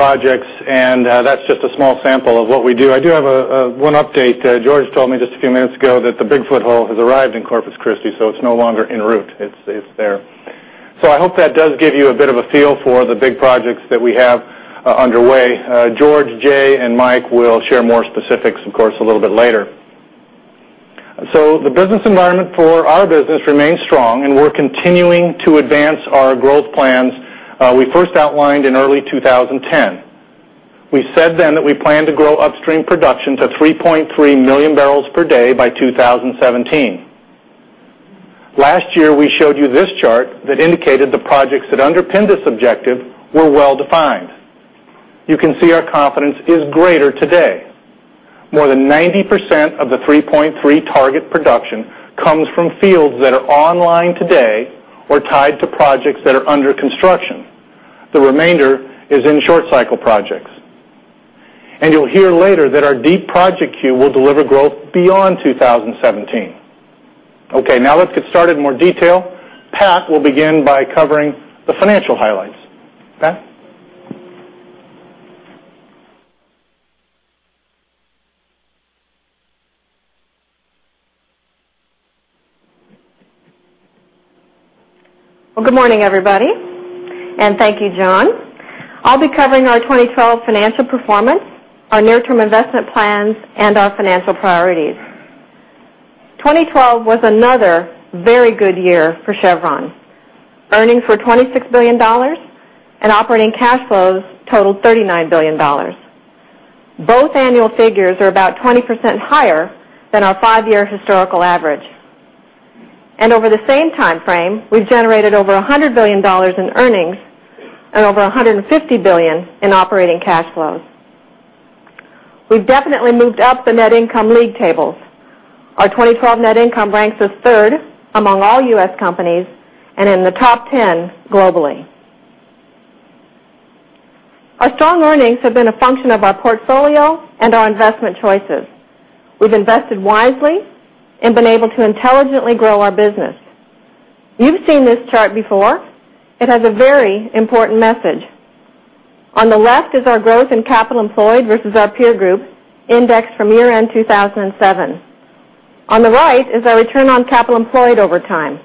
Those are amazing projects, and that's just a small sample of what we do. I do have one update. George told me just a few minutes ago that the Bigfoot hull has arrived in Corpus Christi, it's no longer en route. It's there. I hope that does give you a bit of a feel for the big projects that we have underway. George, Jay, and Mike will share more specifics, of course, a little bit later. The business environment for our business remains strong, and we're continuing to advance our growth plans we first outlined in early 2010. We said then that we plan to grow upstream production to 3.3 million barrels per day by 2017. Last year, we showed you this chart that indicated the projects that underpin this objective were well-defined. You can see our confidence is greater today. More than 90% of the 3.3 target production comes from fields that are online today or tied to projects that are under construction. The remainder is in short-cycle projects. You'll hear later that our deep project queue will deliver growth beyond 2017. Now let's get started in more detail. Pat will begin by covering the financial highlights. Pat? Good morning, everybody, and thank you, John. I'll be covering our 2012 financial performance, our near-term investment plans, and our financial priorities. 2012 was another very good year for Chevron. Earnings were $26 billion, and operating cash flows totaled $39 billion. Both annual figures are about 20% higher than our five-year historical average. Over the same timeframe, we've generated over $100 billion in earnings and over $150 billion in operating cash flows. We've definitely moved up the net income league tables. Our 2012 net income ranks us third among all U.S. companies and in the top 10 globally. Our strong earnings have been a function of our portfolio and our investment choices. We've invested wisely and been able to intelligently grow our business. You've seen this chart before. It has a very important message. On the left is our growth in capital employed versus our peer group, indexed from year-end 2007. On the right is our return on capital employed over time.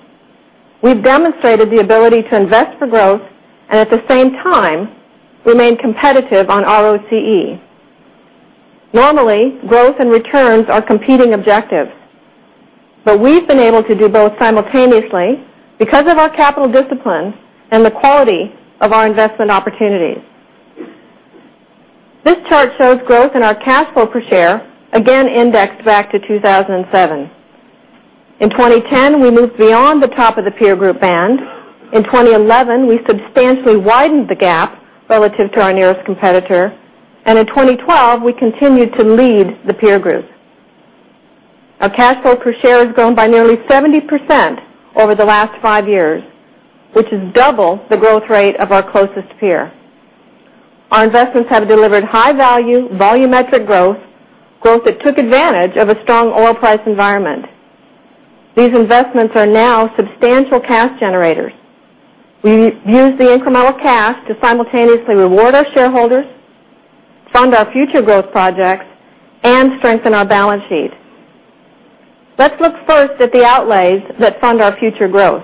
We've demonstrated the ability to invest for growth and at the same time remain competitive on ROCE. Normally, growth and returns are competing objectives. We've been able to do both simultaneously because of our capital discipline and the quality of our investment opportunities. This chart shows growth in our cash flow per share, again indexed back to 2007. In 2010, we moved beyond the top of the peer group band. In 2011, we substantially widened the gap relative to our nearest competitor. In 2012, we continued to lead the peer group. Our cash flow per share has grown by nearly 70% over the last five years, which is double the growth rate of our closest peer. Our investments have delivered high-value volumetric growth that took advantage of a strong oil price environment. These investments are now substantial cash generators. We use the incremental cash to simultaneously reward our shareholders, fund our future growth projects, and strengthen our balance sheet. Let's look first at the outlays that fund our future growth.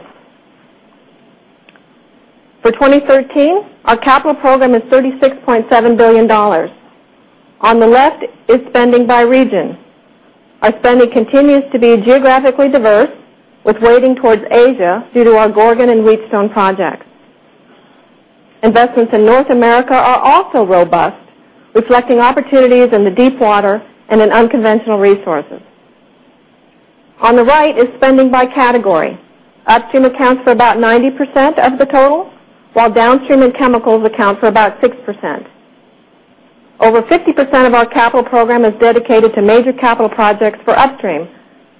For 2013, our capital program is $36.7 billion. On the left is spending by region. Our spending continues to be geographically diverse, with weighting towards Asia due to our Gorgon and Wheatstone projects. Investments in North America are also robust, reflecting opportunities in the deepwater and in unconventional resources. On the right is spending by category. Upstream accounts for about 90% of the total, while downstream and chemicals account for about 6%. Over 50% of our capital program is dedicated to major capital projects for upstream,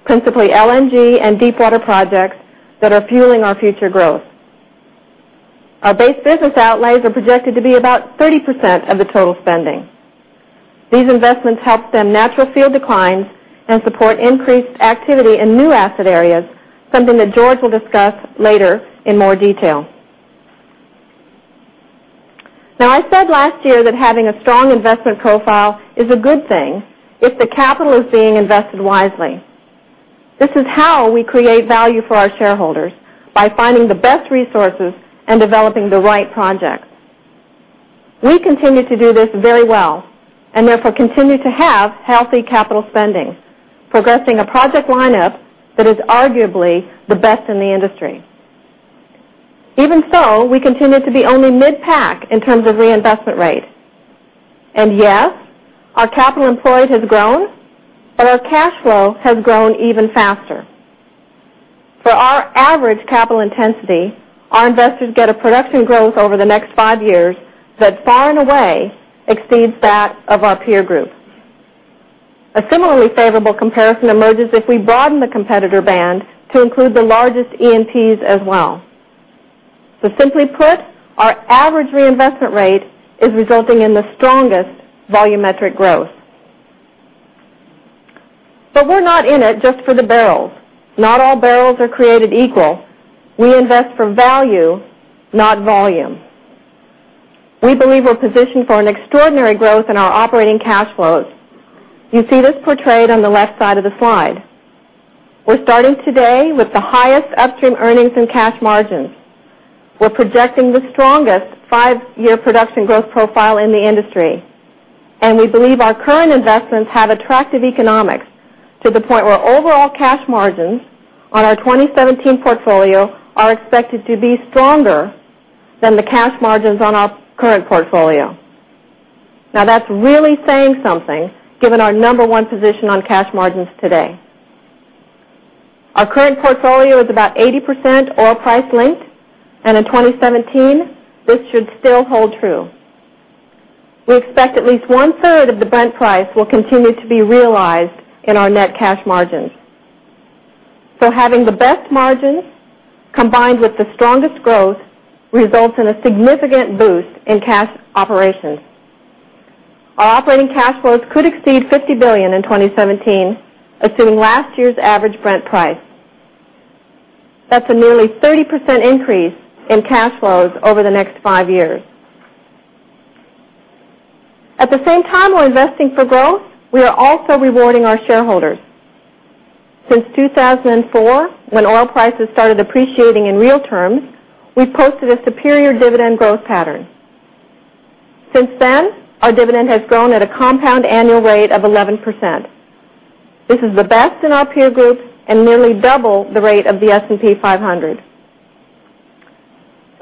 principally LNG and deepwater projects that are fueling our future growth. Our base business outlays are projected to be about 30% of the total spending. These investments help stem natural field declines and support increased activity in new asset areas, something that George will discuss later in more detail. I said last year that having a strong investment profile is a good thing if the capital is being invested wisely. This is how we create value for our shareholders, by finding the best resources and developing the right projects. We continue to do this very well, and therefore continue to have healthy capital spending, progressing a project lineup that is arguably the best in the industry. Even so, we continue to be only mid-pack in terms of reinvestment rate. Yes, our capital employed has grown, but our cash flow has grown even faster. For our average capital intensity, our investors get a production growth over the next five years that far and away exceeds that of our peer group. A similarly favorable comparison emerges if we broaden the competitor band to include the largest E&Ps as well. Simply put, our average reinvestment rate is resulting in the strongest volumetric growth. We're not in it just for the barrels. Not all barrels are created equal. We invest for value, not volume. We believe we're positioned for an extraordinary growth in our operating cash flows. You see this portrayed on the left side of the slide. We're starting today with the highest upstream earnings and cash margins. We're projecting the strongest five-year production growth profile in the industry, and we believe our current investments have attractive economics to the point where overall cash margins on our 2017 portfolio are expected to be stronger than the cash margins on our current portfolio. That's really saying something, given our number one position on cash margins today. Our current portfolio is about 80% oil price linked, and in 2017, this should still hold true. We expect at least one-third of the Brent price will continue to be realized in our net cash margins. Having the best margins combined with the strongest growth results in a significant boost in cash operations. Our operating cash flows could exceed $50 billion in 2017, assuming last year's average Brent price. That's a nearly 30% increase in cash flows over the next five years. At the same time we're investing for growth, we are also rewarding our shareholders. Since 2004, when oil prices started appreciating in real terms, we've posted a superior dividend growth pattern. Since then, our dividend has grown at a compound annual rate of 11%. This is the best in our peer group and nearly double the rate of the S&P 500.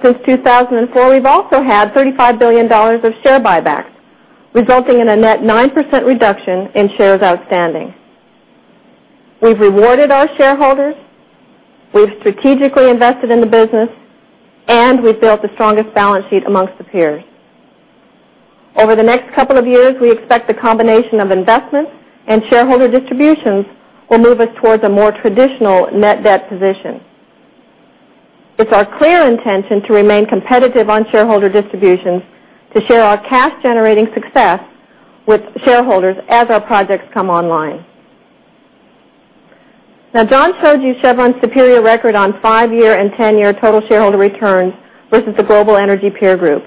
Since 2004, we've also had $35 billion of share buybacks, resulting in a net 9% reduction in shares outstanding. We've rewarded our shareholders, we've strategically invested in the business, and we've built the strongest balance sheet amongst the peers. Over the next couple of years, we expect the combination of investments and shareholder distributions will move us towards a more traditional net debt position. It's our clear intention to remain competitive on shareholder distributions to share our cash-generating success with shareholders as our projects come online. John showed you Chevron's superior record on five-year and ten-year total shareholder returns versus the global energy peer group.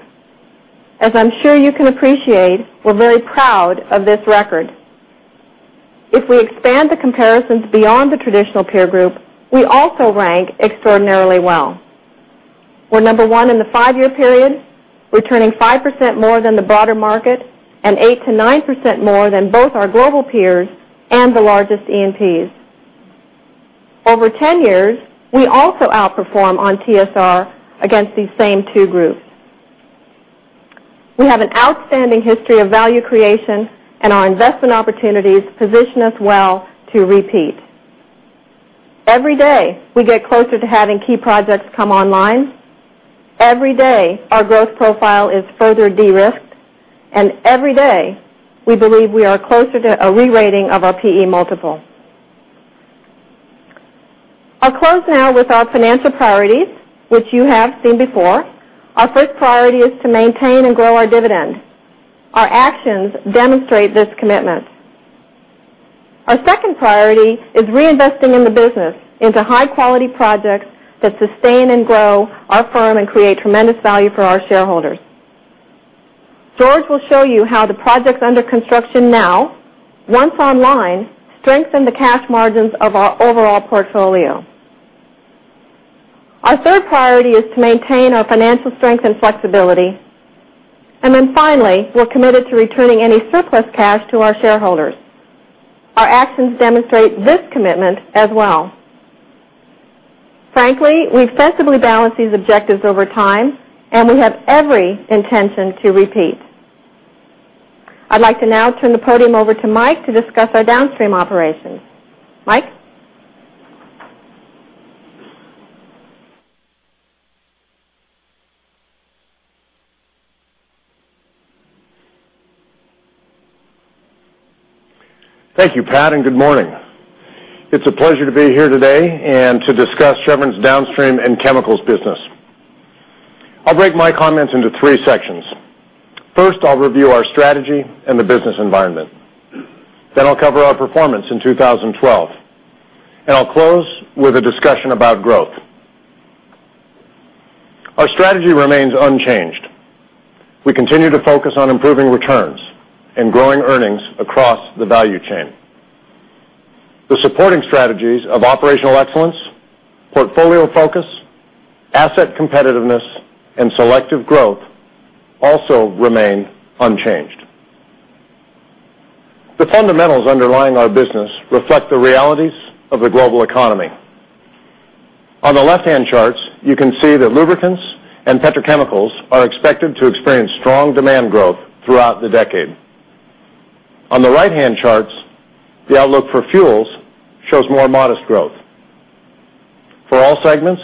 As I'm sure you can appreciate, we're very proud of this record. If we expand the comparisons beyond the traditional peer group, we also rank extraordinarily well. We're number 1 in the five-year period, returning 5% more than the broader market and 8%-9% more than both our global peers and the largest E&Ps. Over 10 years, we also outperform on TSR against these same two groups. We have an outstanding history of value creation, and our investment opportunities position us well to repeat. Every day, we get closer to having key projects come online. Every day, our growth profile is further de-risked, and every day, we believe we are closer to a re-rating of our P/E multiple. I'll close now with our financial priorities, which you have seen before. Our first priority is to maintain and grow our dividend. Our actions demonstrate this commitment. Our second priority is reinvesting in the business into high-quality projects that sustain and grow our firm and create tremendous value for our shareholders. George will show you how the projects under construction now, once online, strengthen the cash margins of our overall portfolio. Our third priority is to maintain our financial strength and flexibility. Finally, we're committed to returning any surplus cash to our shareholders. Our actions demonstrate this commitment as well. Frankly, we've sensibly balanced these objectives over time, and we have every intention to repeat. I'd like to now turn the podium over to Mike to discuss our downstream operations. Mike? Thank you, Pat, and good morning. It's a pleasure to be here today and to discuss Chevron's downstream and chemicals business. I'll break my comments into three sections. First, I'll review our strategy and the business environment. I'll cover our performance in 2012, and I'll close with a discussion about growth. Our strategy remains unchanged. We continue to focus on improving returns and growing earnings across the value chain. The supporting strategies of operational excellence, portfolio focus, asset competitiveness, and selective growth also remain unchanged. The fundamentals underlying our business reflect the realities of the global economy. On the left-hand charts, you can see that lubricants and petrochemicals are expected to experience strong demand growth throughout the decade. On the right-hand charts, the outlook for fuels shows more modest growth. For all segments,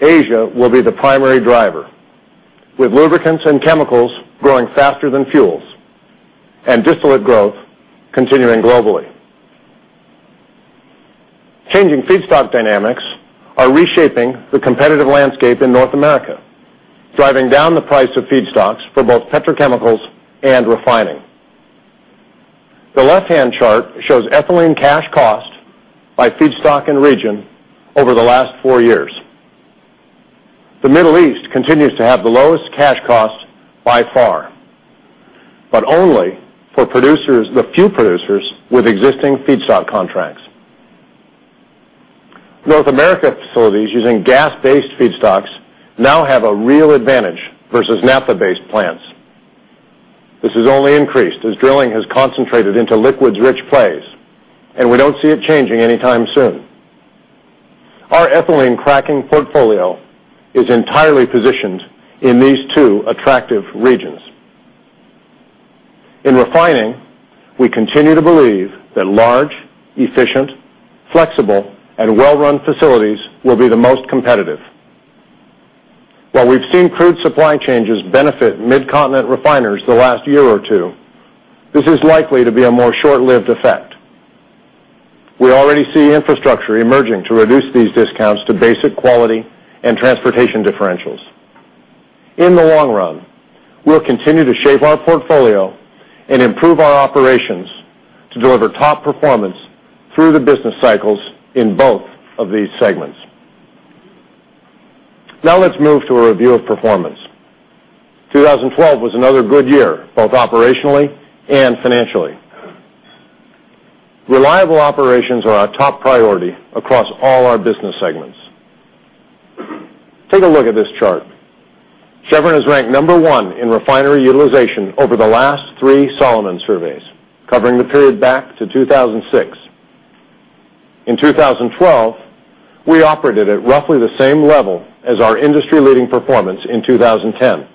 Asia will be the primary driver, with lubricants and chemicals growing faster than fuels and distillate growth continuing globally. Changing feedstock dynamics are reshaping the competitive landscape in North America, driving down the price of feedstocks for both petrochemicals and refining. The left-hand chart shows ethylene cash cost by feedstock and region over the last four years. The Middle East continues to have the lowest cash costs by far, but only for the few producers with existing feedstock contracts. North America facilities using gas-based feedstocks now have a real advantage versus Naphtha-based plants. This has only increased as drilling has concentrated into liquids-rich plays, and we don't see it changing anytime soon. Our ethylene cracking portfolio is entirely positioned in these two attractive regions. In refining, we continue to believe that large, efficient, flexible, and well-run facilities will be the most competitive. While we've seen crude supply changes benefit mid-continent refiners the last year or two, this is likely to be a more short-lived effect. We already see infrastructure emerging to reduce these discounts to basic quality and transportation differentials. In the long run, we'll continue to shape our portfolio and improve our operations to deliver top performance through the business cycles in both of these segments. Let's move to a review of performance. 2012 was another good year, both operationally and financially. Reliable operations are our top priority across all our business segments. Take a look at this chart. Chevron is ranked number one in refinery utilization over the last three Solomon surveys, covering the period back to 2006. In 2012, we operated at roughly the same level as our industry-leading performance in 2010.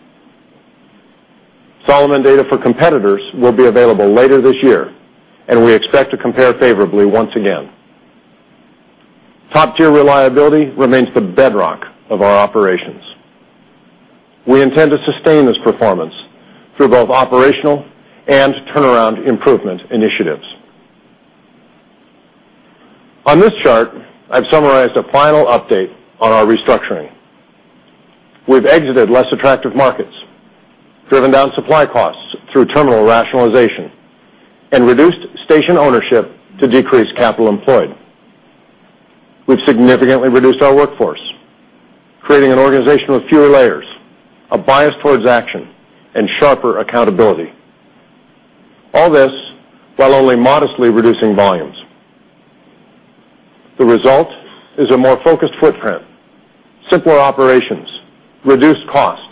Solomon data for competitors will be available later this year. We expect to compare favorably once again. Top-tier reliability remains the bedrock of our operations. We intend to sustain this performance through both operational and turnaround improvement initiatives. On this chart, I've summarized a final update on our restructuring. We've exited less attractive markets, driven down supply costs through terminal rationalization, and reduced station ownership to decrease capital employed. We've significantly reduced our workforce, creating an organization with fewer layers, a bias towards action, and sharper accountability. All this while only modestly reducing volumes. The result is a more focused footprint, simpler operations, reduced costs,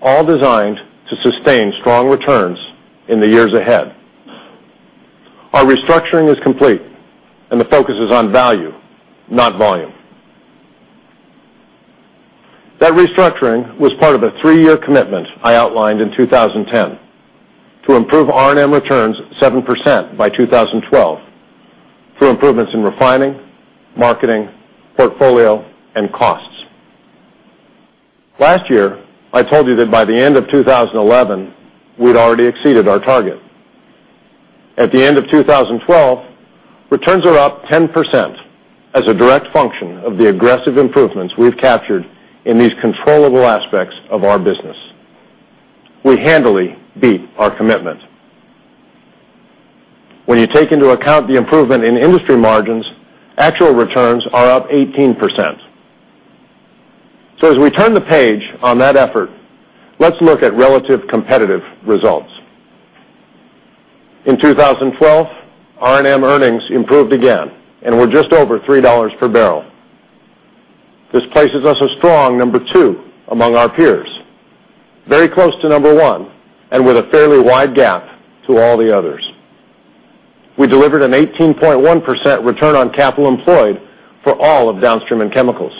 all designed to sustain strong returns in the years ahead. Our restructuring is complete and the focus is on value, not volume. That restructuring was part of a three-year commitment I outlined in 2010 to improve R&M returns 7% by 2012 through improvements in refining, marketing, portfolio, and costs. Last year, I told you that by the end of 2011, we'd already exceeded our target. At the end of 2012, returns are up 10% as a direct function of the aggressive improvements we've captured in these controllable aspects of our business. We handily beat our commitment. When you take into account the improvement in industry margins, actual returns are up 18%. As we turn the page on that effort, let's look at relative competitive results. In 2012, R&M earnings improved again and were just over $3 per barrel. This places us a strong number two among our peers, very close to number one, and with a fairly wide gap to all the others. We delivered an 18.1% return on capital employed for all of downstream and chemicals,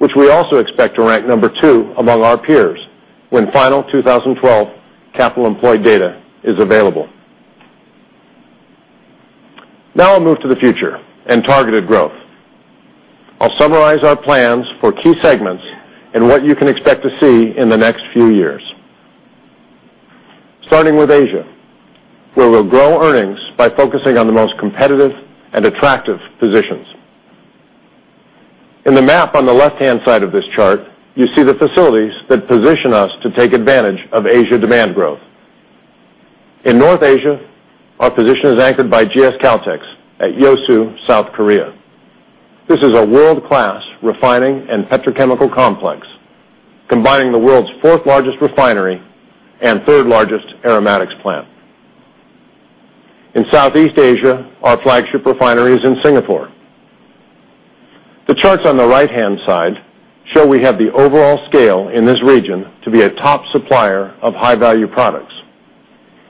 which we also expect to rank number 2 among our peers when final 2012 capital employed data is available. I'll move to the future and targeted growth. I'll summarize our plans for key segments and what you can expect to see in the next few years. Starting with Asia, where we'll grow earnings by focusing on the most competitive and attractive positions. In the map on the left-hand side of this chart, you see the facilities that position us to take advantage of Asia demand growth. In North Asia, our position is anchored by GS Caltex at Yeosu, South Korea. This is a world-class refining and petrochemical complex, combining the world's fourth-largest refinery and third-largest aromatics plant. In Southeast Asia, our flagship refinery is in Singapore. The charts on the right-hand side show we have the overall scale in this region to be a top supplier of high-value products.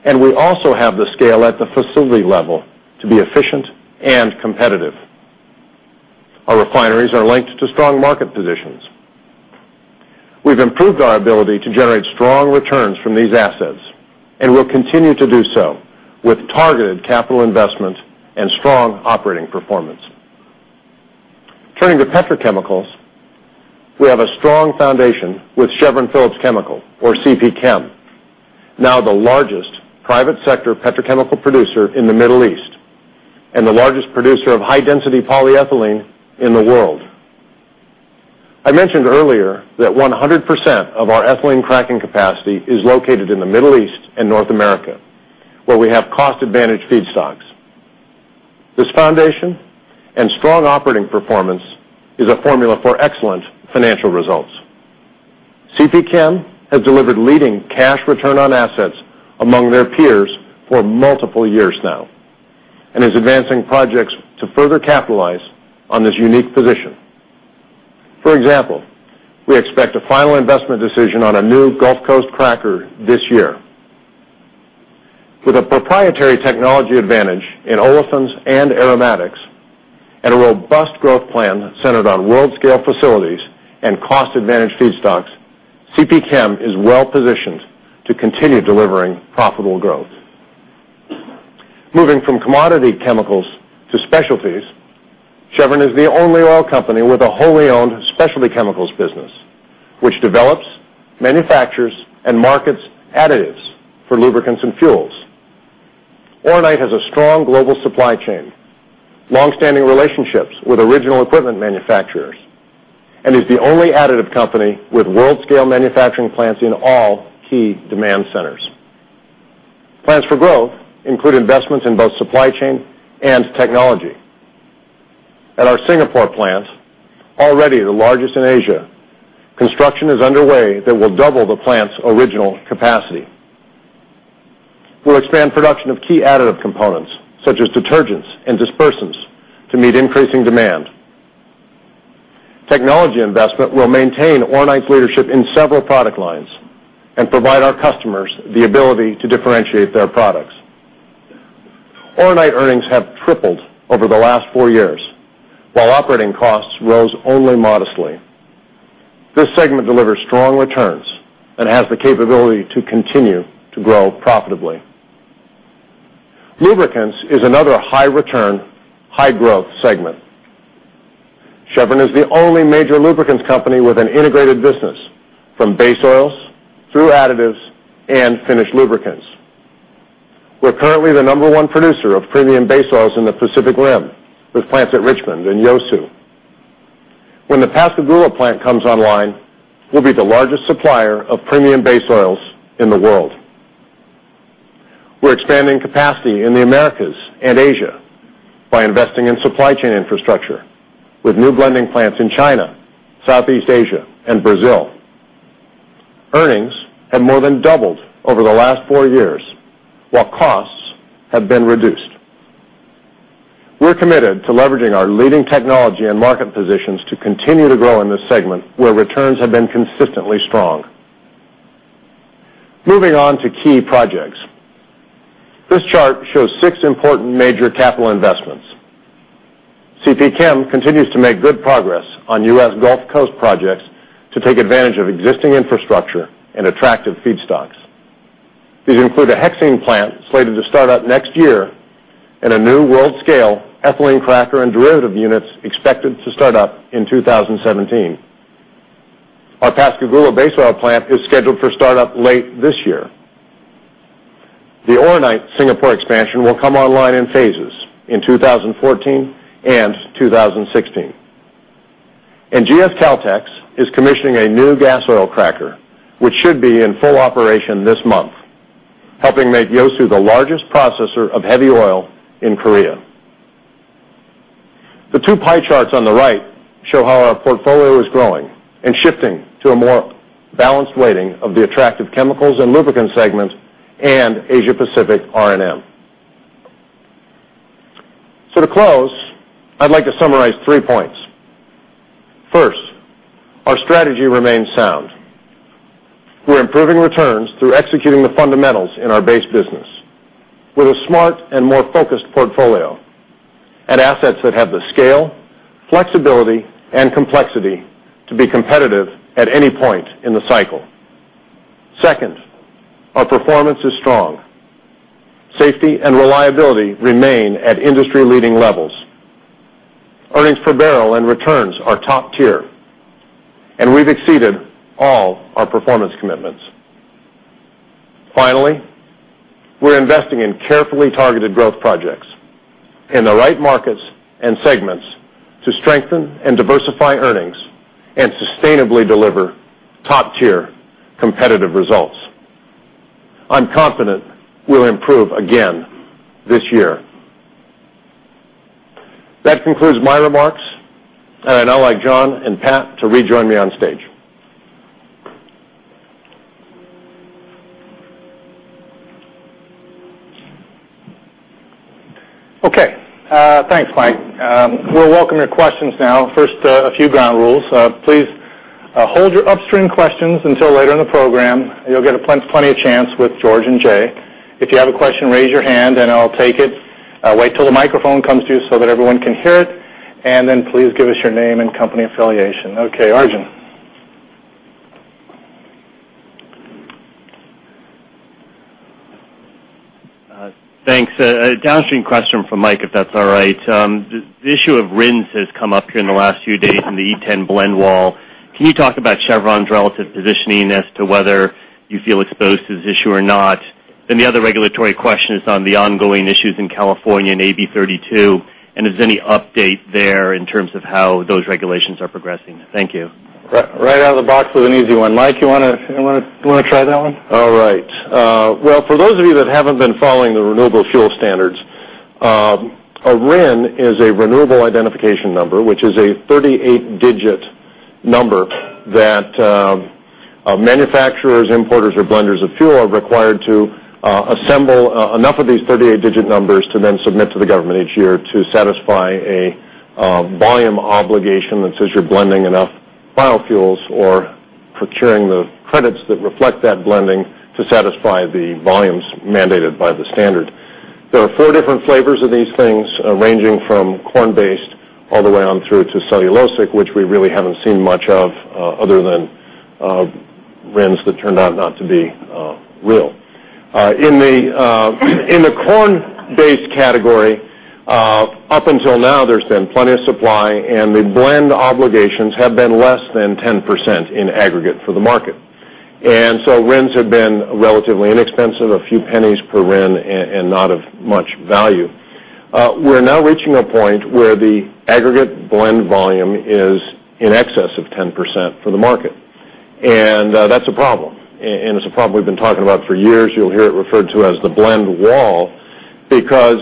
We also have the scale at the facility level to be efficient and competitive. Our refineries are linked to strong market positions. We've improved our ability to generate strong returns from these assets and will continue to do so with targeted capital investment and strong operating performance. Turning to petrochemicals, we have a strong foundation with Chevron Phillips Chemical, or CP Chem, now the largest private sector petrochemical producer in the Middle East and the largest producer of high-density polyethylene in the world. I mentioned earlier that 100% of our ethylene cracking capacity is located in the Middle East and North America, where we have cost-advantaged feedstocks. This foundation and strong operating performance is a formula for excellent financial results. CP Chem has delivered leading cash return on assets among their peers for multiple years now and is advancing projects to further capitalize on this unique position. For example, we expect a final investment decision on a new Gulf Coast cracker this year. With a proprietary technology advantage in olefins and aromatics and a robust growth plan centered on world-scale facilities and cost-advantaged feedstocks, CP Chem is well-positioned to continue delivering profitable growth. Moving from commodity chemicals to specialties, Chevron is the only oil company with a wholly-owned specialty chemicals business, which develops, manufactures, and markets additives for lubricants and fuels. Oronite has a strong global supply chain, long-standing relationships with original equipment manufacturers, and is the only additive company with world-scale manufacturing plants in all key demand centers. Plans for growth include investments in both supply chain and technology. At our Singapore plant, already the largest in Asia, construction is underway that will double the plant's original capacity. We'll expand production of key additive components, such as detergents and dispersants to meet increasing demand. Technology investment will maintain Oronite's leadership in several product lines and provide our customers the ability to differentiate their products. Oronite earnings have tripled over the last four years while operating costs rose only modestly. This segment delivers strong returns and has the capability to continue to grow profitably. Lubricants is another high-return, high-growth segment. Chevron is the only major lubricants company with an integrated business, from base oils through additives and finished lubricants. We're currently the number 1 producer of premium base oils in the Pacific Rim, with plants at Richmond and Yeosu. When the Pascagoula plant comes online, we'll be the largest supplier of premium base oils in the world. We're expanding capacity in the Americas and Asia by investing in supply chain infrastructure with new blending plants in China, Southeast Asia, and Brazil. Earnings have more than doubled over the last four years while costs have been reduced. We're committed to leveraging our leading technology and market positions to continue to grow in this segment where returns have been consistently strong. Key projects. This chart shows six important major capital investments. CP Chem continues to make good progress on U.S. Gulf Coast projects to take advantage of existing infrastructure and attractive feedstocks. These include a 1-hexene plant slated to start up next year and a new world-scale ethylene cracker and derivative units expected to start up in 2017. Our Pascagoula base oil plant is scheduled for startup late this year. The Oronite Singapore expansion will come online in phases in 2014 and 2016. GS Caltex is commissioning a new gasoil cracker, which should be in full operation this month, helping make Yeosu the largest processor of heavy oil in Korea. The two pie charts on the right show how our portfolio is growing and shifting to a more balanced weighting of the attractive chemicals and lubricants segments and Asia Pacific R&M. To close, I'd like to summarize three points. First, our strategy remains sound. We're improving returns through executing the fundamentals in our base business with a smart and more focused portfolio and assets that have the scale, flexibility, and complexity to be competitive at any point in the cycle. Second, our performance is strong. Safety and reliability remain at industry-leading levels. Earnings per barrel and returns are top tier, and we've exceeded all our performance commitments. Finally, we're investing in carefully targeted growth projects in the right markets and segments to strengthen and diversify earnings and sustainably deliver top-tier competitive results. I'm confident we'll improve again this year. That concludes my remarks, and I'd now like John and Pat to rejoin me on stage. Okay. Thanks, Mike. We'll welcome your questions now. First, a few ground rules. Please hold your upstream questions until later in the program. You'll get plenty of chance with George and Jay. If you have a question, raise your hand, and I'll take it. Wait till the microphone comes to you so that everyone can hear it, please give us your name and company affiliation. Okay, Arjun Thanks. A downstream question from Mike, if that's all right. The issue of RINs has come up here in the last few days in the E10 blend wall. Can you talk about Chevron's relative positioning as to whether you feel exposed to this issue or not? The other regulatory question is on the ongoing issues in California and AB 32, and is there any update there in terms of how those regulations are progressing? Thank you. Right out of the box with an easy one. Mike, you want to try that one? All right. Well, for those of you that haven't been following the Renewable Fuel Standard, a RIN is a Renewable Identification Number, which is a 38-digit number that manufacturers, importers, or blenders of fuel are required to assemble enough of these 38-digit numbers to submit to the government each year to satisfy a volume obligation that says you're blending enough biofuels or procuring the credits that reflect that blending to satisfy the volumes mandated by the standard. There are four different flavors of these things, ranging from corn-based all the way on through to cellulosic, which we really haven't seen much of other than RINs that turned out not to be real. In the corn-based category, up until now, there's been plenty of supply, and the blend obligations have been less than 10% in aggregate for the market. RINs have been relatively inexpensive, a few pennies per RIN and not of much value. We're now reaching a point where the aggregate blend volume is in excess of 10% for the market, and that's a problem, and it's a problem we've been talking about for years. You'll hear it referred to as the blend wall because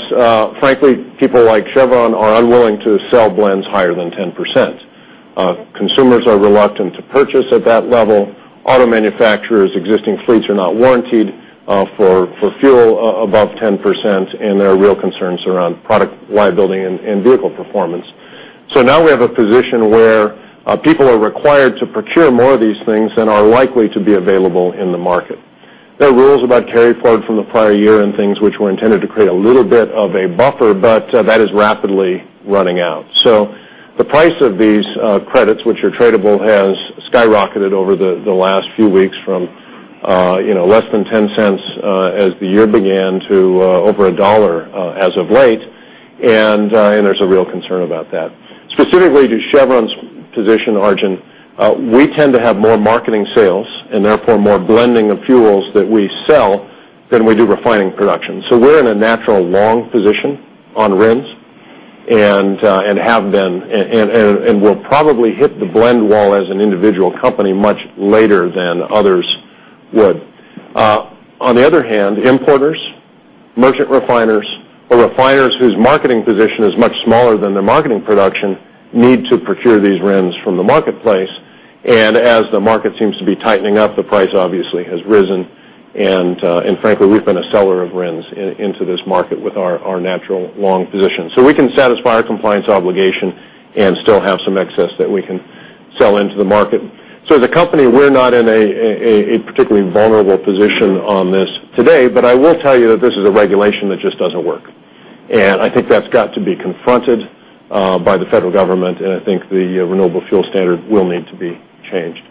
frankly, people like Chevron are unwilling to sell blends higher than 10%. Consumers are reluctant to purchase at that level. Auto manufacturers' existing fleets are not warrantied for fuel above 10%, and there are real concerns around product liability and vehicle performance. Now we have a position where people are required to procure more of these things than are likely to be available in the market. There are rules about carryforward from the prior year and things which were intended to create a little bit of a buffer, but that is rapidly running out. The price of these credits, which are tradable, has skyrocketed over the last few weeks from less than $0.10 as the year began to over $1 as of late, and there's a real concern about that. Specifically to Chevron's position, Arjun, we tend to have more marketing sales and therefore more blending of fuels that we sell than we do refining production. We're in a natural long position on RINs and have been, and we'll probably hit the blend wall as an individual company much later than others would. On the other hand, importers, merchant refiners, or refiners whose marketing position is much smaller than their marketing production need to procure these RINs from the marketplace, and as the market seems to be tightening up, the price obviously has risen, and frankly, we've been a seller of RINs into this market with our natural long position. We can satisfy our compliance obligation and still have some excess that we can sell into the market. As a company, we're not in a particularly vulnerable position on this today, but I will tell you that this is a regulation that just doesn't work. I think that's got to be confronted by the federal government, and I think the Renewable Fuel Standard will need to be changed.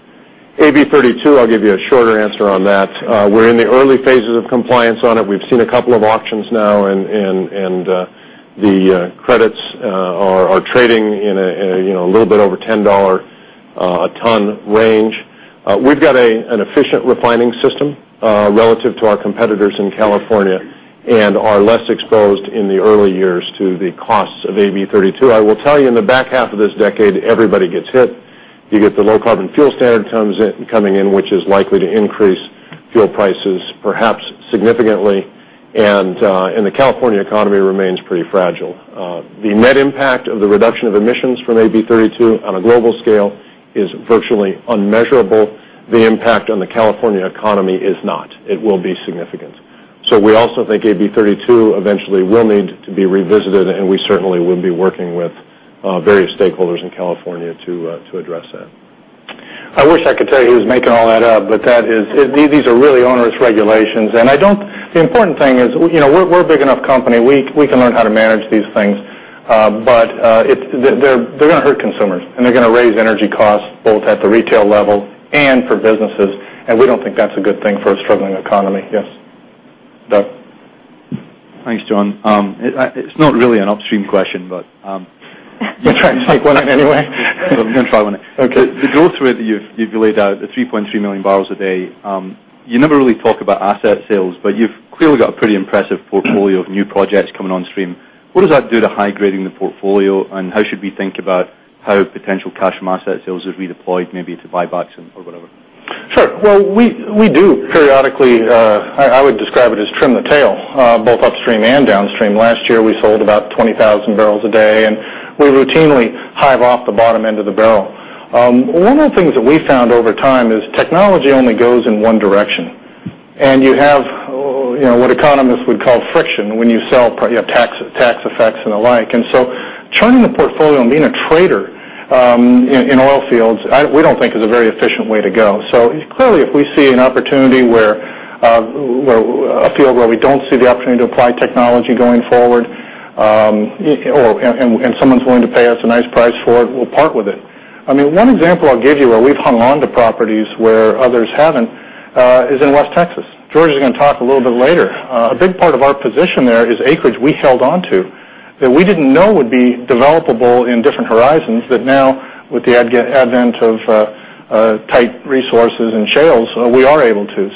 AB 32, I'll give you a shorter answer on that. We're in the early phases of compliance on it. We've seen a couple of auctions now, the credits are trading in a little bit over $10 a ton range. We've got an efficient refining system relative to our competitors in California and are less exposed in the early years to the costs of AB 32. I will tell you, in the back half of this decade, everybody gets hit. You get the Low Carbon Fuel Standard coming in, which is likely to increase fuel prices perhaps significantly, and the California economy remains pretty fragile. The net impact of the reduction of emissions from AB 32 on a global scale is virtually unmeasurable. The impact on the California economy is not. It will be significant. We also think AB 32 eventually will need to be revisited, and we certainly will be working with various stakeholders in California to address that. I wish I could tell you he was making all that up, but these are really onerous regulations. The important thing is we're a big enough company. We can learn how to manage these things, but they're going to hurt consumers, they're going to raise energy costs both at the retail level and for businesses, we don't think that's a good thing for a struggling economy. Yes. Doug? Thanks, John. It's not really an upstream question. We'll try and take one anyway. I'm going to try one. Okay. The growth rate that you've laid out, the 3.3 million barrels a day, you never really talk about asset sales, but you've clearly got a pretty impressive portfolio of new projects coming on stream. What does that do to high-grading the portfolio, and how should we think about how potential cash from asset sales is redeployed, maybe to buybacks or whatever? Well, we do periodically, I would describe it as trim the tail, both upstream and downstream. Last year, we sold about 20,000 barrels a day, and we routinely hive off the bottom end of the barrel. One of the things that we found over time is technology only goes in one direction, and you have what economists would call friction when you sell, tax effects and the like. Churning the portfolio and being a trader in oil fields, we don't think is a very efficient way to go. Clearly, if we see an opportunity where a field where we don't see the opportunity to apply technology going forward Someone's willing to pay us a nice price for it, we'll part with it. One example I'll give you where we've hung on to properties where others haven't is in West Texas. George is going to talk a little bit later. A big part of our position there is acreage we held onto that we didn't know would be developable in different horizons, that now, with the advent of tight resources and shales, we are able to.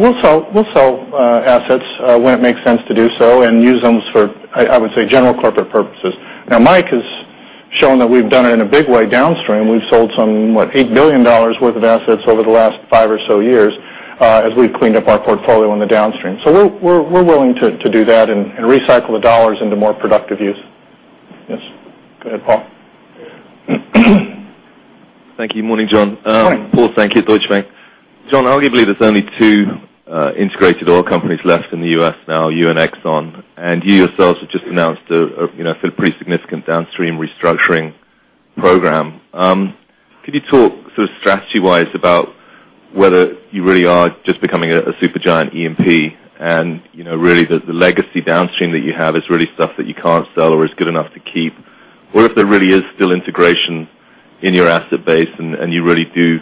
We'll sell assets when it makes sense to do so and use them for, I would say, general corporate purposes. Mike has shown that we've done it in a big way downstream. We've sold some, what, $8 billion worth of assets over the last five or so years as we've cleaned up our portfolio on the downstream. We're willing to do that and recycle the dollars into more productive use. Yes. Go ahead, Paul. Thank you. Morning, John. Morning. Paul Sankey, Deutsche Bank. John, arguably, there's only two integrated oil companies left in the U.S. now, you and Exxon, you yourselves have just announced a pretty significant downstream restructuring program. Could you talk sort of strategy-wise about whether you really are just becoming a super giant E&P and really the legacy downstream that you have is really stuff that you can't sell or is good enough to keep? If there really is still integration in your asset base, and you really do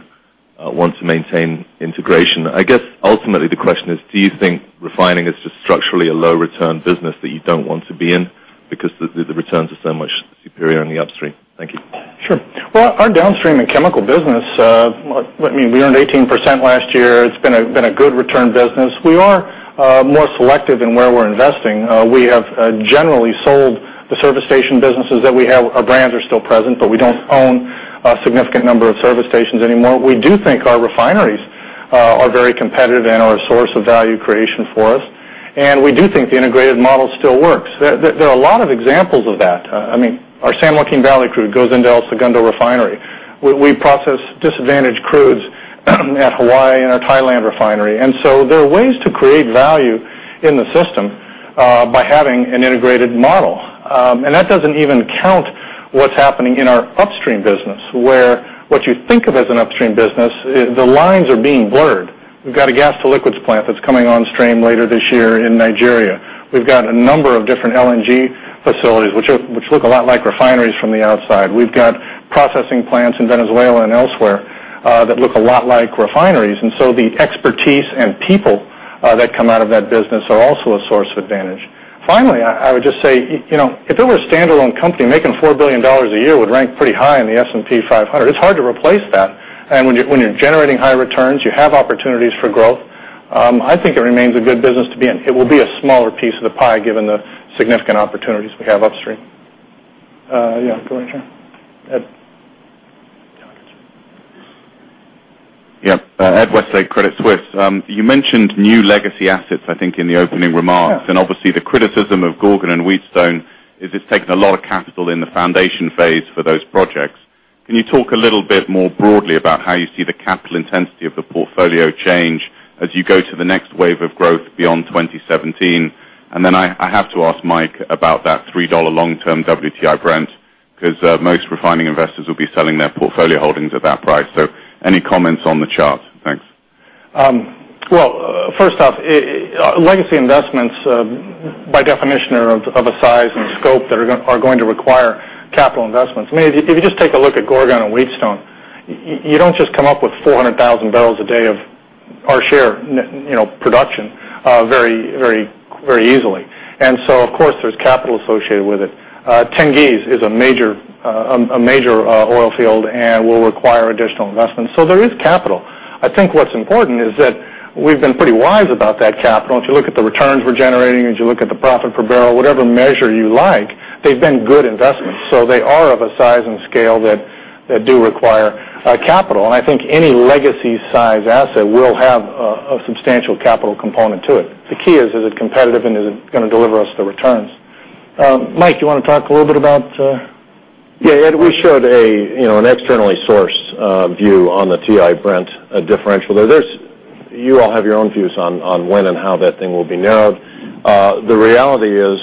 want to maintain integration. I guess ultimately the question is: do you think refining is just structurally a low return business that you don't want to be in because the returns are so much superior in the upstream? Thank you. Sure. Well, our downstream and chemical business, we earned 18% last year. It's been a good return business. We are more selective in where we're investing. We have generally sold the service station businesses that we have. Our brands are still present, but we don't own a significant number of service stations anymore. We do think our refineries are very competitive and are a source of value creation for us, and we do think the integrated model still works. There are a lot of examples of that. Our San Joaquin Valley crew goes into El Segundo Refinery. We process disadvantaged crudes at Hawaii and our Thailand refinery. So there are ways to create value in the system by having an integrated model. That doesn't even count what's happening in our upstream business, where what you think of as an upstream business, the lines are being blurred. We've got a gas to liquids plant that's coming on stream later this year in Nigeria. We've got a number of different LNG facilities, which look a lot like refineries from the outside. We've got processing plants in Venezuela and elsewhere that look a lot like refineries, so the expertise and people that come out of that business are also a source of advantage. Finally, I would just say, if it were a standalone company, making $4 billion a year would rank pretty high in the S&P 500. It's hard to replace that. When you're generating high returns, you have opportunities for growth. I think it remains a good business to be in. It will be a smaller piece of the pie given the significant opportunities we have upstream. Yeah. Go ahead, sure. Ed. Yeah. Ed Westlake, Credit Suisse. You mentioned new legacy assets, I think, in the opening remarks. Yeah. Obviously the criticism of Gorgon and Wheatstone is it's taken a lot of capital in the foundation phase for those projects. Can you talk a little bit more broadly about how you see the capital intensity of the portfolio change as you go to the next wave of growth beyond 2017? I have to ask Mike about that $3 long-term WTI Brent, because most refining investors will be selling their portfolio holdings at that price. Any comments on the chart? Thanks. Well, first off, legacy investments by definition are of a size and scope that are going to require capital investments. If you just take a look at Gorgon and Wheatstone, you don't just come up with 400,000 barrels a day of our share production very easily. Of course, there's capital associated with it. Tengiz is a major oil field and will require additional investment. There is capital. I think what's important is that we've been pretty wise about that capital. If you look at the returns we're generating, as you look at the profit per barrel, whatever measure you like, they've been good investments. They are of a size and scale that do require capital. I think any legacy size asset will have a substantial capital component to it. The key is it competitive and is it going to deliver us the returns? Mike, you want to talk a little bit about. Yeah, Ed, we showed an externally sourced view on the WTI-Brent differential, though you all have your own views on when and how that thing will be narrowed. The reality is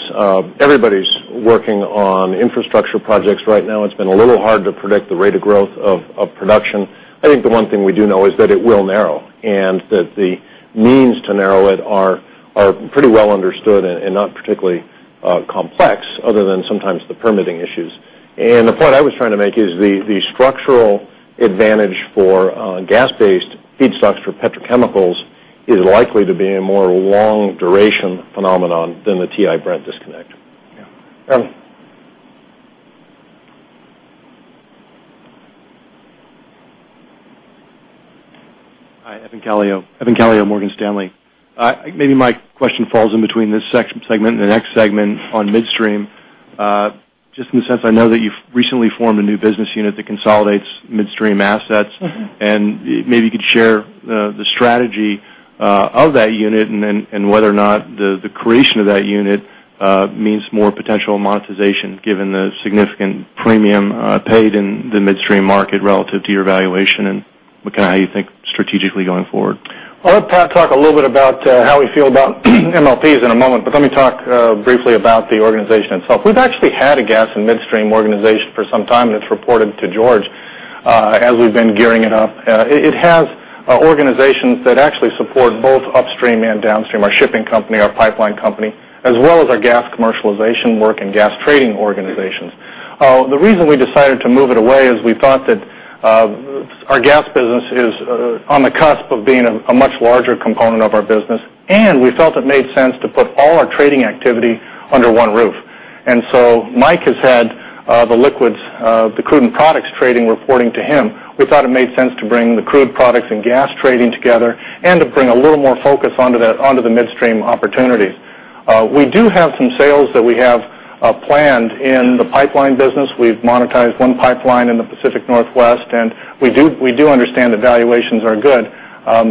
everybody's working on infrastructure projects right now. It's been a little hard to predict the rate of growth of production. I think the one thing we do know is that it will narrow, and that the means to narrow it are pretty well understood and not particularly complex other than sometimes the permitting issues. The point I was trying to make is the structural advantage for gas-based feedstocks for petrochemicals is likely to be a more long-duration phenomenon than the WTI-Brent disconnect. Yeah. Evan. Hi, Evan Calio of Morgan Stanley. Maybe my question falls in between this segment and the next segment on midstream, just in the sense I know that you've recently formed a new business unit that consolidates midstream assets. Maybe you could share the strategy of that unit and whether or not the creation of that unit means more potential monetization given the significant premium paid in the midstream market relative to your valuation, and how you think strategically going forward. I'll let Pat talk a little bit about how we feel about MLPs in a moment, but let me talk briefly about the organization itself. We've actually had a gas and midstream organization for some time that's reported to George as we've been gearing it up. It has organizations that actually support both upstream and downstream, our shipping company, our pipeline company, as well as our gas commercialization work and gas trading organizations. The reason we decided to move it away is we thought that our gas business is on the cusp of being a much larger component of our business, and we felt it made sense to put all our trading activity under one roof. Mike has had the liquids, the crude and products trading reporting to him. We thought it made sense to bring the crude products and gas trading together, and to bring a little more focus onto the midstream opportunities. We do have some sales that we have planned in the pipeline business. We've monetized one pipeline in the Pacific Northwest, and we do understand the valuations are good.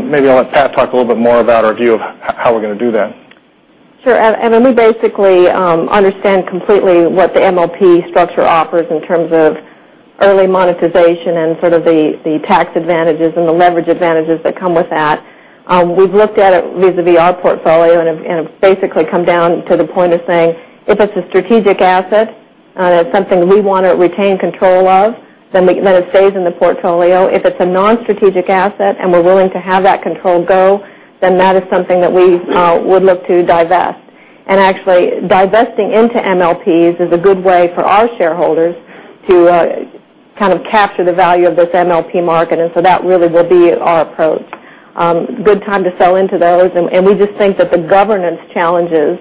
Maybe I'll let Pat talk a little bit more about our view of how we're going to do that. Sure. We basically understand completely what the MLP structure offers in terms of early monetization and sort of the tax advantages and the leverage advantages that come with that. We've looked at it vis-à-vis our portfolio, and have basically come down to the point of saying, if it's a strategic asset and it's something we want to retain control of, then it stays in the portfolio. If it's a non-strategic asset and we're willing to have that control go, then that is something that we would look to divest. Actually, divesting into MLPs is a good way for our shareholders to kind of capture the value of this MLP market, so that really will be our approach. Good time to sell into those. We just think that the governance challenges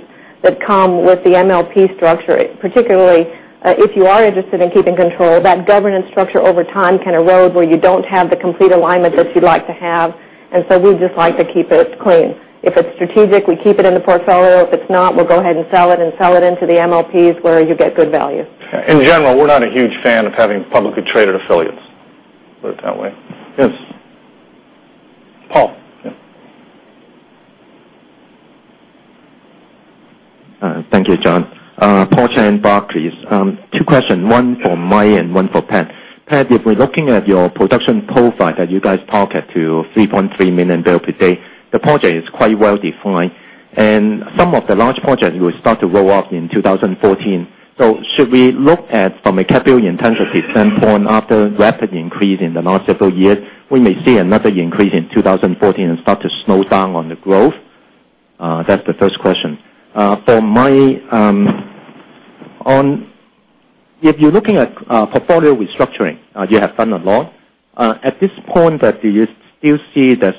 that come with the MLP structure, particularly if you are interested in keeping control, that governance structure over time can erode where you don't have the complete alignment that you'd like to have, so we'd just like to keep it clean. If it's strategic, we keep it in the portfolio. If it's not, we'll go ahead and sell it, and sell it into the MLPs where you get good value. In general, we're not a huge fan of having publicly traded affiliates. Put it that way. Yes. Paul. Yeah. Thank you, John. Paul Cheng, Barclays. Two question, one for Mike and one for Pat. Pat, if we're looking at your production profile that you guys target to 3.3 million barrels per day, the project is quite well-defined, and some of the large projects will start to roll off in 2014. Should we look at from a capital intensity standpoint, after rapid increase in the last several years, we may see another increase in 2014 and start to slow down on the growth? That's the first question. For Mike, if you're looking at portfolio restructuring, you have done a lot. At this point that you still see there's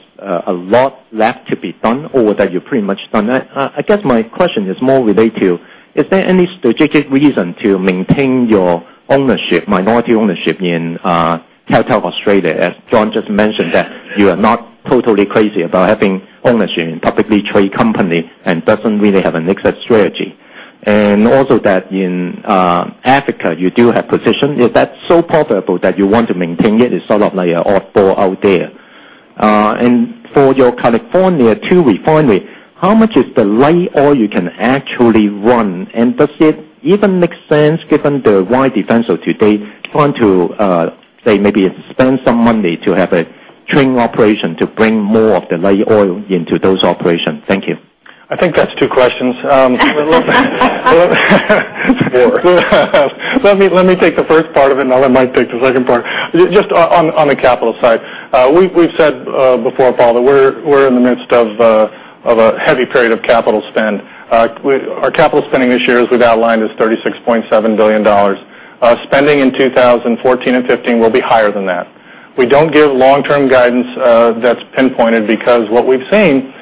a lot left to be done, or that you're pretty much done. I guess my question is more related to, is there any strategic reason to maintain your minority ownership in Caltex Australia, as John just mentioned that you are not totally crazy about having ownership in publicly traded company and doesn't really have an exit strategy? Also that in Africa you do have position. Is that so profitable that you want to maintain it? It's sort of like an oddball out there. For your California two refinery, how much is the light oil you can actually run? Does it even make sense given the wide difference of today plan to say maybe spend some money to have a cracking operation to bring more of the light oil into those operations? Thank you. I think that's two questions. It's four. Let me take the first part of it, and I'll let Mike take the second part. Just on the capital side. We've said before, Paul, that we're in the midst of a heavy period of capital spend. Our capital spending this year, as we've outlined, is $36.7 billion. Spending in 2014 and 2015 will be higher than that. We don't give long-term guidance that's pinpointed because what we've seen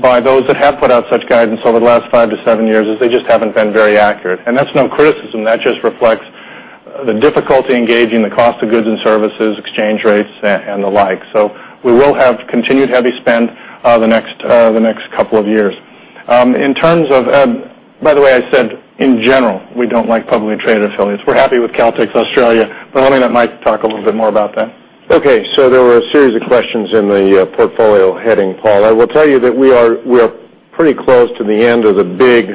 by those that have put out such guidance over the last five to seven years is they just haven't been very accurate. That's no criticism. That just reflects the difficulty gauging the cost of goods and services, exchange rates, and the like. We will have continued heavy spend the next couple of years. By the way, I said, in general, we don't like publicly traded affiliates. We're happy with Caltex Australia, but I'll let Mike talk a little bit more about that. Okay. There were a series of questions in the portfolio heading, Paul. I will tell you that we are pretty close to the end of the big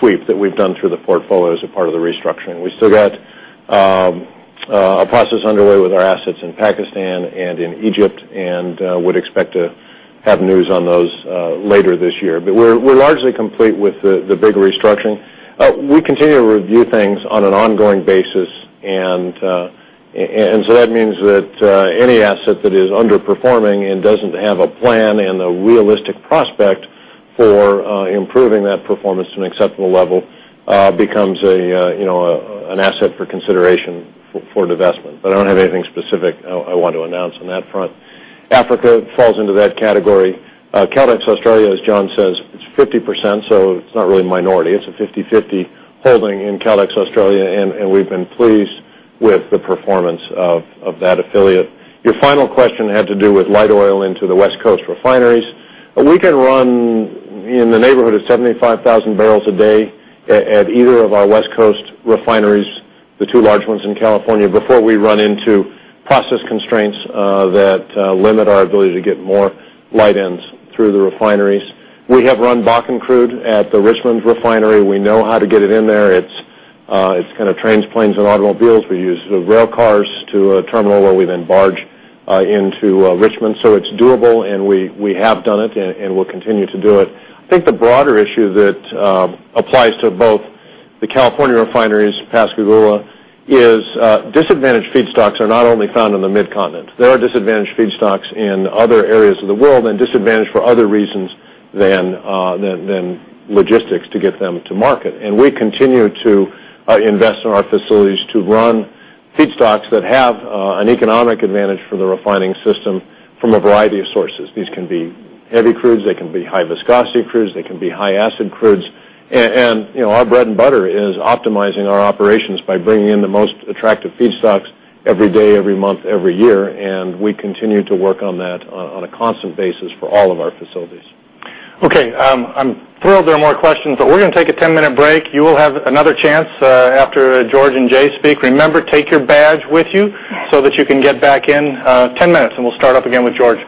sweep that we've done through the portfolio as a part of the restructuring. We've still got a process underway with our assets in Pakistan and in Egypt, and would expect to have news on those later this year. We're largely complete with the bigger restructuring. We continue to review things on an ongoing basis, that means that any asset that is underperforming and doesn't have a plan and a realistic prospect for improving that performance to an acceptable level becomes an asset for consideration for divestment. I don't have anything specific I want to announce on that front. Africa falls into that category. Caltex Australia, as John says, it's 50%, it's not really minority. It's a 50/50 holding in Caltex Australia, we've been pleased with the performance of that affiliate. Your final question had to do with light oil into the West Coast refineries. We can run in the neighborhood of 75,000 barrels a day at either of our West Coast refineries, the two large ones in California, before we run into process constraints that limit our ability to get more light ends through the refineries. We have run Bakken crude at the Richmond refinery. We know how to get it in there. It's kind of trains, planes, and automobiles. We use rail cars to a terminal where we then barge into Richmond. It's doable, we have done it and will continue to do it. I think the broader issue that applies to both the California refineries, Pascagoula, is disadvantaged feedstocks are not only found in the mid-continent. There are disadvantaged feedstocks in other areas of the world and disadvantaged for other reasons than logistics to get them to market. We continue to invest in our facilities to run feedstocks that have an economic advantage for the refining system from a variety of sources. These can be heavy crudes, they can be high viscosity crudes, they can be high acid crudes. Our bread and butter is optimizing our operations by bringing in the most attractive feedstocks every day, every month, every year, we continue to work on that on a constant basis for all of our facilities. Okay. I'm thrilled there are more questions, we're going to take a 10-minute break. You will have another chance after George and Jay speak. Remember, take your badge with you so that you can get back in 10 minutes, we'll start up again with George.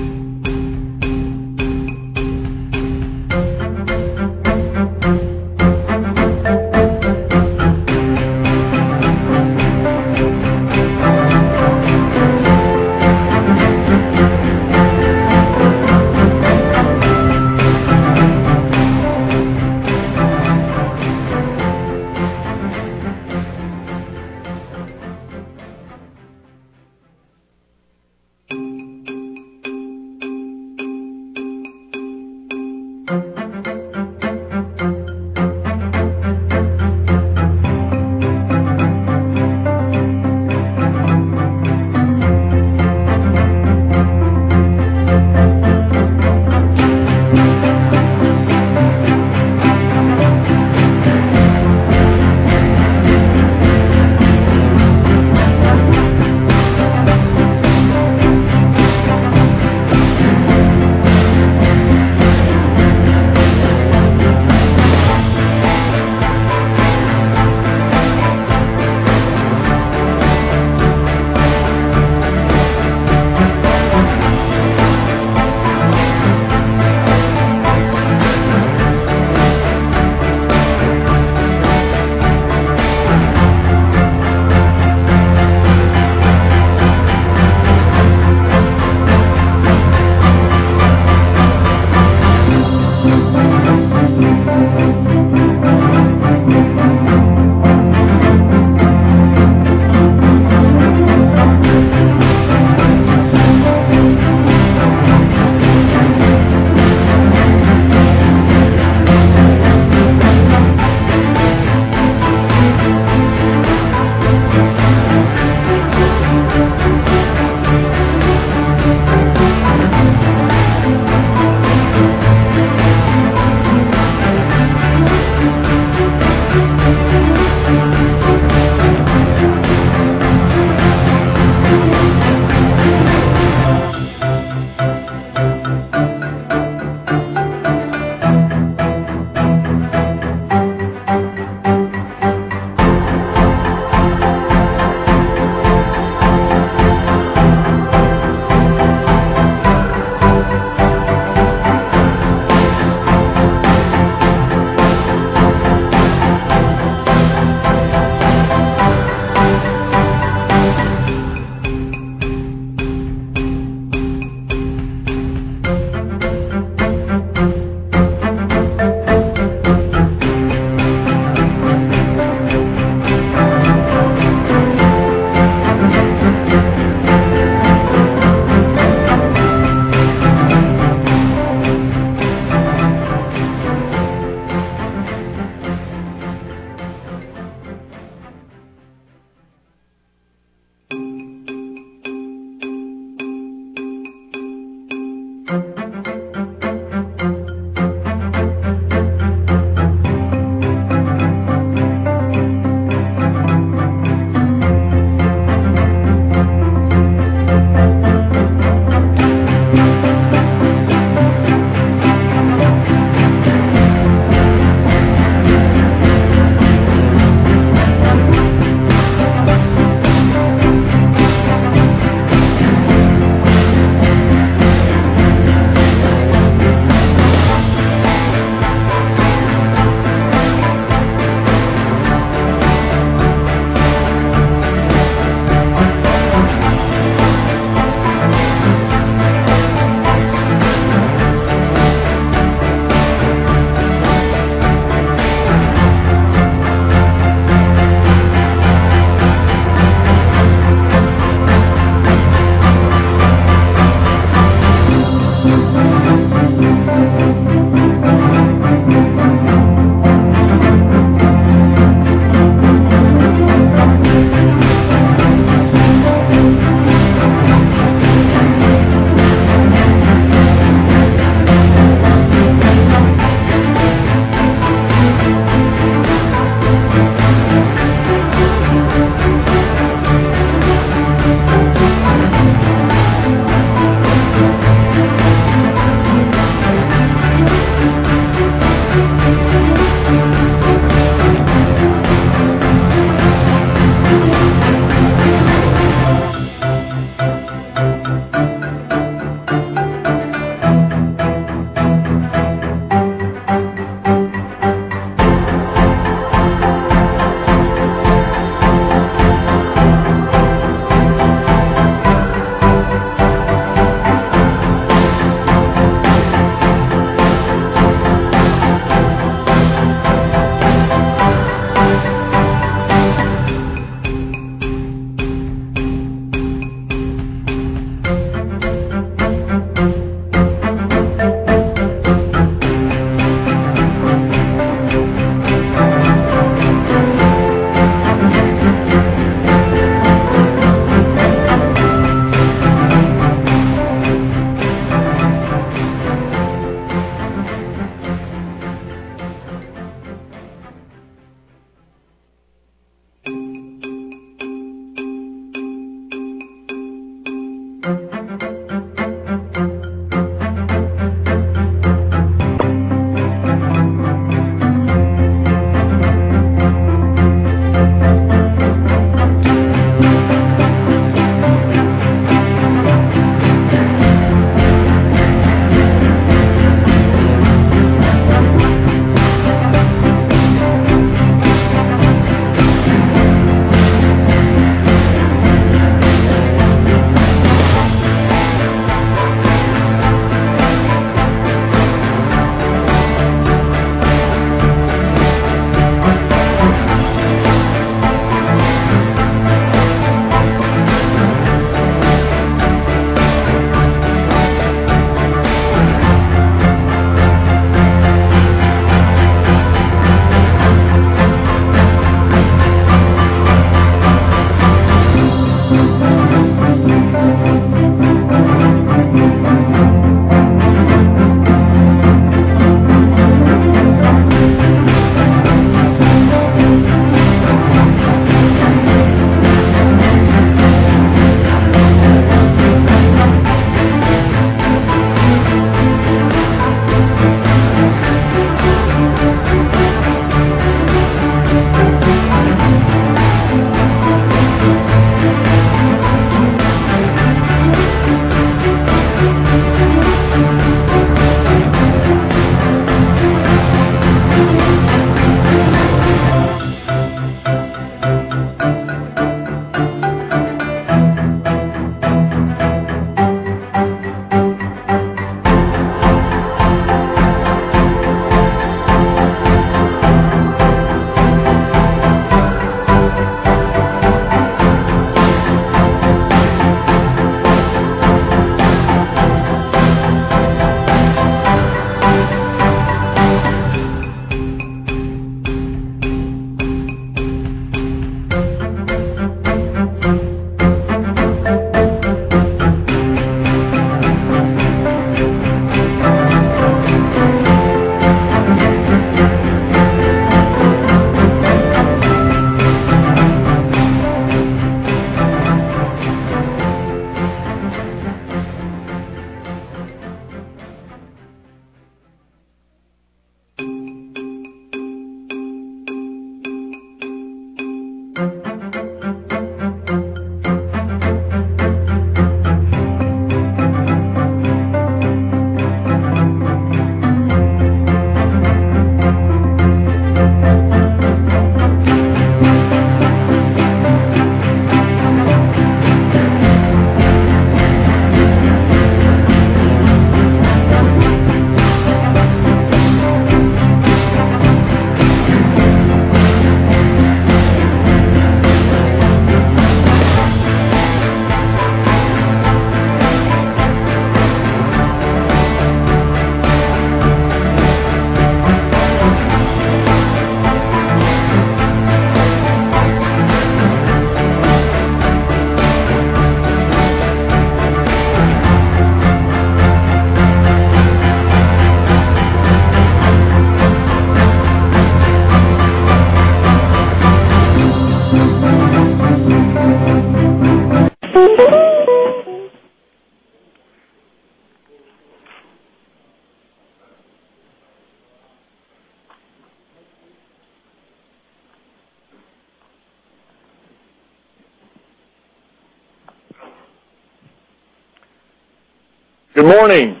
Good morning.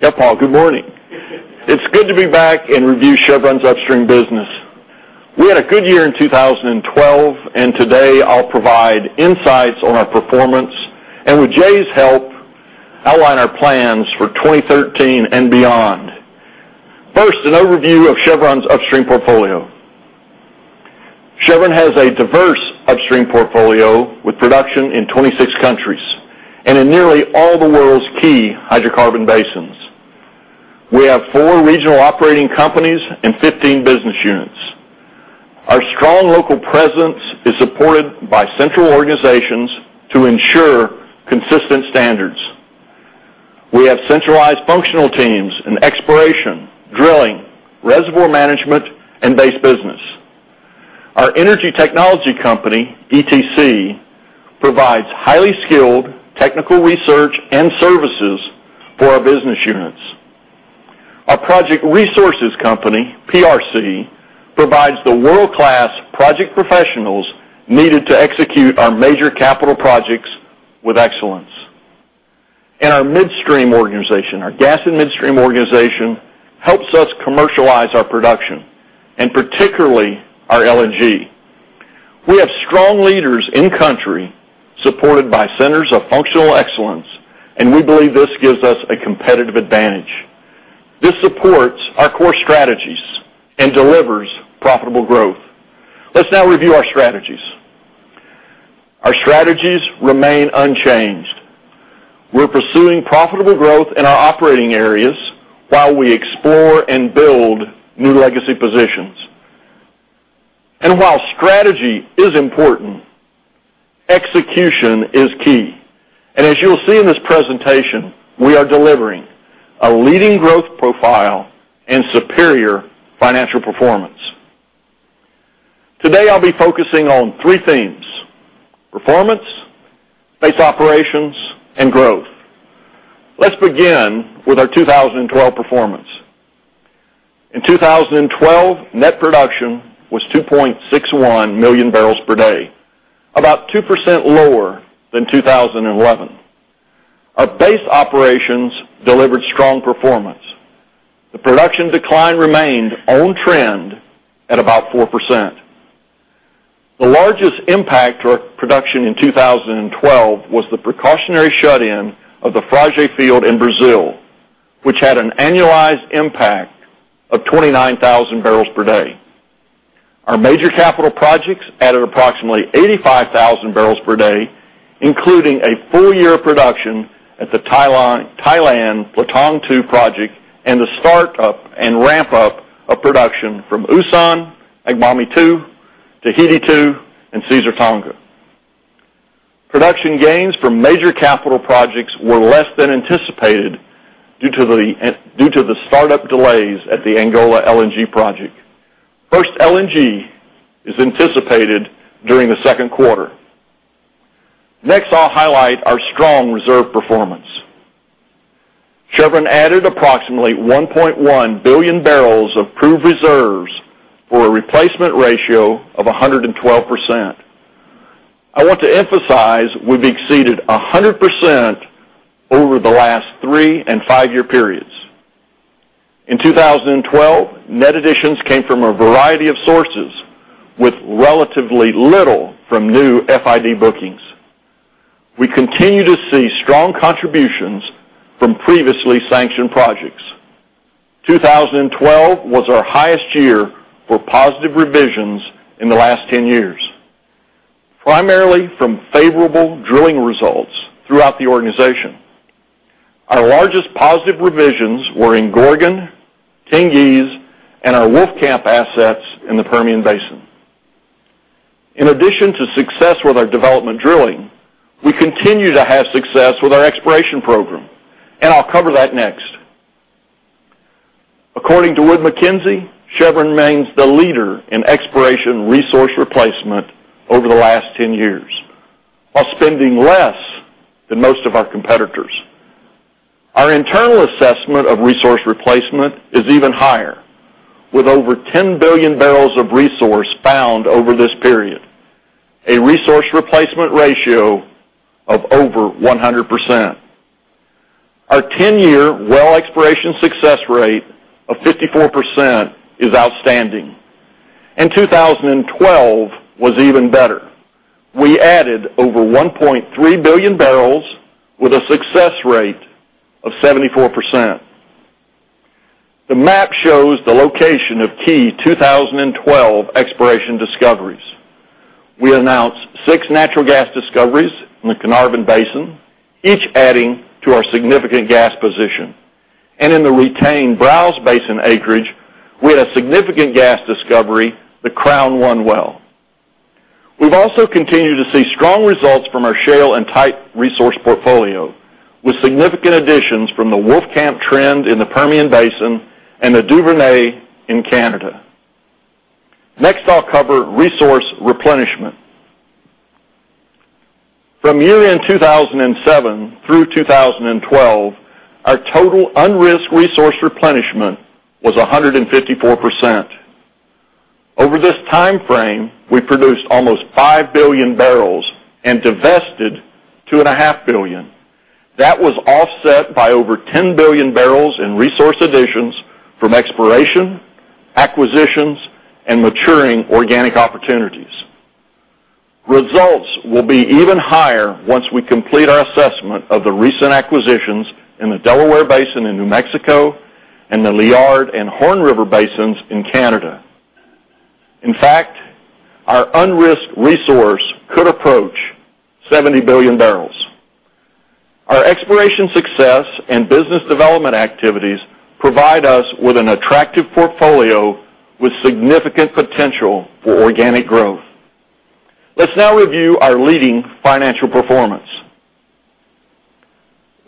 Paul, good morning. It's good to be back and review Chevron's Upstream business. We had a good year in 2012, and today I'll provide insights on our performance, and with Jay's help, outline our plans for 2013 and beyond. First, an overview of Chevron's Upstream portfolio. Chevron has a diverse Upstream portfolio, with production in 26 countries, and in nearly all the world's key hydrocarbon basins. We have four regional operating companies and 15 business units. Our strong local presence is supported by central organizations to ensure consistent standards. We have centralized functional teams in exploration, drilling, reservoir management, and base business. Our Chevron Energy Technology Company, ETC, provides highly skilled technical research and services for our business units. Our Project Resources Company, PRC, provides the world-class project professionals needed to execute our major capital projects with excellence. Our midstream organization, our gas and midstream organization, helps us commercialize our production, and particularly our LNG. We have strong leaders in country, supported by centers of functional excellence, and we believe this gives us a competitive advantage. This supports our core strategies and delivers profitable growth. Let's now review our strategies. Our strategies remain unchanged. We're pursuing profitable growth in our operating areas while we explore and build new legacy positions. While strategy is important, execution is key, and as you'll see in this presentation, we are delivering a leading growth profile and superior financial performance. Today, I'll be focusing on three themes: performance, base operations, and growth. Let's begin with our 2012 performance. In 2012, net production was 2.61 million barrels per day, about 2% lower than 2011. Our base operations delivered strong performance. The production decline remained on trend at about 4%. The largest impact to our production in 2012 was the precautionary shut-in of the Frade field in Brazil, which had an annualized impact of 29,000 barrels per day. Our major capital projects added approximately 85,000 barrels per day, including a full year of production at the Thailand Platong II project and the start up and ramp up of production from Usan, Egusi II, Tahiti 2, and Caesar Tonga. Production gains from major capital projects were less than anticipated due to the startup delays at the Angola LNG project. First LNG is anticipated during the second quarter. Next, I'll highlight our strong reserve performance. Chevron added approximately 1.1 billion barrels of proved reserves for a replacement ratio of 112%. I want to emphasize we've exceeded 100% over the last three and five-year periods. In 2012, net additions came from a variety of sources, with relatively little from new FID bookings. We continue to see strong contributions from previously sanctioned projects. 2012 was our highest year for positive revisions in the last 10 years, primarily from favorable drilling results throughout the organization. Our largest positive revisions were in Gorgon, Tengiz, and our Wolfcamp assets in the Permian Basin. In addition to success with our development drilling, we continue to have success with our exploration program, and I'll cover that next. According to Wood Mackenzie, Chevron remains the leader in exploration resource replacement over the last 10 years while spending less than most of our competitors. Our internal assessment of resource replacement is even higher, with over 10 billion barrels of resource found over this period, a resource replacement ratio of over 100%. Our 10-year well exploration success rate of 54% is outstanding. In 2012 was even better. We added over 1.3 billion barrels with a success rate of 74%. The map shows the location of key 2012 exploration discoveries. We announced 6 natural gas discoveries in the Carnarvon Basin, each adding to our significant gas position. In the retained Browse Basin acreage, we had a significant gas discovery, the Crown 1 well. We've also continued to see strong results from our shale and tight resource portfolio, with significant additions from the Wolfcamp Trend in the Permian Basin and the Duvernay in Canada. Next, I'll cover resource replenishment. From year-end 2007 through 2012, our total unrisked resource replenishment was 154%. Over this timeframe, we produced almost 5 billion barrels and divested 2.5 billion. That was offset by over 10 billion barrels in resource additions from exploration, acquisitions, and maturing organic opportunities. Results will be even higher once we complete our assessment of the recent acquisitions in the Delaware Basin in New Mexico and the Liard and Horn River Basins in Canada. In fact, our unrisked resource could approach 70 billion barrels. Our exploration success and business development activities provide us with an attractive portfolio with significant potential for organic growth. Let's now review our leading financial performance.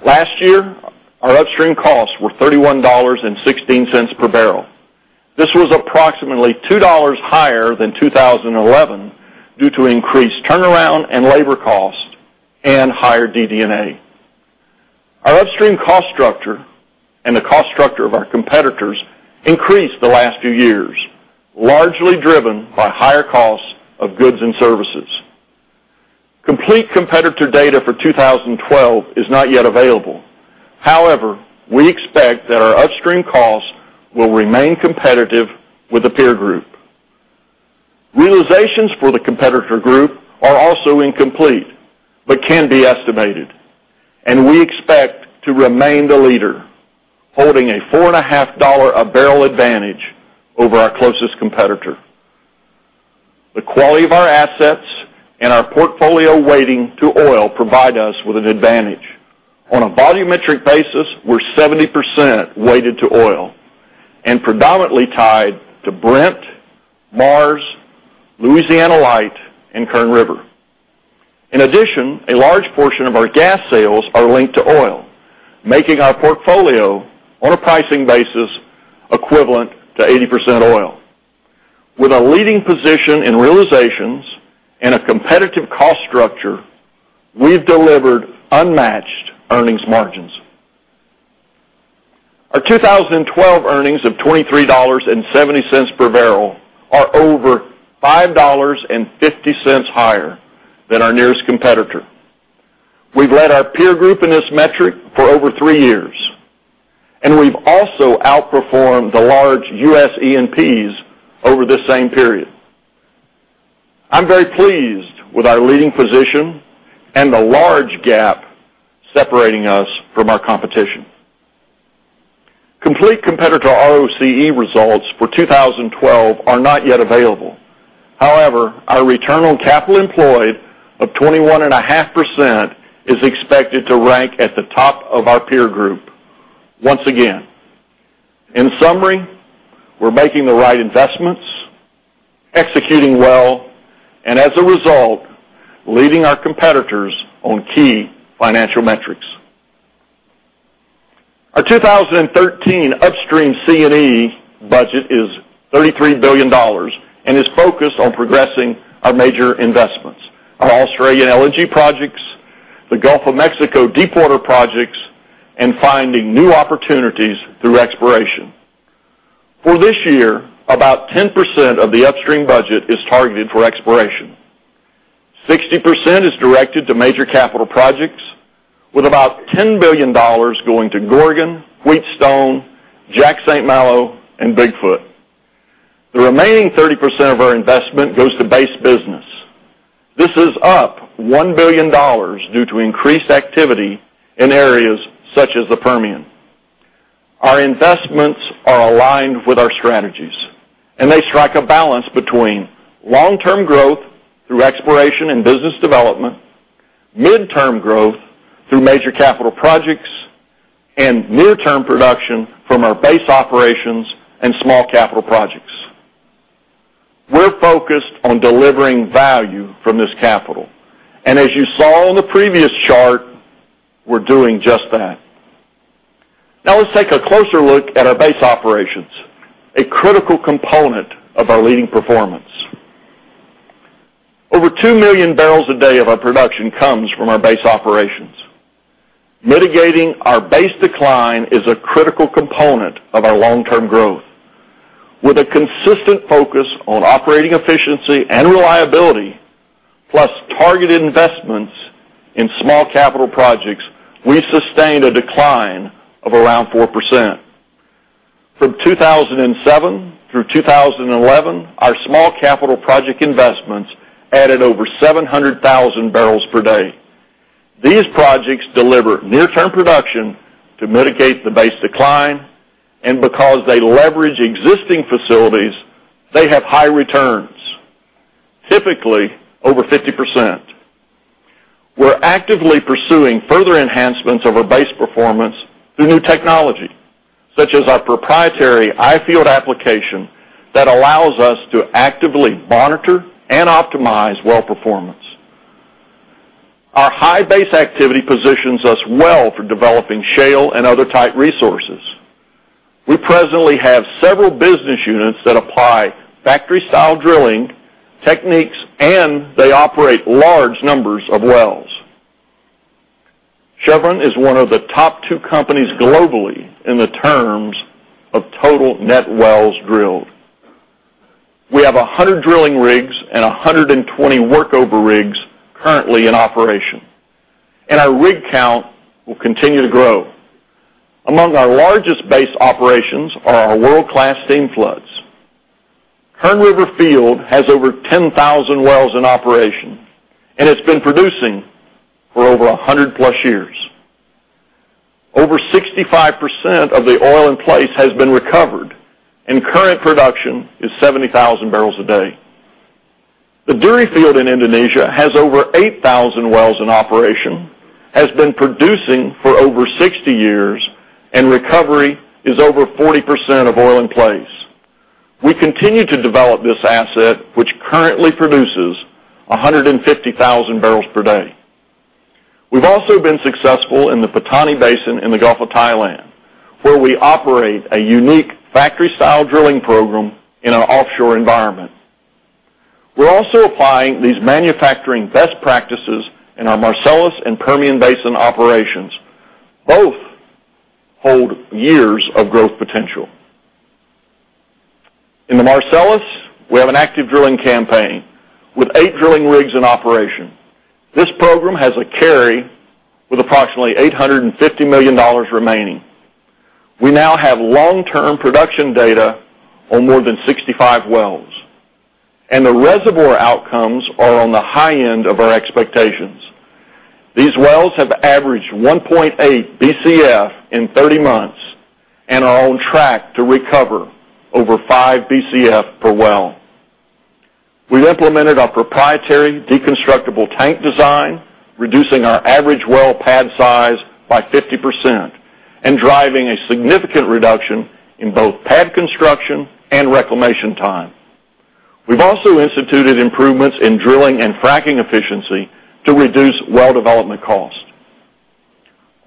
Last year, our upstream costs were $31.16 per barrel. This was approximately $2 higher than 2011 due to increased turnaround and labor cost and higher DD&A. Our upstream cost structure and the cost structure of our competitors increased the last few years, largely driven by higher costs of goods and services. Complete competitor data for 2012 is not yet available. However, we expect that our upstream costs will remain competitive with the peer group. Realizations for the competitor group are also incomplete but can be estimated, and we expect to remain the leader, holding a $4.50 a barrel advantage over our closest competitor. The quality of our assets and our portfolio weighting to oil provide us with an advantage. On a volumetric basis, we're 70% weighted to oil and predominantly tied to Brent, Mars, Louisiana Light, and Kern River. In addition, a large portion of our gas sales are linked to oil, making our portfolio, on a pricing basis, equivalent to 80% oil. With a leading position in realizations and a competitive cost structure, we've delivered unmatched earnings margins. Our 2012 earnings of $23.70 per barrel are over $5.50 higher than our nearest competitor. We've led our peer group in this metric for over three years, and we've also outperformed the large U.S. E&Ps over the same period. I'm very pleased with our leading position and the large gap separating us from our competition. Complete competitor ROCE results for 2012 are not yet available. However, our return on capital employed of 21.5% is expected to rank at the top of our peer group once again. In summary, we're making the right investments, executing well, and as a result, leading our competitors on key financial metrics. Our 2013 upstream C&E budget is $33 billion and is focused on progressing our major investments, our Australian LNG projects, the Gulf of Mexico deepwater projects, and finding new opportunities through exploration. For this year, about 10% of the upstream budget is targeted for exploration. 60% is directed to major capital projects, with about $10 billion going to Gorgon, Wheatstone, Jack St. Malo, and Bigfoot. The remaining 30% of our investment goes to base business. This is up $1 billion due to increased activity in areas such as the Permian. Our investments are aligned with our strategies, they strike a balance between long-term growth through exploration and business development, mid-term growth through major capital projects, and near-term production from our base operations and small capital projects. We're focused on delivering value from this capital, as you saw on the previous chart, we're doing just that. Now let's take a closer look at our base operations, a critical component of our leading performance. Over 2 million barrels a day of our production comes from our base operations. Mitigating our base decline is a critical component of our long-term growth. With a consistent focus on operating efficiency and reliability, plus targeted investments in small capital projects, we sustained a decline of around 4%. From 2007 through 2011, our small capital project investments added over 700,000 barrels per day. These projects deliver near-term production to mitigate the base decline, because they leverage existing facilities, they have high returns, typically over 50%. We're actively pursuing further enhancements of our base performance through new technology, such as our proprietary i-field application that allows us to actively monitor and optimize well performance. Our high base activity positions us well for developing shale and other tight resources. We presently have several business units that apply factory-style drilling techniques, they operate large numbers of wells. Chevron is one of the top two companies globally in the terms of total net wells drilled. We have 100 drilling rigs and 120 workover rigs currently in operation, our rig count will continue to grow. Among our largest base operations are our world-class steam floods. Kern River Field has over 10,000 wells in operation it's been producing for over 100 plus years. Over 65% of the oil in place has been recovered, current production is 70,000 barrels a day. The Duri Field in Indonesia has over 8,000 wells in operation, has been producing for over 60 years, recovery is over 40% of oil in place. We continue to develop this asset, which currently produces 150,000 barrels per day. We've also been successful in the Pattani Basin in the Gulf of Thailand, where we operate a unique factory-style drilling program in an offshore environment. We're also applying these manufacturing best practices in our Marcellus and Permian Basin operations. Both hold years of growth potential. In the Marcellus, we have an active drilling campaign with 8 drilling rigs in operation. This program has a carry with approximately $850 million remaining. We now have long-term production data on more than 65 wells, the reservoir outcomes are on the high end of our expectations. These wells have averaged 1.8 Bcf in 30 months are on track to recover over 5 Bcf per well. We implemented our proprietary deconstructable tank design, reducing our average well pad size by 50% driving a significant reduction in both pad construction and reclamation time. We've also instituted improvements in drilling and fracking efficiency to reduce well development cost.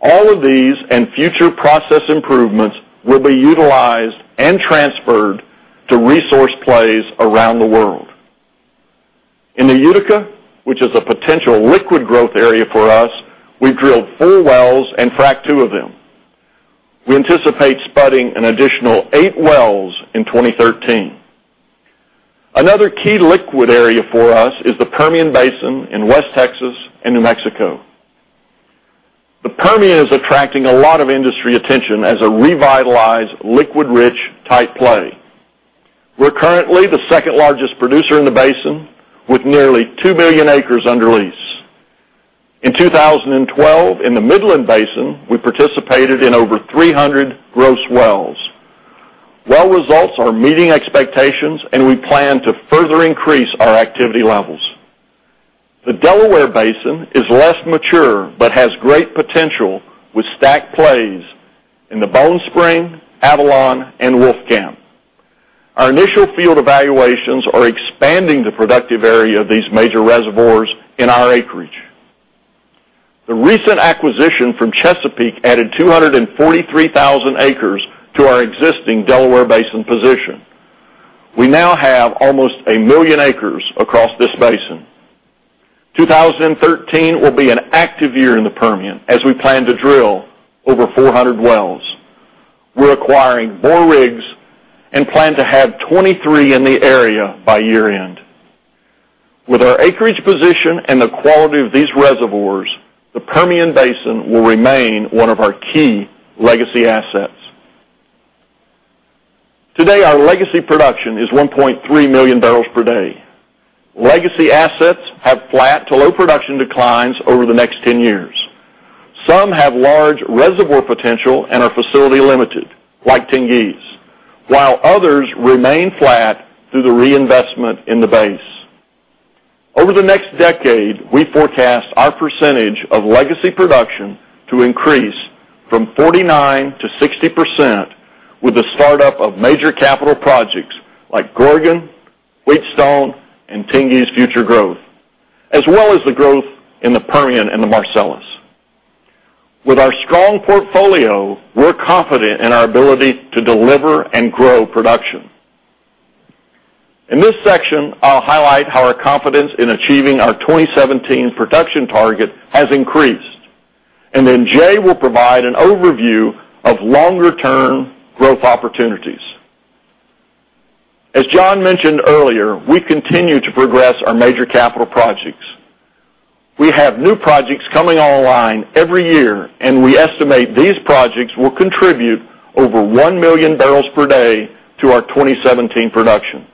All of these and future process improvements will be utilized and transferred to resource plays around the world. In the Utica, which is a potential liquid growth area for us, we've drilled 4 wells and fracked 2 of them. We anticipate spudding an additional 8 wells in 2013. Another key liquid area for us is the Permian Basin in West Texas and New Mexico. The Permian is attracting a lot of industry attention as a revitalized, liquid-rich type play. We're currently the second largest producer in the basin, with nearly two billion acres under lease. In 2012, in the Midland Basin, we participated in over 300 gross wells. Well results are meeting expectations, and we plan to further increase our activity levels. The Delaware Basin is less mature but has great potential with stack plays in the Bone Spring, Avalon, and Wolfcamp. Our initial field evaluations are expanding the productive area of these major reservoirs in our acreage. The recent acquisition from Chesapeake added 243,000 acres to our existing Delaware Basin position. We now have almost one million acres across this basin. 2013 will be an active year in the Permian as we plan to drill over 400 wells. We're acquiring more rigs and plan to have 23 in the area by year-end. With our acreage position and the quality of these reservoirs, the Permian Basin will remain one of our key legacy assets. Today, our legacy production is 1.3 million barrels per day. Legacy assets have flat to low production declines over the next 10 years. Some have large reservoir potential and are facility limited, like Tengiz, while others remain flat through the reinvestment in the base. Over the next decade, we forecast our percentage of legacy production to increase from 49%-60% with the startup of major capital projects like Gorgon, Wheatstone, and Tengiz Future Growth, as well as the growth in the Permian and the Marcellus. With our strong portfolio, we're confident in our ability to deliver and grow production. In this section, I'll highlight how our confidence in achieving our 2017 production target has increased, and then Jay will provide an overview of longer term growth opportunities. As John mentioned earlier, we continue to progress our major capital projects. We have new projects coming online every year, and we estimate these projects will contribute over one million barrels per day to our 2017 production.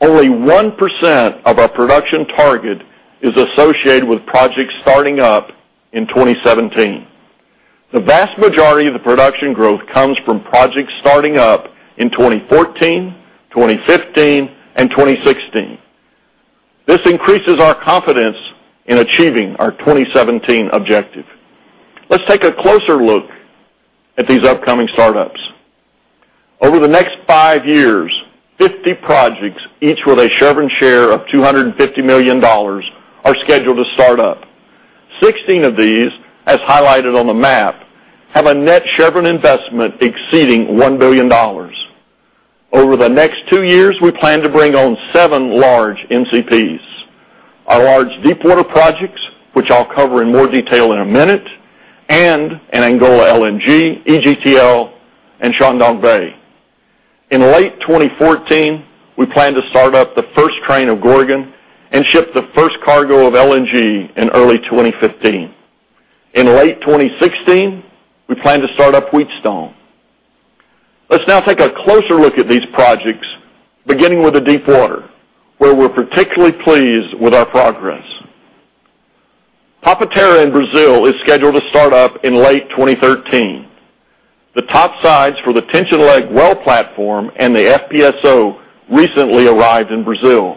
Only 1% of our production target is associated with projects starting up in 2017. The vast majority of the production growth comes from projects starting up in 2014, 2015, and 2016. This increases our confidence in achieving our 2017 objective. Let's take a closer look at these upcoming startups. Over the next five years, 50 projects, each with a Chevron share of $250 million, are scheduled to start up. 16 of these, as highlighted on the map, have a net Chevron investment exceeding $1 billion. Over the next two years, we plan to bring on seven large NCPs. Our large deepwater projects, which I'll cover in more detail in a minute, and an Angola LNG, EGTL, and Chuandongbei. In late 2014, we plan to start up the first train of Gorgon and ship the first cargo of LNG in early 2015. In late 2016, we plan to start up Wheatstone. Let's now take a closer look at these projects, beginning with the deepwater, where we're particularly pleased with our progress. Papa-Terra in Brazil is scheduled to start up in late 2013. The topsides for the tension leg well platform and the FPSO recently arrived in Brazil.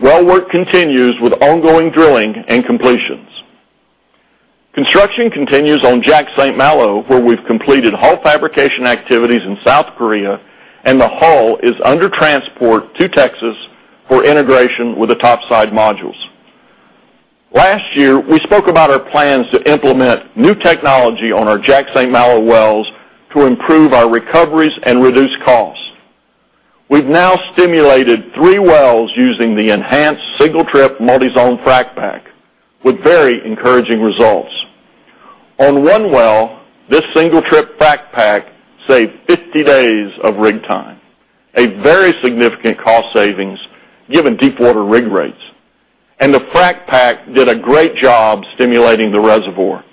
Well work continues with ongoing drilling and completions. Construction continues on Jack St. Malo, where we've completed hull fabrication activities in South Korea, and the hull is under transport to Texas for integration with the topside modules. Last year, we spoke about our plans to implement new technology on our Jack St. Malo wells to improve our recoveries and reduce costs. We've now stimulated three wells using the Enhanced Single-Trip Multizone frac pack with very encouraging results. On one well, this single-trip frac pack saved 50 days of rig time, a very significant cost savings given deepwater rig rates. The frac pack did a great job stimulating the reservoir.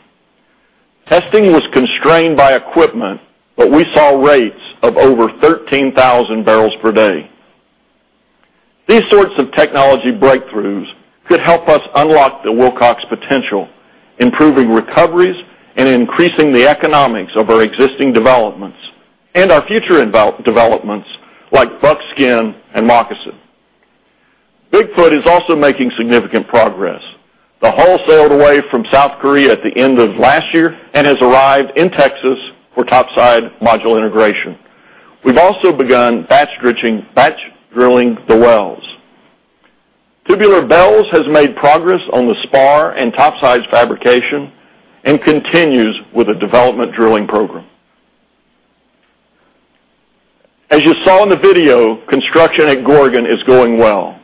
Testing was constrained by equipment, but we saw rates of over 13,000 barrels per day. These sorts of technology breakthroughs could help us unlock the Wilcox potential, improving recoveries and increasing the economics of our existing developments and our future developments like Buckskin and Moccasin. Bigfoot is also making significant progress. The hull sailed away from South Korea at the end of last year and has arrived in Texas for topside module integration. We've also begun batch drilling the wells. Tubular Bells has made progress on the spar and topsides fabrication and continues with the development drilling program. As you saw in the video, construction at Gorgon is going well.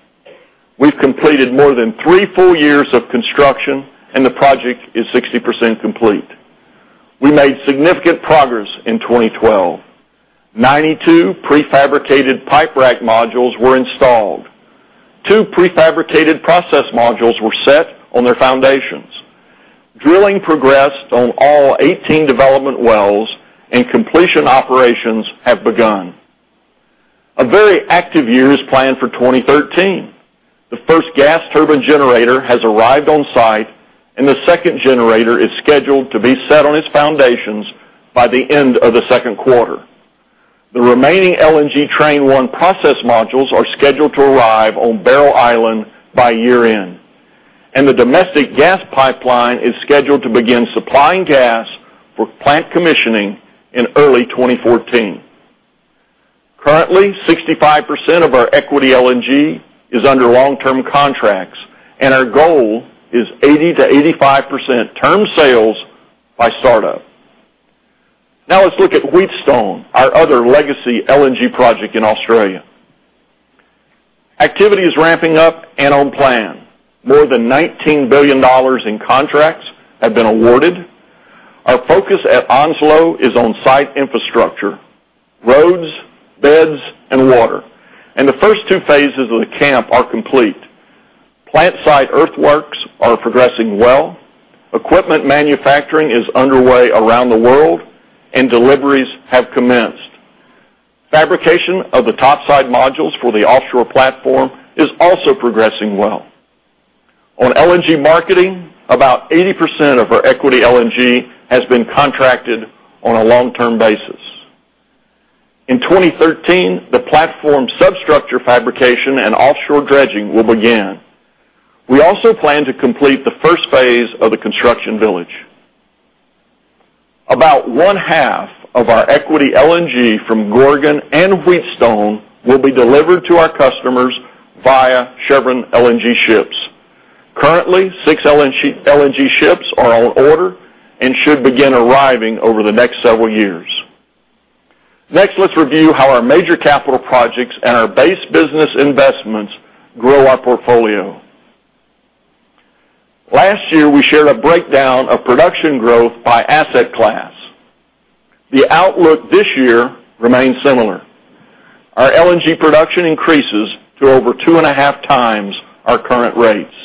We've completed more than three full years of construction, and the project is 60% complete. We made significant progress in 2012. 92 prefabricated pipe rack modules were installed. Two prefabricated process modules were set on their foundations. Drilling progressed on all 18 development wells, completion operations have begun. A very active year is planned for 2013. The first gas turbine generator has arrived on site, and the second generator is scheduled to be set on its foundations by the end of the second quarter. The remaining LNG train one process modules are scheduled to arrive on Barrow Island by year-end, the domestic gas pipeline is scheduled to begin supplying gas for plant commissioning in early 2014. Currently, 65% of our equity LNG is under long-term contracts, our goal is 80%-85% term sales by startup. Now let's look at Wheatstone, our other legacy LNG project in Australia. Activity is ramping up and on plan. More than $19 billion in contracts have been awarded. Our focus at Onslow is on site infrastructure, roads, beds, and water. The first 2 phases of the camp are complete. Plant site earthworks are progressing well. Equipment manufacturing is underway around the world, and deliveries have commenced. Fabrication of the topside modules for the offshore platform is also progressing well. On LNG marketing, about 80% of our equity LNG has been contracted on a long-term basis. In 2013, the platform substructure fabrication and offshore dredging will begin. We also plan to complete the first phase of the construction village. About one-half of our equity LNG from Gorgon and Wheatstone will be delivered to our customers via Chevron LNG ships. Currently, six LNG ships are on order and should begin arriving over the next several years. Next, let's review how our major capital projects and our base business investments grow our portfolio. Last year, we shared a breakdown of production growth by asset class. The outlook this year remains similar. Our LNG production increases to over two and a half times our current rates,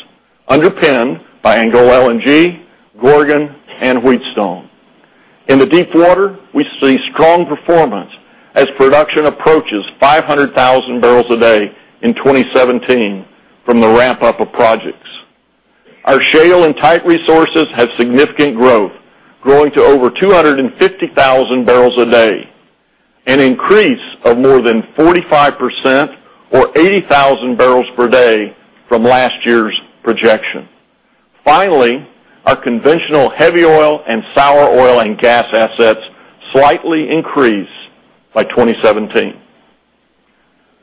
underpinned by Angola LNG, Gorgon, and Wheatstone. In the deepwater, we see strong performance as production approaches 500,000 barrels a day in 2017 from the ramp-up of projects. Our shale and tight resources have significant growth, growing to over 250,000 barrels a day, an increase of more than 45% or 80,000 barrels per day from last year's projection. Our conventional heavy oil and sour oil and gas assets slightly increase by 2017.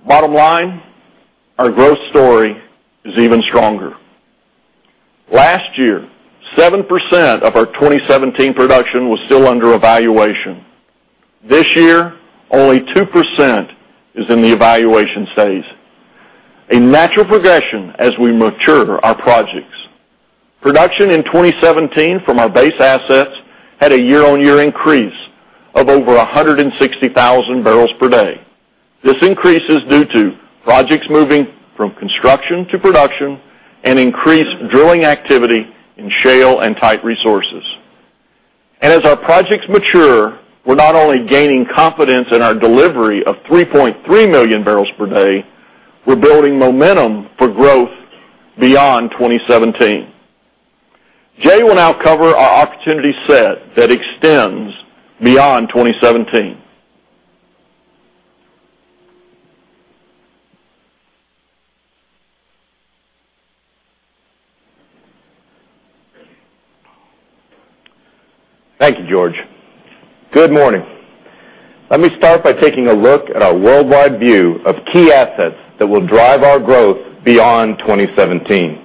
Bottom line, our growth story is even stronger. Last year, 7% of our 2017 production was still under evaluation. This year, only 2% is in the evaluation phase, a natural progression as we mature our projects. Production in 2017 from our base assets had a year-on-year increase of over 160,000 barrels per day. This increase is due to projects moving from construction to production and increased drilling activity in shale and tight resources. As our projects mature, we're not only gaining confidence in our delivery of 3.3 million barrels per day, we're building momentum for growth beyond 2017. Jay will now cover our opportunity set that extends beyond 2017. Thank you, George. Good morning. Let me start by taking a look at our worldwide view of key assets that will drive our growth beyond 2017.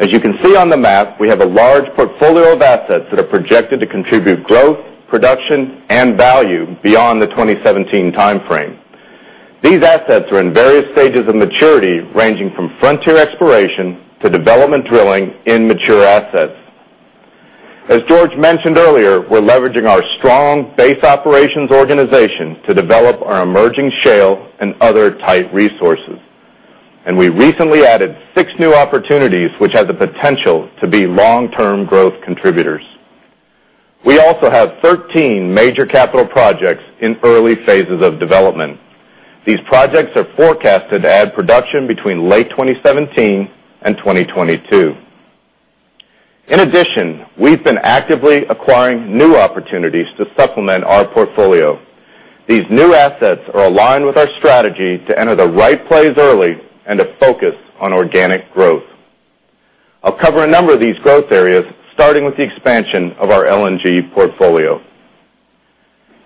As you can see on the map, we have a large portfolio of assets that are projected to contribute growth, production, and value beyond the 2017 timeframe. These assets are in various stages of maturity, ranging from frontier exploration to development drilling in mature assets. As George mentioned earlier, we're leveraging our strong base operations organization to develop our emerging shale and other tight resources. We recently added six new opportunities, which have the potential to be long-term growth contributors. We also have 13 major capital projects in early phases of development. These projects are forecasted to add production between late 2017 and 2022. In addition, we've been actively acquiring new opportunities to supplement our portfolio. These new assets are aligned with our strategy to enter the right plays early and to focus on organic growth. I'll cover a number of these growth areas, starting with the expansion of our LNG portfolio.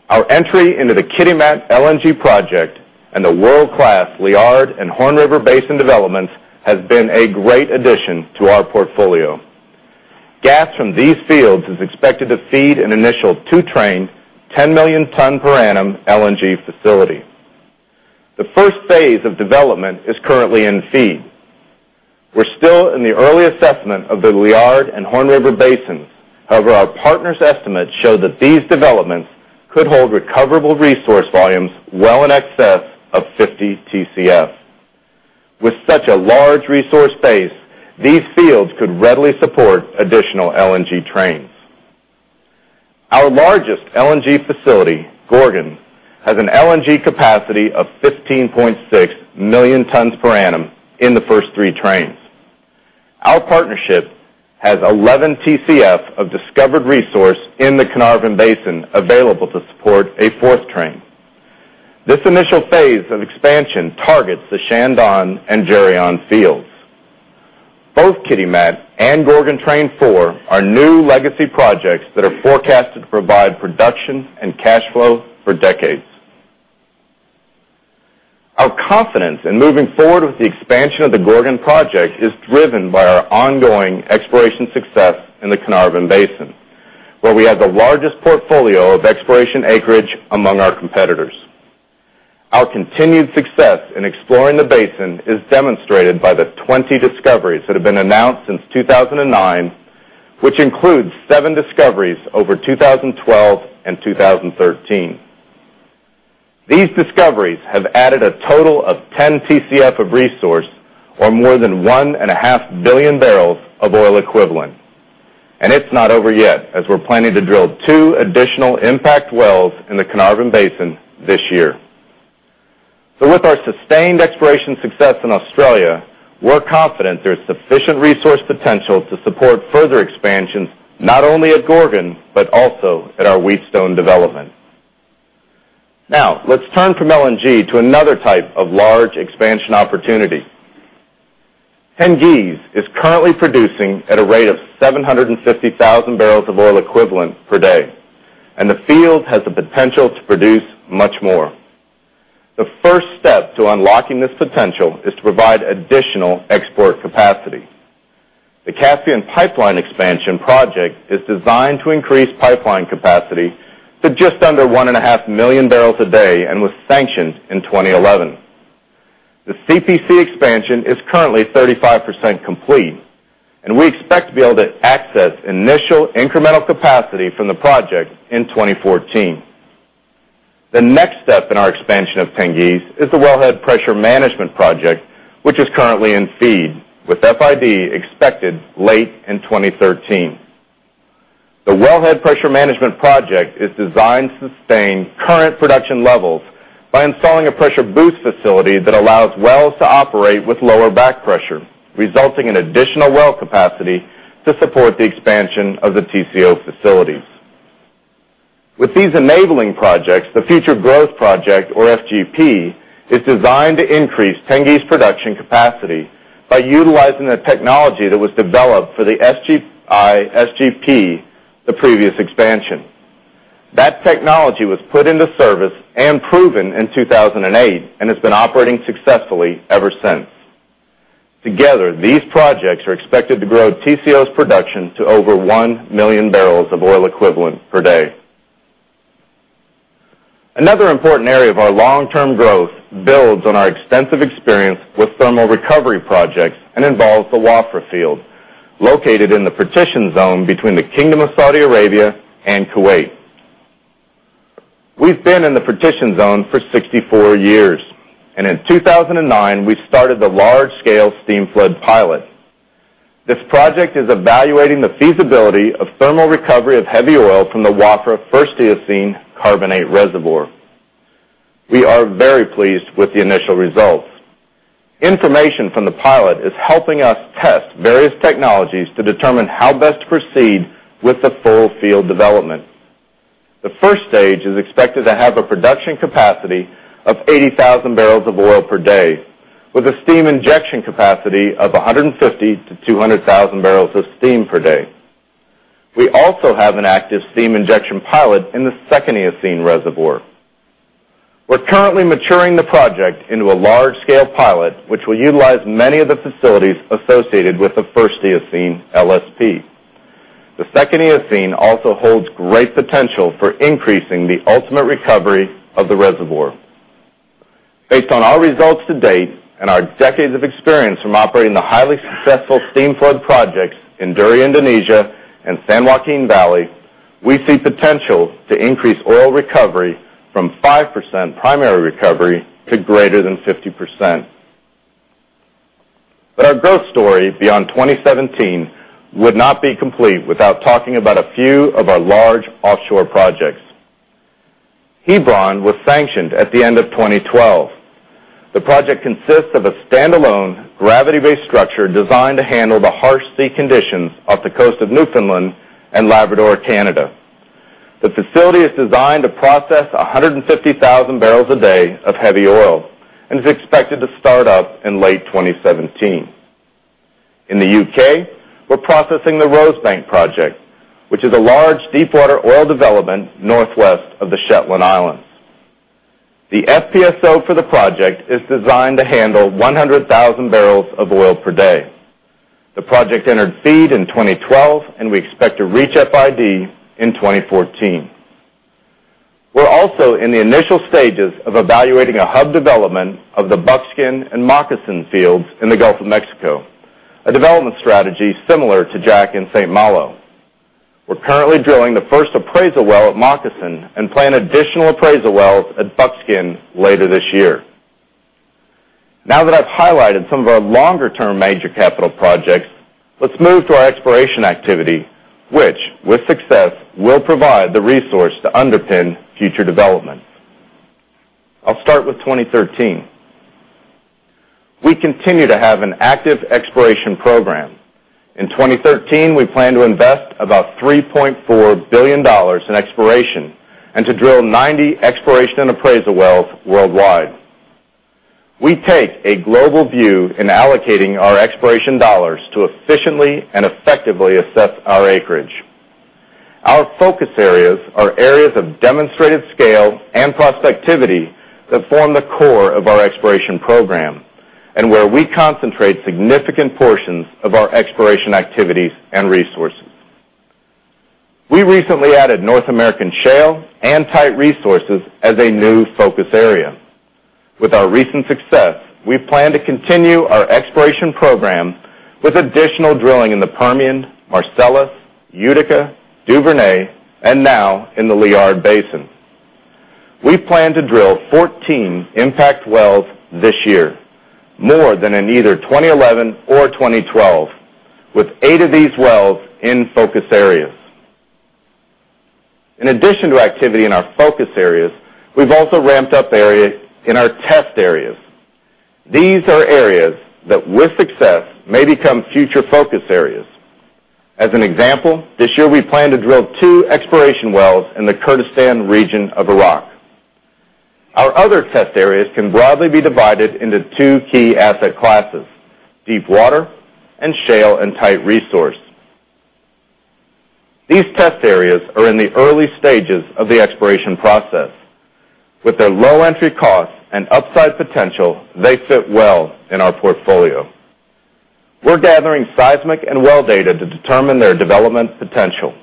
Our entry into the Kitimat LNG project and the world-class Liard and Horn River Basin developments has been a great addition to our portfolio. Gas from these fields is expected to feed an initial two-train, 10 million tons per annum LNG facility. The first phase of development is currently in FEED. We're still in the early assessment of the Liard and Horn River Basin. Our partners' estimates show that these developments could hold recoverable resource volumes well in excess of 50 Tcf. With such a large resource base, these fields could readily support additional LNG trains. Our largest LNG facility, Gorgon, has an LNG capacity of 15.6 million tons per annum in the first three trains. Our partnership has 11 Tcf of discovered resource in the Carnarvon Basin available to support a fourth train. This initial phase of expansion targets the Chandon and Geryon fields. Both Kitimat and Gorgon Train Four are new legacy projects that are forecasted to provide production and cash flow for decades. Our confidence in moving forward with the expansion of the Gorgon project is driven by our ongoing exploration success in the Carnarvon Basin, where we have the largest portfolio of exploration acreage among our competitors. Our continued success in exploring the basin is demonstrated by the 20 discoveries that have been announced since 2009, which includes seven discoveries over 2012 and 2013. These discoveries have added a total of 10 Tcf of resource, or more than one and a half billion barrels of oil equivalent. It's not over yet, as we're planning to drill two additional impact wells in the Carnarvon Basin this year. With our sustained exploration success in Australia, we're confident there's sufficient resource potential to support further expansions, not only at Gorgon, but also at our Wheatstone development. Let's turn from LNG to another type of large expansion opportunity. Tengiz is currently producing at a rate of 750,000 barrels of oil equivalent per day, and the field has the potential to produce much more. The first step to unlocking this potential is to provide additional export capacity. The Caspian Pipeline expansion project is designed to increase pipeline capacity to just under one and a half million barrels a day and was sanctioned in 2011. The CPC expansion is currently 35% complete. We expect to be able to access initial incremental capacity from the project in 2014. The next step in our expansion of Tengiz is the Wellhead Pressure Management project, which is currently in FEED, with FID expected late in 2013. The Wellhead Pressure Management project is designed to sustain current production levels by installing a pressure boost facility that allows wells to operate with lower back pressure, resulting in additional well capacity to support the expansion of the TCO facilities. With these enabling projects, the Future Growth Project, or FGP, is designed to increase Tengiz production capacity by utilizing the technology that was developed for the SGP, the previous expansion. That technology was put into service and proven in 2008 and has been operating successfully ever since. Together, these projects are expected to grow TCO's production to over one million barrels of oil equivalent per day. Another important area of our long-term growth builds on our extensive experience with thermal recovery projects and involves the Wafra field, located in the partition zone between the Kingdom of Saudi Arabia and Kuwait. We've been in the partition zone for 64 years. In 2009, we started the large-scale steam flood pilot. This project is evaluating the feasibility of thermal recovery of heavy oil from the Wafra First Eocene carbonate reservoir. We are very pleased with the initial results. Information from the pilot is helping us test various technologies to determine how best to proceed with the full field development. The first stage is expected to have a production capacity of 80,000 barrels of oil per day with a steam injection capacity of 150,000-200,000 barrels of steam per day. We also have an active steam injection pilot in the Second Eocene reservoir. We're currently maturing the project into a large-scale pilot, which will utilize many of the facilities associated with the First Eocene LSP. The Second Eocene also holds great potential for increasing the ultimate recovery of the reservoir. Based on our results to date and our decades of experience from operating the highly successful steam flood projects in Duri, Indonesia, and San Joaquin Valley, we see potential to increase oil recovery from 5% primary recovery to greater than 50%. Our growth story beyond 2017 would not be complete without talking about a few of our large offshore projects. Hebron was sanctioned at the end of 2012. The project consists of a standalone gravity-based structure designed to handle the harsh sea conditions off the coast of Newfoundland and Labrador, Canada. The facility is designed to process 150,000 barrels a day of heavy oil and is expected to start up in late 2017. In the U.K., we're processing the Rosebank project, which is a large deepwater oil development northwest of the Shetland Islands. The FPSO for the project is designed to handle 100,000 barrels of oil per day. The project entered FEED in 2012, and we expect to reach FID in 2014. We're also in the initial stages of evaluating a hub development of the Buckskin and Moccasin fields in the Gulf of Mexico, a development strategy similar to Jack and St. Malo. We're currently drilling the first appraisal well at Moccasin and plan additional appraisal wells at Buckskin later this year. Now that I've highlighted some of our longer-term major capital projects, let's move to our exploration activity, which, with success, will provide the resource to underpin future developments. I'll start with 2013. We continue to have an active exploration program. In 2013, we plan to invest about $3.4 billion in exploration and to drill 90 exploration and appraisal wells worldwide. We take a global view in allocating our exploration dollars to efficiently and effectively assess our acreage. Our focus areas are areas of demonstrated scale and prospectivity that form the core of our exploration program and where we concentrate significant portions of our exploration activities and resources. We recently added North American shale and tight resources as a new focus area. With our recent success, we plan to continue our exploration program with additional drilling in the Permian, Marcellus, Utica, Duvernay, and now in the Liard Basin. We plan to drill 14 impact wells this year, more than in either 2011 or 2012, with eight of these wells in focus areas. In addition to activity in our focus areas, we've also ramped up areas in our test areas. These are areas that, with success, may become future focus areas. As an example, this year we plan to drill two exploration wells in the Kurdistan region of Iraq. Our other test areas can broadly be divided into two key asset classes: deepwater and shale and tight resources. These test areas are in the early stages of the exploration process. With their low entry cost and upside potential, they fit well in our portfolio. We're gathering seismic and well data to determine their development potential.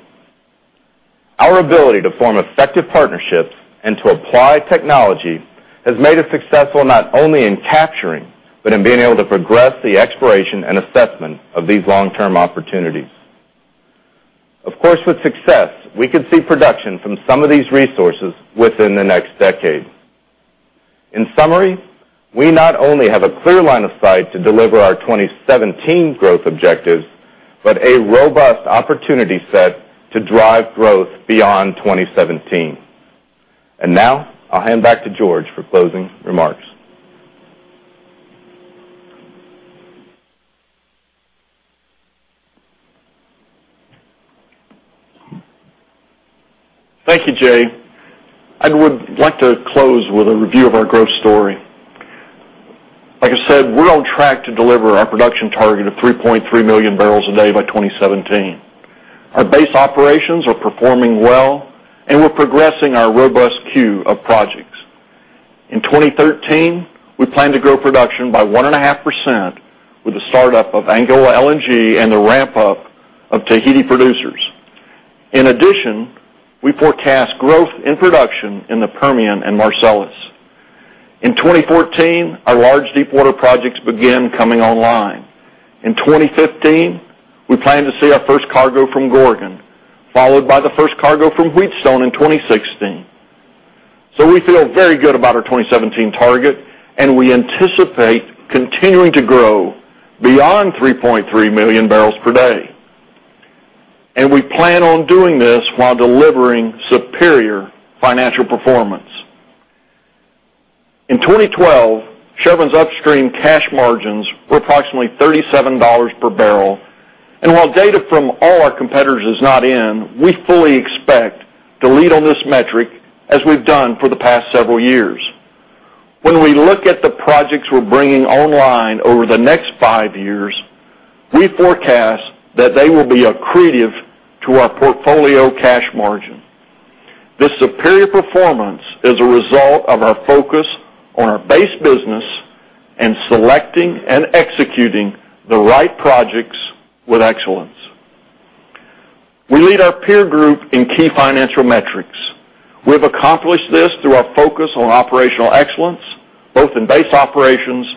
Our ability to form effective partnerships and to apply technology has made us successful not only in capturing, but in being able to progress the exploration and assessment of these long-term opportunities. Of course, with success, we could see production from some of these resources within the next decade. In summary, we not only have a clear line of sight to deliver our 2017 growth objectives, but a robust opportunity set to drive growth beyond 2017. Now I'll hand back to George for closing remarks. Thank you, Jay. I would like to close with a review of our growth story. Like I said, we're on track to deliver our production target of 3.3 million barrels a day by 2017. Our base operations are performing well, and we're progressing our robust queue of projects. In 2013, we plan to grow production by 1.5% with the startup of Angola LNG and the ramp-up of Tahiti producers. In addition, we forecast growth in production in the Permian and Marcellus. In 2014, our large Deepwater projects begin coming online. In 2015, we plan to see our first cargo from Gorgon, followed by the first cargo from Wheatstone in 2016. We feel very good about our 2017 target, and we anticipate continuing to grow beyond 3.3 million barrels per day. We plan on doing this while delivering superior financial performance. In 2012, Chevron's upstream cash margins were approximately $37 per barrel. While data from all our competitors is not in, we fully expect to lead on this metric as we've done for the past several years. When we look at the projects we're bringing online over the next five years, we forecast that they will be accretive to our portfolio cash margin. This superior performance is a result of our focus on our base business and selecting and executing the right projects with excellence. We lead our peer group in key financial metrics. We've accomplished this through our focus on operational excellence, both in base operations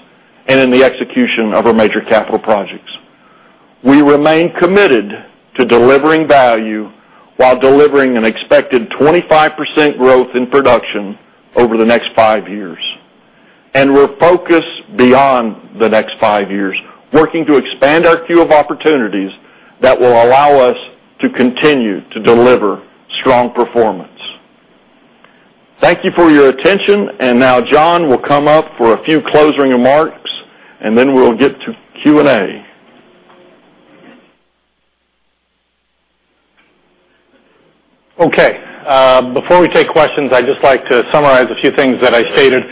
and in the execution of our major capital projects. We remain committed to delivering value while delivering an expected 25% growth in production over the next five years. We're focused beyond the next five years, working to expand our queue of opportunities that will allow us to continue to deliver strong performance. Thank you for your attention. Now John will come up for a few closing remarks, then we'll get to Q&A. Before we take questions, I'd just like to summarize a few things that I stated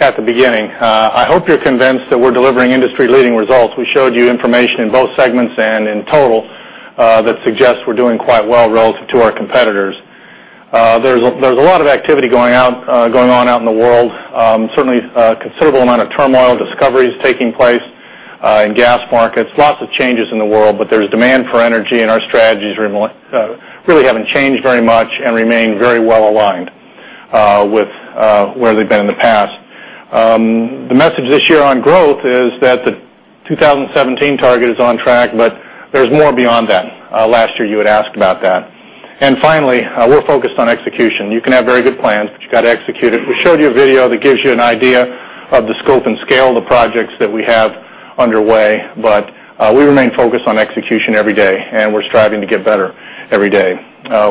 at the beginning. I hope you're convinced that we're delivering industry-leading results. We showed you information in both segments and in total that suggests we're doing quite well relative to our competitors. There's a lot of activity going on out in the world. Certainly, a considerable amount of turmoil, discoveries taking place in gas markets, lots of changes in the world, but there's demand for energy, and our strategies really haven't changed very much and remain very well aligned with where they've been in the past. The message this year on growth is that the 2017 target is on track, but there's more beyond that. Last year, you had asked about that. Finally, we're focused on execution. You can have very good plans, but you got to execute it. We showed you a video that gives you an idea of the scope and scale of the projects that we have underway, but we remain focused on execution every day, and we're striving to get better every day.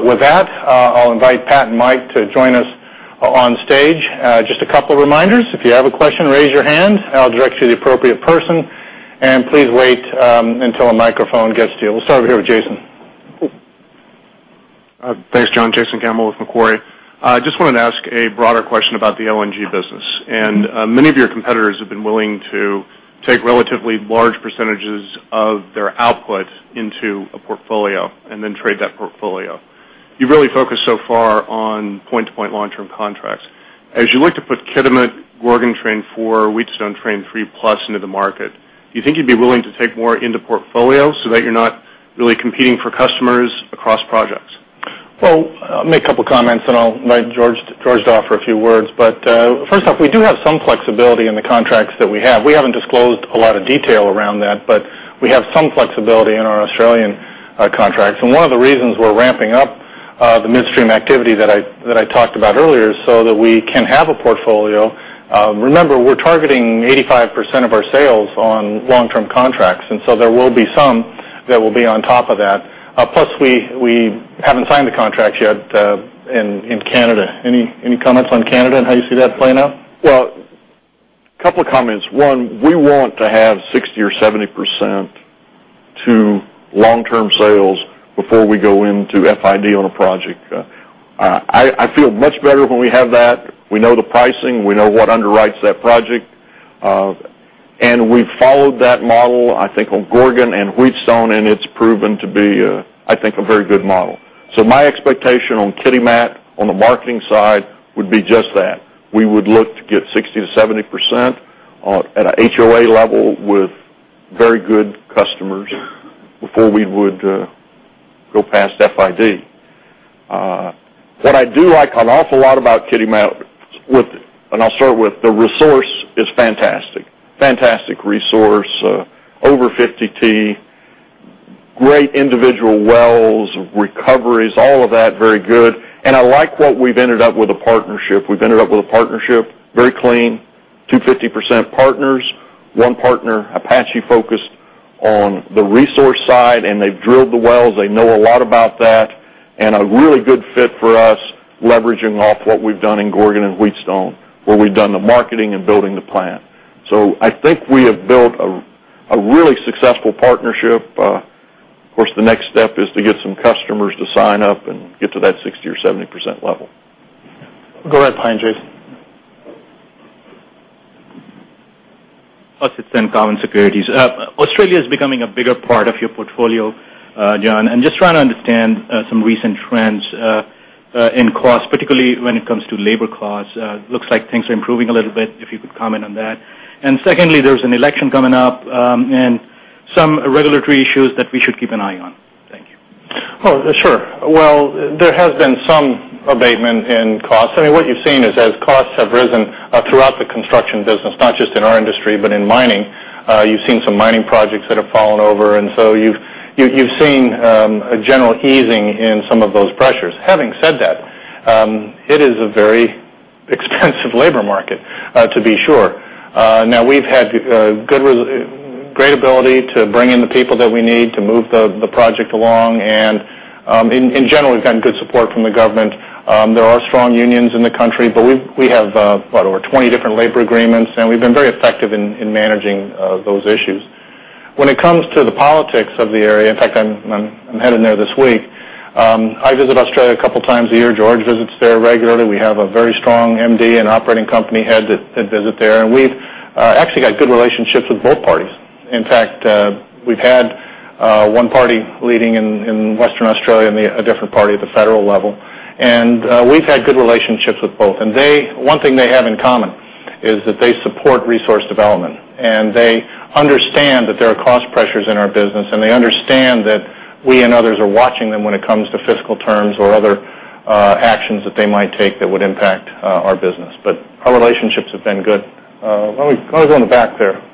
With that, I'll invite Pat and Mike to join us on stage. Just a couple of reminders. If you have a question, raise your hand and I'll direct you to the appropriate person, and please wait until a microphone gets to you. We'll start over here with Jason. Thanks, John. Jason Gammel with Macquarie. I just wanted to ask a broader question about the LNG business. Many of your competitors have been willing to take relatively large percentages of their output into a portfolio and then trade that portfolio. You've really focused so far on point-to-point long-term contracts. As you look to put Kitimat, Gorgon train 4, Wheatstone train 3 plus into the market, do you think you'd be willing to take more into portfolio so that you're not really competing for customers across projects? Well, I'll make a couple comments, then I'll invite George to offer a few words. First off, we do have some flexibility in the contracts that we have. We haven't disclosed a lot of detail around that, but we have some flexibility in our Australian contracts. One of the reasons we're ramping up the midstream activity that I talked about earlier is so that we can have a portfolio. Remember, we're targeting 85% of our sales on long-term contracts, there will be some that will be on top of that. Plus, we haven't signed the contracts yet in Canada. Any comments on Canada and how you see that playing out? A couple of comments. One, we want to have 60% or 70% to long-term sales before we go into FID on a project. I feel much better when we have that. We know the pricing, we know what underwrites that project. We've followed that model, I think, on Gorgon and Wheatstone, and it's proven to be, I think, a very good model. My expectation on Kitimat, on the marketing side, would be just that. We would look to get 60% to 70% at an HOA level with very good customers before we would go past FID. What I do like an awful lot about Kitimat, and I'll start with the resource, is fantastic. Fantastic resource. Over 50 Tcf. Great individual wells, recoveries, all of that, very good. I like what we've ended up with a partnership. We've ended up with a partnership, very clean, 2 50% partners. One partner, Apache, focused on the resource side, and they've drilled the wells. They know a lot about that. A really good fit for us, leveraging off what we've done in Gorgon and Wheatstone, where we've done the marketing and building the plant. I think we have built a really successful partnership. Of course, the next step is to get some customers to sign up and get to that 60% or 70% level. Go right behind you. Ashit Sen, Cowen Securities. Australia is becoming a bigger part of your portfolio, John, and just trying to understand some recent trends in cost, particularly when it comes to labor cost. Looks like things are improving a little bit, if you could comment on that. Secondly, there's an election coming up and some regulatory issues that we should keep an eye on. Thank you. Oh, sure. Well, there has been some abatement in cost. I mean, what you've seen is as costs have risen throughout the construction business, not just in our industry, but in mining, you've seen some mining projects that have fallen over. You've seen a general easing in some of those pressures. Having said that, it is a very expensive labor market, to be sure. We've had great ability to bring in the people that we need to move the project along, and in general, we've gotten good support from the government. There are strong unions in the country, we have what? Over 20 different labor agreements, and we've been very effective in managing those issues. When it comes to the politics of the area, in fact, I'm headed there this week. I visit Australia a couple times a year. George visits there regularly. We have a very strong MD and operating company head that visit there, and we've actually got good relationships with both parties. In fact, we've had one party leading in Western Australia and a different party at the federal level. We've had good relationships with both. One thing they have in common is that they support resource development, and they understand that there are cost pressures in our business, and they understand that we and others are watching them when it comes to fiscal terms or other actions that they might take that would impact our business. Our relationships have been good. Guy in the back there.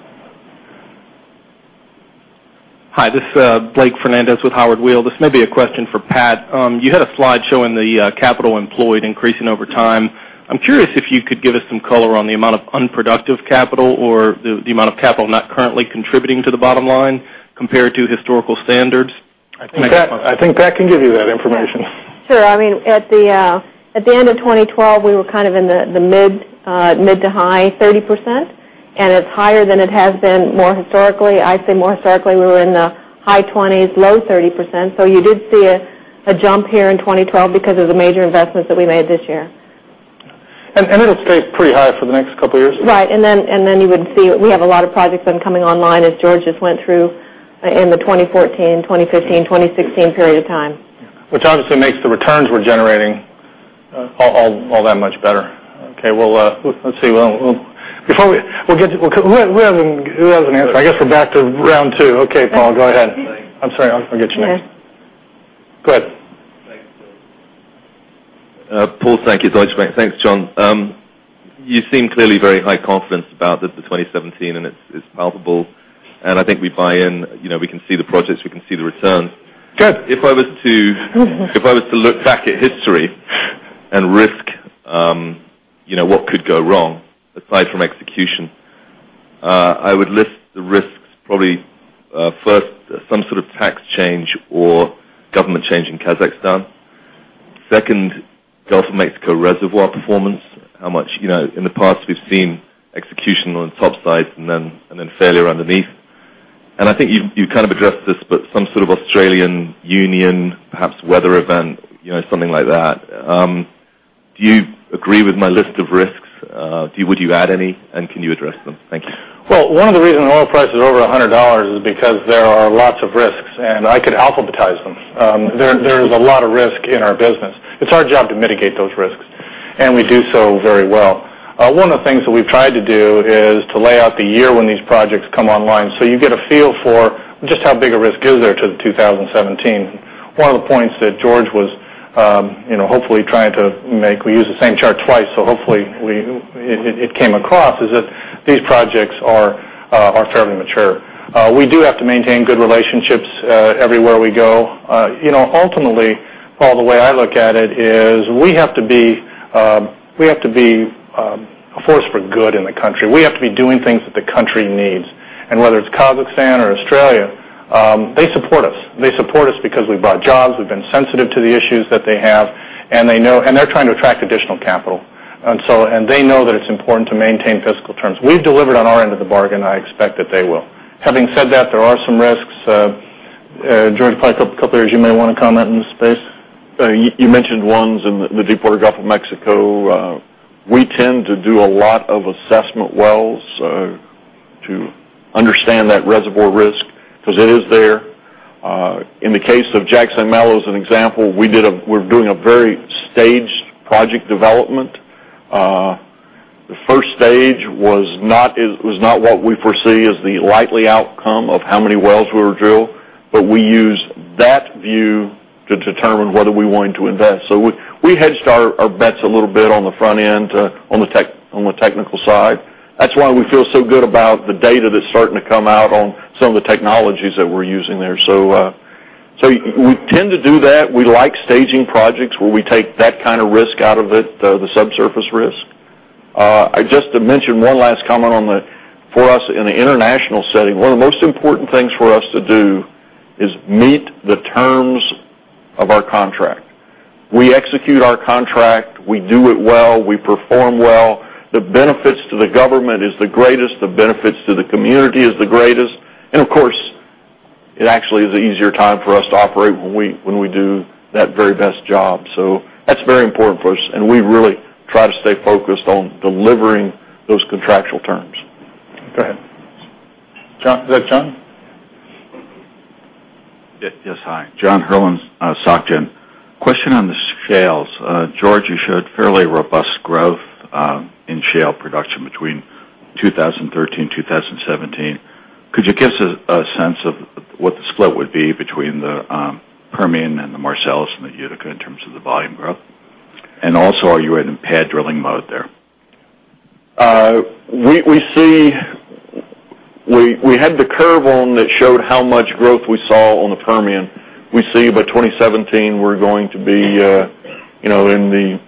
Hi, this is Blake Fernandez with Howard Weil. This may be a question for Pat. You had a slide showing the capital employed increasing over time. I'm curious if you could give us some color on the amount of unproductive capital or the amount of capital not currently contributing to the bottom line compared to historical standards. I think Pat can give you that information. Sure. At the end of 2012, we were kind of in the mid to high 30%. It's higher than it has been more historically. I'd say more historically, we were in the high 20s, low 30%. You did see a jump here in 2012 because of the major investments that we made this year. It'll stay pretty high for the next couple years. Right. You would see we have a lot of projects that are coming online as George just went through in the 2014, 2015, 2016 period of time. Which obviously makes the returns we're generating all that much better. Okay. Well, let's see. Who has an answer? I guess we're back to round two. Okay, Paul, go ahead. I'm sorry. I'll get you next. Go ahead. Thanks, Paul. Thank you, George. Thanks, John. You seem clearly very high confidence about the 2017, it's palpable. I think we buy in. We can see the projects. We can see the returns. Good. If I was to look back at history and risk what could go wrong, aside from execution, I would list the risks probably first, some sort of tax change or government change in Kazakhstan. Second, Gulf of Mexico reservoir performance. In the past, we've seen execution on top side and then failure underneath. I think you kind of addressed this, but some sort of Australian union, perhaps weather event, something like that. Do you agree with my list of risks? Would you add any, and can you address them? Thank you. Well, one of the reasons oil price is over $100 is because there are lots of risks, and I could alphabetize them. There is a lot of risk in our business. It's our job to mitigate those risks, and we do so very well. One of the things that we've tried to do is to lay out the year when these projects come online, so you get a feel for just how big a risk is there to the 2017. One of the points that George was hopefully trying to make, we use the same chart twice, so hopefully it came across, is that these projects are fairly mature. We do have to maintain good relationships everywhere we go. Ultimately, Paul, the way I look at it is we have to be a force for good in the country. We have to be doing things that the country needs. Whether it's Kazakhstan or Australia, they support us. They support us because we've brought jobs, we've been sensitive to the issues that they have, and they're trying to attract additional capital. They know that it's important to maintain fiscal terms. We've delivered on our end of the bargain. I expect that they will. Having said that, there are some risks George, a couple areas you may want to comment on this space. You mentioned ones in the Deepwater Gulf of Mexico. We tend to do a lot of assessment wells to understand that reservoir risk, because it is there. In the case of Jack St. Malo as an example, we're doing a very staged project development. The first stage was not what we foresee as the likely outcome of how many wells we would drill, but we used that view to determine whether we wanted to invest. We hedged our bets a little bit on the front end on the technical side. That's why we feel so good about the data that's starting to come out on some of the technologies that we're using there. We tend to do that. We like staging projects where we take that kind of risk out of it, the subsurface risk. Just to mention one last comment, for us in the international setting, one of the most important things for us to do is meet the terms of our contract. We execute our contract, we do it well, we perform well. The benefits to the government is the greatest, the benefits to the community is the greatest, and of course, it actually is an easier time for us to operate when we do that very best job. That's very important for us, and we really try to stay focused on delivering those contractual terms. Go ahead. John? Is that John? Yes, hi. John Herrlin, Soc Gen. Question on the shales. George, you showed fairly robust growth in shale production between 2013, 2017. Could you give us a sense of what the split would be between the Permian and the Marcellus and the Utica in terms of the volume growth? Are you in pad drilling mode there? We had the curve on that showed how much growth we saw on the Permian. We see by 2017, we're going to be in the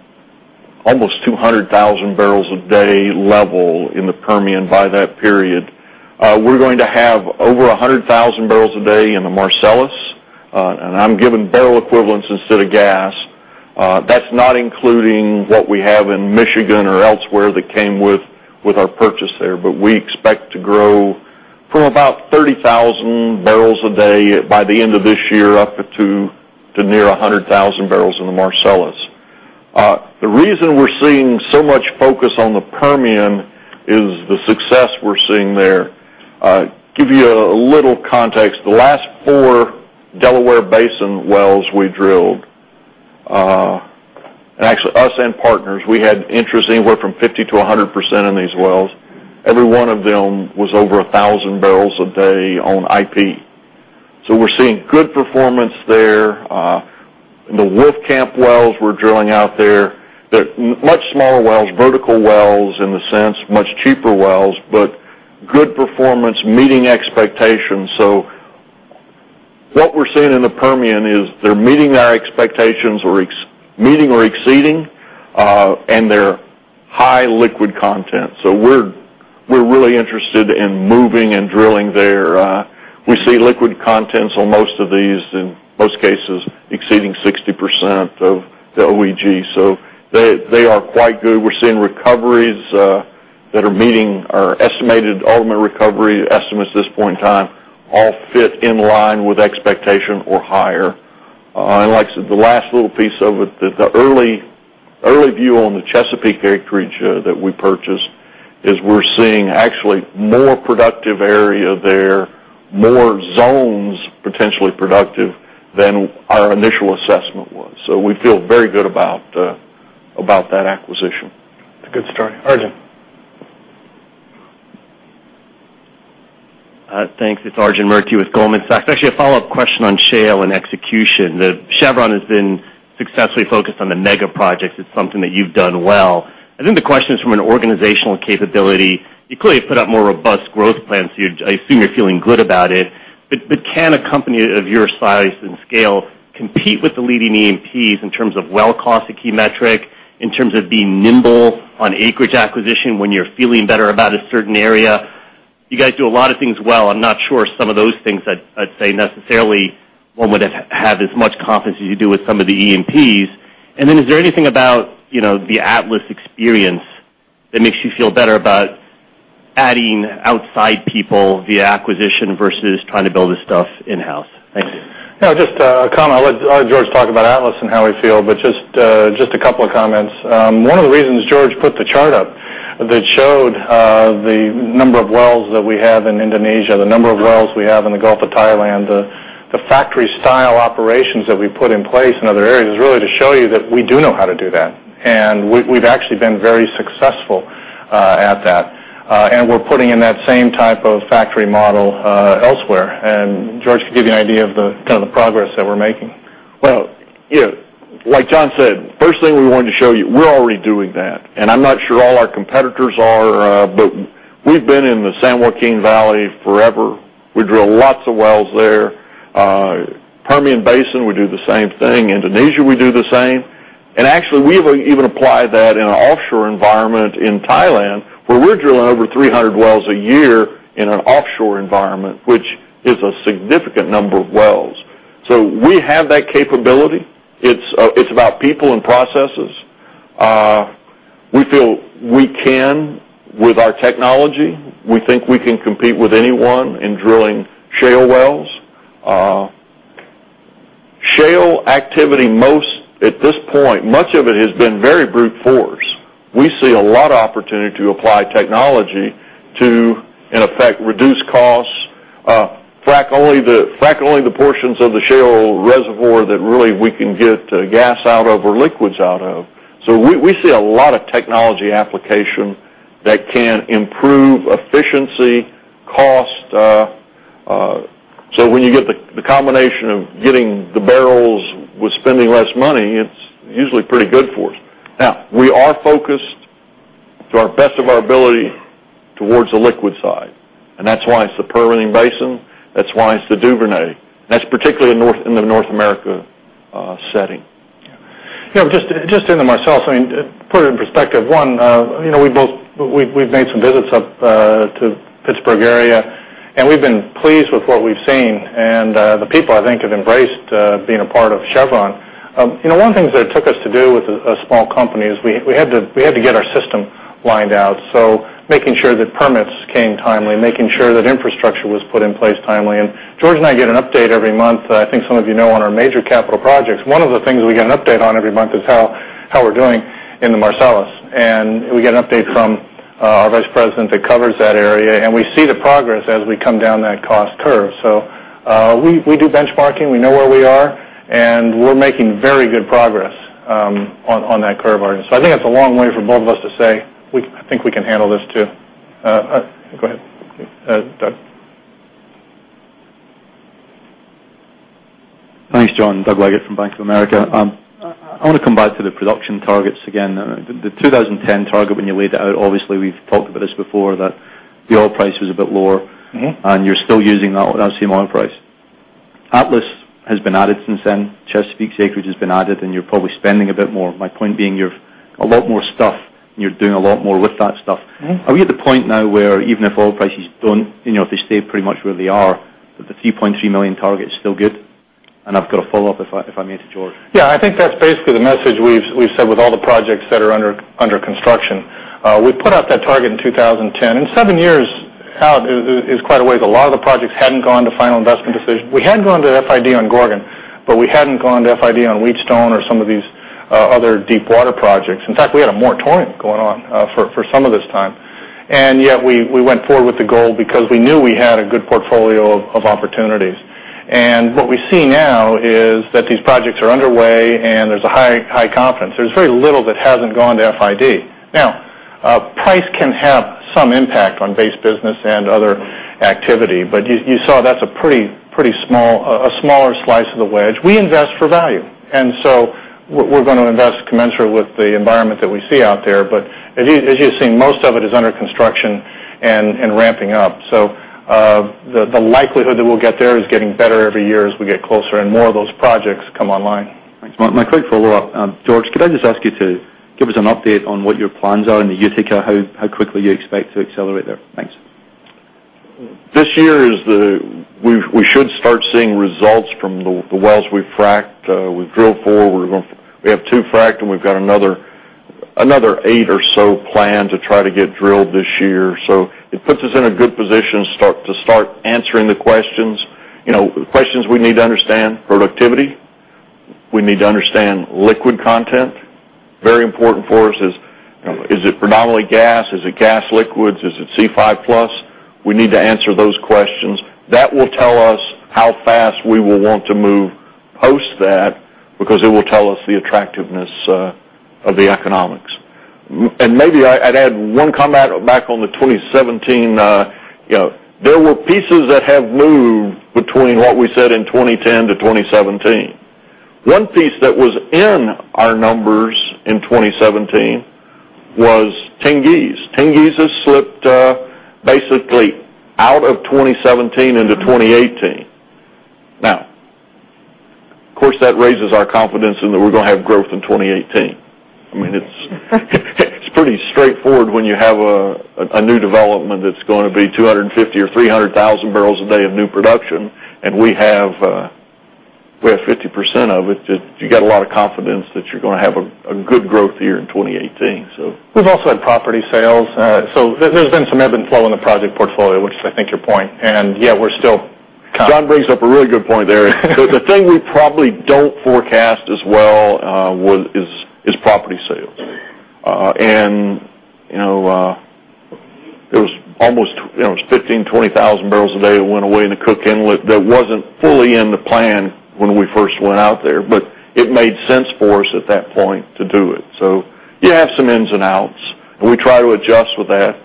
almost 200,000 barrels a day level in the Permian by that period. We're going to have over 100,000 barrels a day in the Marcellus, and I'm giving barrel equivalents instead of gas. That's not including what we have in Michigan or elsewhere that came with our purchase there. We expect to grow from about 30,000 barrels a day by the end of this year, up to near 100,000 barrels in the Marcellus. The reason we're seeing so much focus on the Permian is the success we're seeing there. Give you a little context. The last four Delaware Basin wells we drilled, and actually us and partners, we had interests anywhere from 50%-100% in these wells. Every one of them was over 1,000 barrels a day on IP. We're seeing good performance there. The Wolfcamp wells we're drilling out there, they're much smaller wells, vertical wells in a sense, much cheaper wells, but good performance, meeting expectations. What we're seeing in the Permian is they're meeting our expectations, meeting or exceeding, and they're high liquid content. We're really interested in moving and drilling there. We see liquid contents on most of these, in most cases exceeding 60% of the BOE. They are quite good. We're seeing recoveries that are meeting our estimated ultimate recovery estimates at this point in time, all fit in line with expectation or higher. Like I said, the last little piece of it, the early view on the Chesapeake acreage that we purchased is we're seeing actually more productive area there, more zones potentially productive than our initial assessment was. We feel very good about that acquisition. It's a good start. Arjun? Thanks. It's Arjun Murti with Goldman Sachs. Actually, a follow-up question on shale and execution. Chevron has been successfully focused on the mega projects. It's something that you've done well. I think the question is from an organizational capability. You clearly put out more robust growth plans, so I assume you're feeling good about it. Can a company of your size and scale compete with the leading E&Ps in terms of well cost, a key metric, in terms of being nimble on acreage acquisition when you're feeling better about a certain area? You guys do a lot of things well. I'm not sure some of those things I'd say necessarily one would have had as much confidence as you do with some of the E&Ps. Then is there anything about the Atlas experience that makes you feel better about adding outside people via acquisition versus trying to build this stuff in-house? Thank you. Just a comment. I'll let George talk about Atlas and how we feel, but just a couple of comments. One of the reasons George put the chart up that showed the number of wells that we have in Indonesia, the number of wells we have in the Gulf of Thailand, the factory-style operations that we put in place in other areas, is really to show you that we do know how to do that, and we've actually been very successful at that. We're putting in that same type of factory model elsewhere. George can give you an idea of the progress that we're making. Well, like John said, first thing we wanted to show you, we're already doing that, and I'm not sure all our competitors are, but we've been in the San Joaquin Valley forever. We drill lots of wells there. Permian Basin, we do the same thing. Indonesia, we do the same. Actually, we even apply that in an offshore environment in Thailand, where we're drilling over 300 wells a year in an offshore environment, which is a significant number of wells. So we have that capability. It's about people and processes. We feel we can, with our technology, we think we can compete with anyone in drilling shale wells. Shale activity, at this point, much of it has been very brute force. We see a lot of opportunity to apply technology to, in effect, reduce costs, frack only the portions of the shale reservoir that really we can get gas out of or liquids out of. We see a lot of technology application that can improve efficiency, cost. When you get the combination of getting the barrels with spending less money, it's usually pretty good for us. Now, we are focused, to our best of our ability, towards the liquid side. That's why it's the Permian Basin, that's why it's the Duvernay. That's particularly in the North America setting. Yeah. Just into Marcellus, to put it in perspective, one, we've made some visits up to Pittsburgh area, and we've been pleased with what we've seen, and the people, I think, have embraced being a part of Chevron. One of the things that it took us to do with a small company is we had to get our system lined out. Making sure that permits came timely, making sure that infrastructure was put in place timely. George and I get an update every month, I think some of you know, on our major capital projects. One of the things we get an update on every month is how we're doing in the Marcellus. We get an update from our vice president that covers that area, and we see the progress as we come down that cost curve. We do benchmarking. We know where we are, and we're making very good progress on that curve. I think that's a long way for both of us to say, we think we can handle this, too. Go ahead, Doug. Thanks, John. Doug Leggate from Bank of America. I want to come back to the production targets again. The 2010 target, when you laid that out, obviously we've talked about this before, that the oil price was a bit lower. You're still using that same oil price. Atlas has been added since then. Chesapeake acreage has been added, and you're probably spending a bit more. My point being, you've a lot more stuff and you're doing a lot more with that stuff. Are we at the point now where even if oil prices if they stay pretty much where they are, that the 3.3 million target is still good? I've got a follow-up if I may, to George. Yeah, I think that's basically the message we've said with all the projects that are under construction. We put out that target in 2010. Seven years out is quite a ways. A lot of the projects hadn't gone to final investment decision. We had gone to FID on Gorgon, but we hadn't gone to FID on Wheatstone or some of these other deep water projects. In fact, we had a moratorium going on for some of this time. Yet we went forward with the goal because we knew we had a good portfolio of opportunities. What we see now is that these projects are underway and there's a high confidence. There's very little that hasn't gone to FID. Now, price can have some impact on base business and other activity, but you saw that's a pretty small, a smaller slice of the wedge. We invest for value. We're going to invest commensurate with the environment that we see out there. As you've seen, most of it is under construction and ramping up. The likelihood that we'll get there is getting better every year as we get closer and more of those projects come online. Thanks. My quick follow-up. George, could I just ask you to give us an update on what your plans are in the Utica? How quickly you expect to accelerate there? Thanks. This year, we should start seeing results from the wells we've fracked, we've drilled for. We have two fracked, and we've got another eight or so planned to try to get drilled this year. It puts us in a good position to start answering the questions. Questions we need to understand, productivity. We need to understand liquid content. Very important for us is it predominantly gas? Is it gas liquids? Is it C5 plus? We need to answer those questions. That will tell us how fast we will want to move post that because it will tell us the attractiveness of the economics. Maybe I'd add one comment back on the 2017. There were pieces that have moved between what we said in 2010 to 2017. One piece that was in our numbers in 2017 was Tengiz. Tengiz has slipped basically out of 2017 into 2018. Of course, that raises our confidence in that we're going to have growth in 2018. I mean, it's pretty straightforward when you have a new development that's going to be 250,000 or 300,000 barrels a day of new production, and we have 50% of it. You got a lot of confidence that you're going to have a good growth year in 2018. We've also had property sales. There's been some ebb and flow in the project portfolio, which is I think your point. Yet we're still- John brings up a really good point there. The thing we probably don't forecast as well is property sales. It was 15,000, 20,000 barrels a day that went away in the Cook Inlet that wasn't fully in the plan when we first went out there, but it made sense for us at that point to do it. You have some ins and outs, and we try to adjust with that.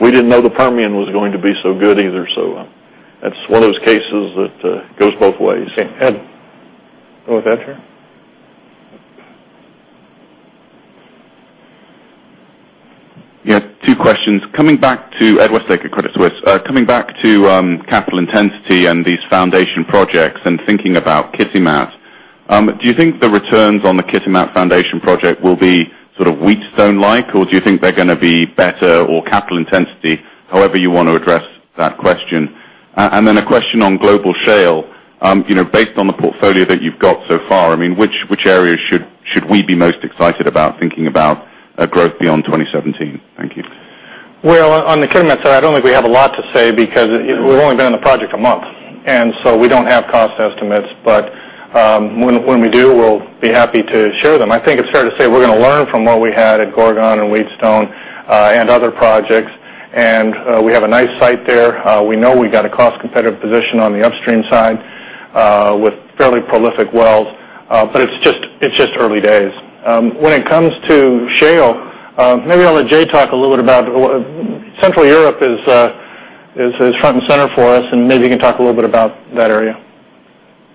We didn't know the Permian was going to be so good either, so that's one of those cases that goes both ways. Okay. Ed? Oh, Ed here. Yeah, two questions. Ed Westlake at Credit Suisse. Coming back to capital intensity and these foundation projects and thinking about Kitimat, do you think the returns on the Kitimat foundation project will be sort of Wheatstone-like, or do you think they're going to be better or capital intensity? However you want to address that question. A question on global shale. Based on the portfolio that you've got so far, which areas should we be most excited about thinking about growth beyond 2017? Thank you. Well, on the Kitimat side, I don't think we have a lot to say because we've only been on the project a month, we don't have cost estimates. When we do, we'll be happy to share them. I think it's fair to say we're going to learn from what we had at Gorgon and Wheatstone and other projects. We have a nice site there. We know we've got a cost-competitive position on the upstream side with fairly prolific wells. It's just early days. When it comes to shale, maybe I'll let Jay talk a little bit about Central Europe is front and center for us. Maybe you can talk a little bit about that area.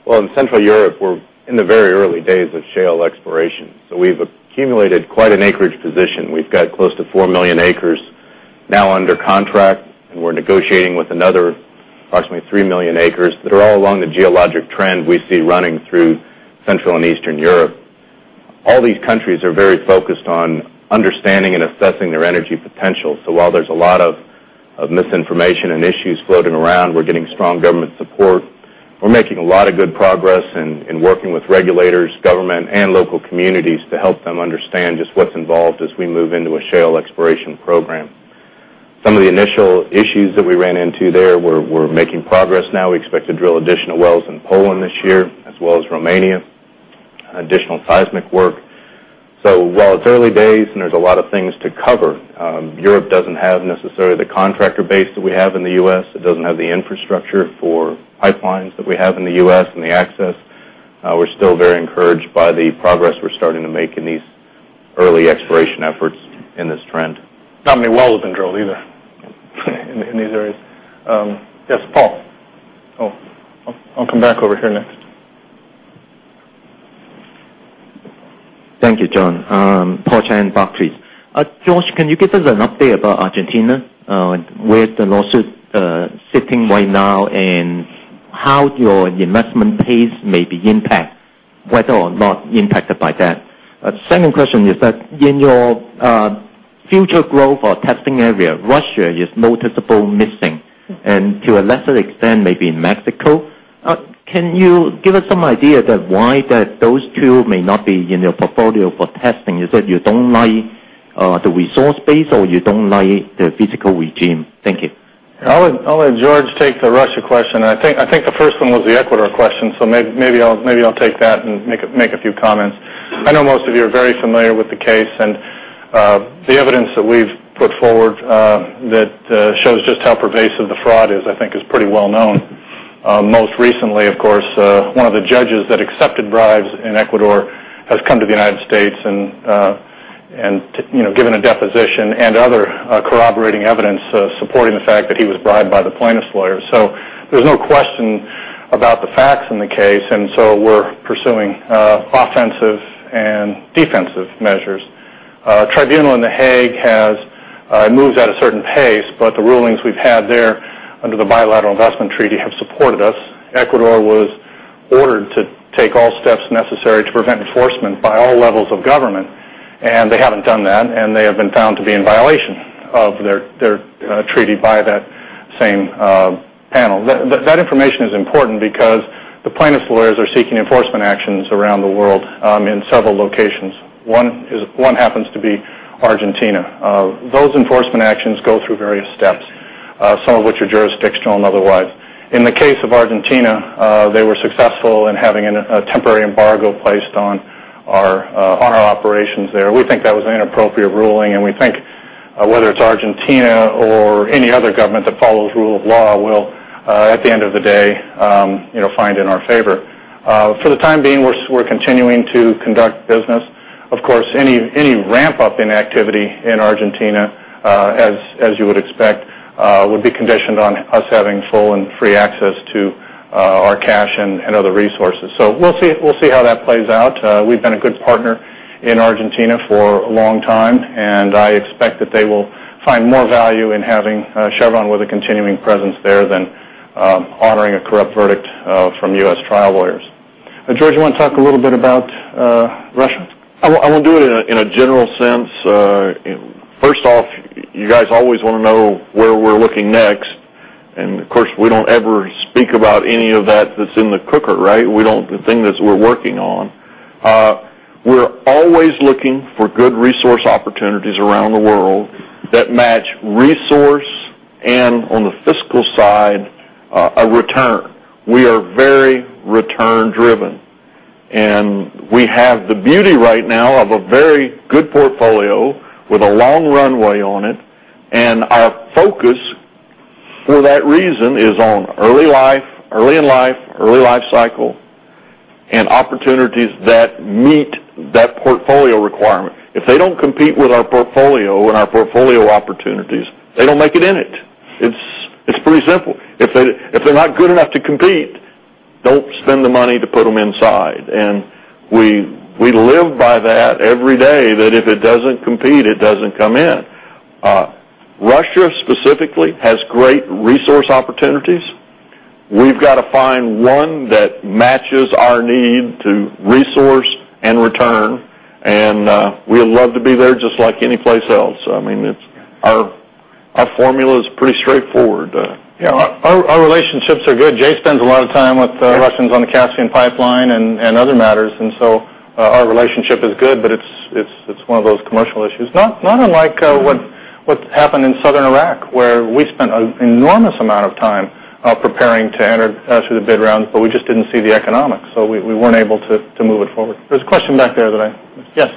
Well, in Central Europe, we're in the very early days of shale exploration. We've accumulated quite an acreage position. We've got close to 4 million acres now under contract. We're negotiating with another approximately 3 million acres that are all along the geologic trend we see running through Central and Eastern Europe. All these countries are very focused on understanding and assessing their energy potential. While there's a lot of misinformation and issues floating around, we're getting strong government support. We're making a lot of good progress in working with regulators, government, and local communities to help them understand just what's involved as we move into a shale exploration program. Some of the initial issues that we ran into there, we're making progress now. We expect to drill additional wells in Poland this year, as well as Romania, additional seismic work. While it's early days and there's a lot of things to cover, Europe doesn't have necessarily the contractor base that we have in the U.S. It doesn't have the infrastructure for pipelines that we have in the U.S. and the access. We're still very encouraged by the progress we're starting to make in these early exploration efforts in this trend. Not many wells have been drilled either in these areas. Yes, Paul. Oh, I'll come back over here next. Thank you, John. Paul Cheng, Barclays. George, can you give us an update about Argentina? Where is the lawsuit sitting right now, and how your investment pace may be impacted by that? Second question is that in your future growth or testing area, Russia is noticeably missing and to a lesser extent, maybe Mexico. Can you give us some idea why those two may not be in your portfolio for testing? Is it you don't like the resource base or you don't like the fiscal regime? Thank you. I'll let George take the Russia question. I think the first one was the Ecuador question, so maybe I'll take that and make a few comments. I know most of you are very familiar with the case, and the evidence that we've put forward that shows just how pervasive the fraud is, I think is pretty well known. Most recently, of course, one of the judges that accepted bribes in Ecuador has come to the United States and given a deposition and other corroborating evidence supporting the fact that he was bribed by the plaintiff's lawyers. There's no question about the facts in the case, and so we're pursuing offensive and defensive measures. A tribunal in The Hague has moved at a certain pace, but the rulings we've had there under the bilateral investment treaty have supported us. Ecuador was ordered to take all steps necessary to prevent enforcement by all levels of government, and they haven't done that, and they have been found to be in violation of their treaty by that same panel. That information is important because the plaintiff's lawyers are seeking enforcement actions around the world in several locations. One happens to be Argentina. Those enforcement actions go through various steps, some of which are jurisdictional and otherwise. In the case of Argentina, they were successful in having a temporary embargo placed on our operations there. We think that was an inappropriate ruling, and we think whether it's Argentina or any other government that follows rule of law will, at the end of the day, find in our favor. For the time being, we're continuing to conduct business. Of course, any ramp-up in activity in Argentina, as you would expect, would be conditioned on us having full and free access to our cash and other resources. We'll see how that plays out. We've been a good partner in Argentina for a long time, and I expect that they will find more value in having Chevron with a continuing presence there than honoring a corrupt verdict from U.S. trial lawyers. George, you want to talk a little bit about Russia? I will do it in a general sense. First off, you guys always want to know where we're looking next, of course, we don't ever speak about any of that that's in the cooker, right? The thing that we're working on. We're always looking for good resource opportunities around the world that match resource and on the fiscal side, a return. We are very return driven. We have the beauty right now of a very good portfolio with a long runway on it. Our focus for that reason is on early in life, early life cycle, and opportunities that meet that portfolio requirement. If they don't compete with our portfolio and our portfolio opportunities, they don't make it in it. It's pretty simple. If they're not good enough to compete, don't spend the money to put them inside. We live by that every day that if it doesn't compete, it doesn't come in. Russia specifically has great resource opportunities We've got to find one that matches our need to resource and return, and we'd love to be there just like any place else. Our formula is pretty straightforward. Yeah. Our relationships are good. Jay spends a lot of time with the Russians on the Caspian Pipeline and other matters, and so our relationship is good, but it's one of those commercial issues. Not unlike what happened in southern Iraq, where we spent an enormous amount of time preparing to enter through the bid rounds, but we just didn't see the economics, so we weren't able to move it forward. There's a question back there. Yes.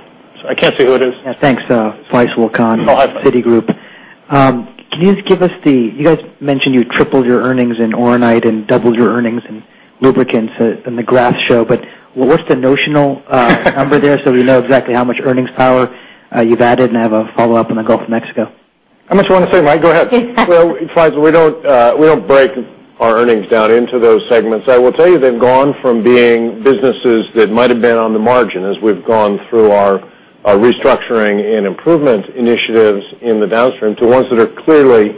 I can't see who it is. Yeah. Thanks. Faisel Khan- Oh, hi, Faisel Citigroup. You guys mentioned you tripled your earnings in Oronite and doubled your earnings in lubricants in the graph show, but what's the notional number there so we know exactly how much earnings power you've added? I have a follow-up on the Gulf of Mexico. How much do you want to say, Mike? Go ahead. Well, Faisel, we don't break our earnings down into those segments. I will tell you they've gone from being businesses that might've been on the margin as we've gone through our restructuring and improvement initiatives in the Downstream to ones that are clearly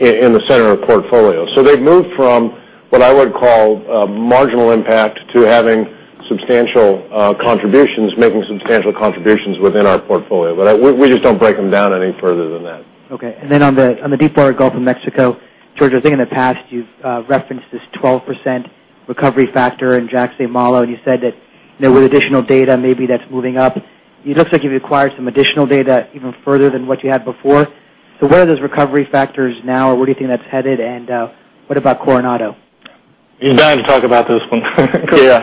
in the center of portfolio. They've moved from what I would call a marginal impact to having substantial contributions, making substantial contributions within our portfolio. We just don't break them down any further than that. Okay. On the Deepwater Gulf of Mexico, George, I think in the past, you've referenced this 12% recovery factor in Jack Saint Malo, and you said that with additional data, maybe that's moving up. It looks like you've acquired some additional data even further than what you had before. What are those recovery factors now, or where do you think that's headed, and what about Coronado? You're dying to talk about this one. Yeah.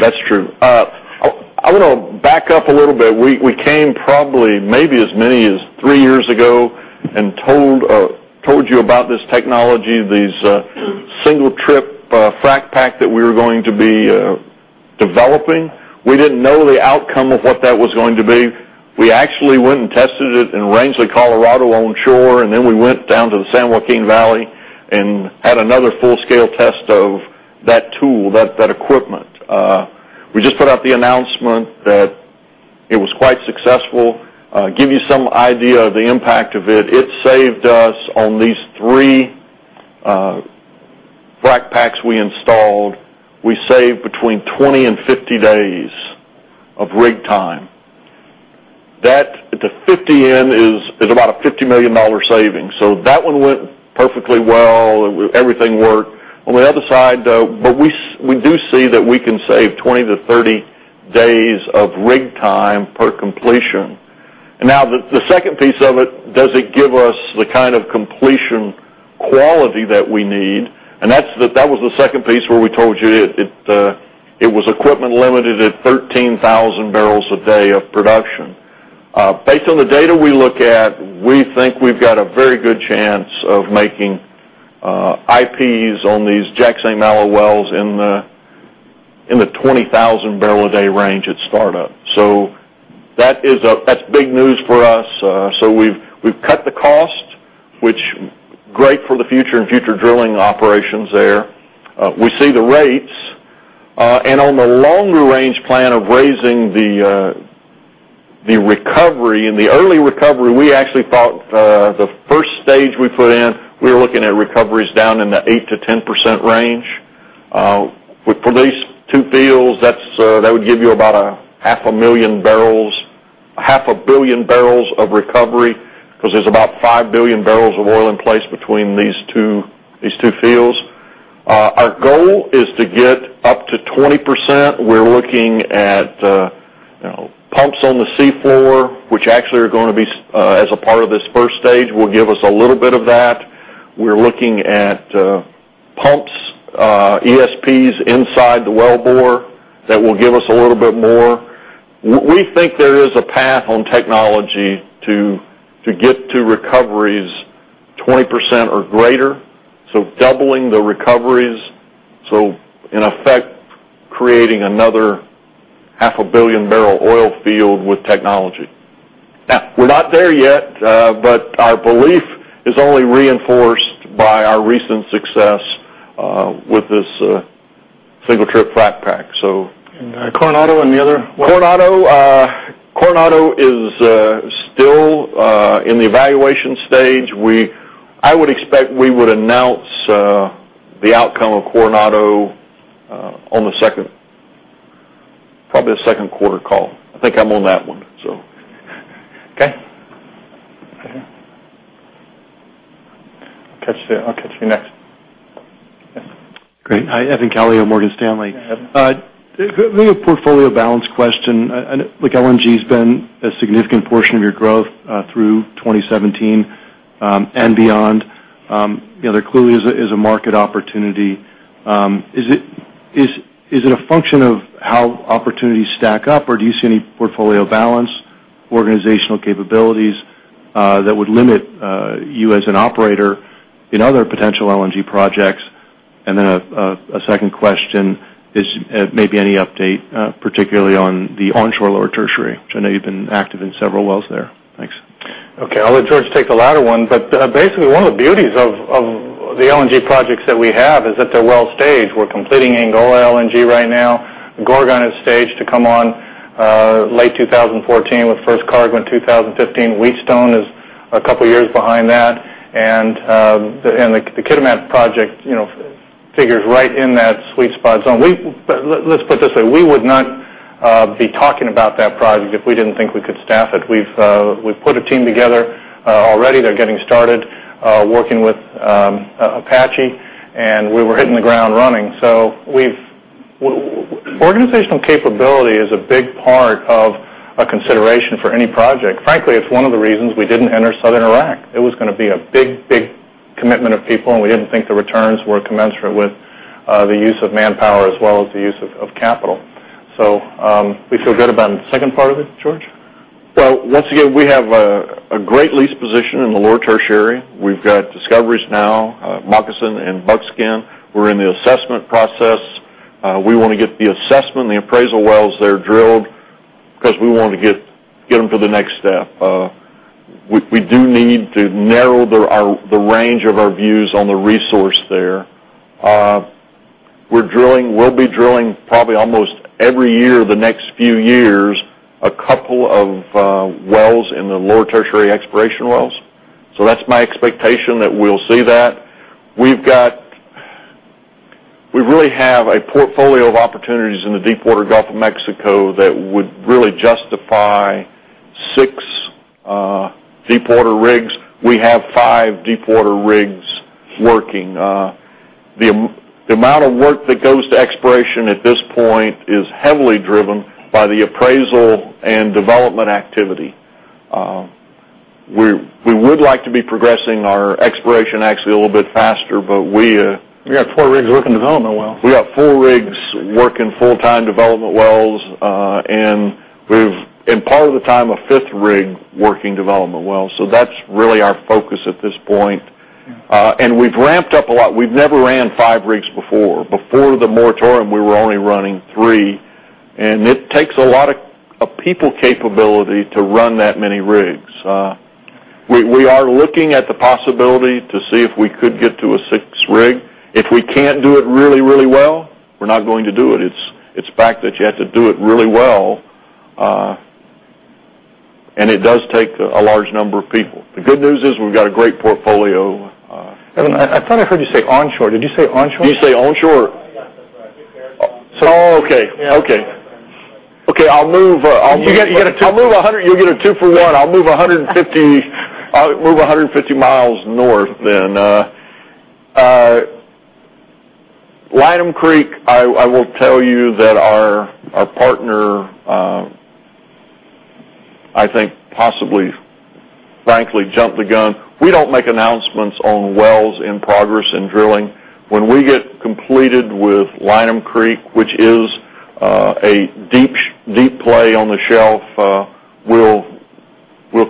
That's true. I want to back up a little bit. We came probably maybe as many as three years ago and told you about this technology, these single-trip frac pack that we were going to be developing. We didn't know the outcome of what that was going to be. We actually went and tested it in Rangely, Colorado, onshore, and then we went down to the San Joaquin Valley and had another full-scale test of that tool, that equipment. We just put out the announcement that it was quite successful. Give you some idea of the impact of it. It saved us on these three frac packs we installed. We saved between 20 and 50 days of rig time. That at the 50 end is about a $50 million savings. That one went perfectly well. Everything worked. On the other side, though, we do see that we can save 20 to 30 days of rig time per completion. Now the second piece of it, does it give us the kind of completion quality that we need? That was the second piece where we told you it was equipment limited at 13,000 barrels a day of production. Based on the data we look at, we think we've got a very good chance of making IPs on these Jack Saint Malo wells in the 20,000 barrel a day range at startup. That's big news for us. We've cut the cost, which great for the future and future drilling operations there. We see the rates. On the longer range plan of raising the recovery, in the early recovery, we actually thought the stage 1 we put in, we were looking at recoveries down in the 8%-10% range. For these two fields, that would give you about a half a billion barrels of recovery because there's about 5 billion barrels of oil in place between these two fields. Our goal is to get up to 20%. We're looking at pumps on the sea floor, which actually are going to be as a part of this stage 1, will give us a little bit of that. We're looking at pumps, ESPs inside the wellbore that will give us a little bit more. We think there is a path on technology to get to recoveries 20% or greater, doubling the recoveries, in effect, creating another half a billion barrel oil field with technology. Now, we're not there yet, our belief is only reinforced by our recent success with this single-trip frac pack. Coronado and the other? Coronado is still in the evaluation stage. I would expect we would announce the outcome of Coronado on the second, probably the second quarter call. I think I'm on that one. Okay. Right here. I'll catch you next. Yes. Great. Evan Calio, Morgan Stanley. Hi, Evan. A portfolio balance question. Look, LNG's been a significant portion of your growth through 2017 and beyond. There clearly is a market opportunity. Is it a function of how opportunities stack up, or do you see any portfolio balance, organizational capabilities that would limit you as an operator in other potential LNG projects? Then a second question is maybe any update, particularly on the onshore lower tertiary, which I know you've been active in several wells there. Thanks. Okay. I'll let George take the latter one. Basically, one of the beauties of the LNG projects that we have is that they're well staged. We're completing Angola LNG right now. Gorgon is staged to come on late 2014 with first cargo in 2015. Wheatstone is a couple of years behind that. The Kitimat project figures right in that sweet spot zone. Let's put it this way, we would not be talking about that project if we didn't think we could staff it. We've put a team together already. They're getting started working with Apache, and we were hitting the ground running. Organizational capability is a big part of a consideration for any project. Frankly, it's one of the reasons we didn't enter Southern Iraq. It was going to be a big commitment of people, and we didn't think the returns were commensurate with the use of manpower as well as the use of capital. We feel good about it. The second part of it, George? Well, once again, we have a great lease position in the Lower Tertiary. We've got discoveries now, Moccasin and Buckskin. We're in the assessment process. We want to get the assessment, the appraisal wells there drilled, because we want to get them to the next step. We do need to narrow the range of our views on the resource there. We'll be drilling probably almost every year in the next few years, a couple of wells in the Lower Tertiary exploration wells. That's my expectation that we'll see that. We really have a portfolio of opportunities in the deepwater Gulf of Mexico that would really justify six deepwater rigs. We have five deepwater rigs working. The amount of work that goes to exploration at this point is heavily driven by the appraisal and development activity. We would like to be progressing our exploration actually a little bit faster. We got four rigs working development wells. We got four rigs working full-time development wells, and part of the time, a fifth rig working development wells. That's really our focus at this point. We've ramped up a lot. We've never ran five rigs before. Before the moratorium, we were only running three, and it takes a lot of people capability to run that many rigs. We are looking at the possibility to see if we could get to a six rig. If we can't do it really well, we're not going to do it. It's a fact that you have to do it really well, and it does take a large number of people. The good news is we've got a great portfolio. Evan, I thought I heard you say onshore. Did you say onshore? Did you say onshore? Yes, that's right. Oh, okay. Okay, I'll move. You get a two- I'll move 100. You'll get a two for one. I'll move 150 miles north. Lineham Creek, I will tell you that our partner, I think possibly, frankly, jumped the gun. We don't make announcements on wells in progress in drilling. When we get completed with Lineham Creek, which is a deep play on the shelf, we'll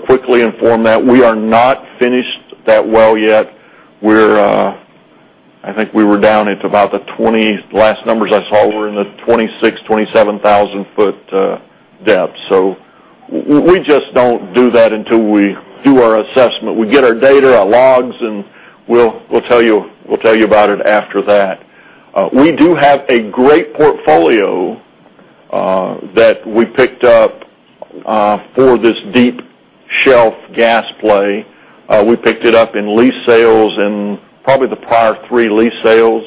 quickly inform that. We are not finished that well yet. I think we were down at about the 26,000, 27,000 foot depth. We just don't do that until we do our assessment. We get our data, our logs, and we'll tell you about it after that. We do have a great portfolio that we picked up for this deep shelf gas play. We picked it up in lease sales in probably the prior three lease sales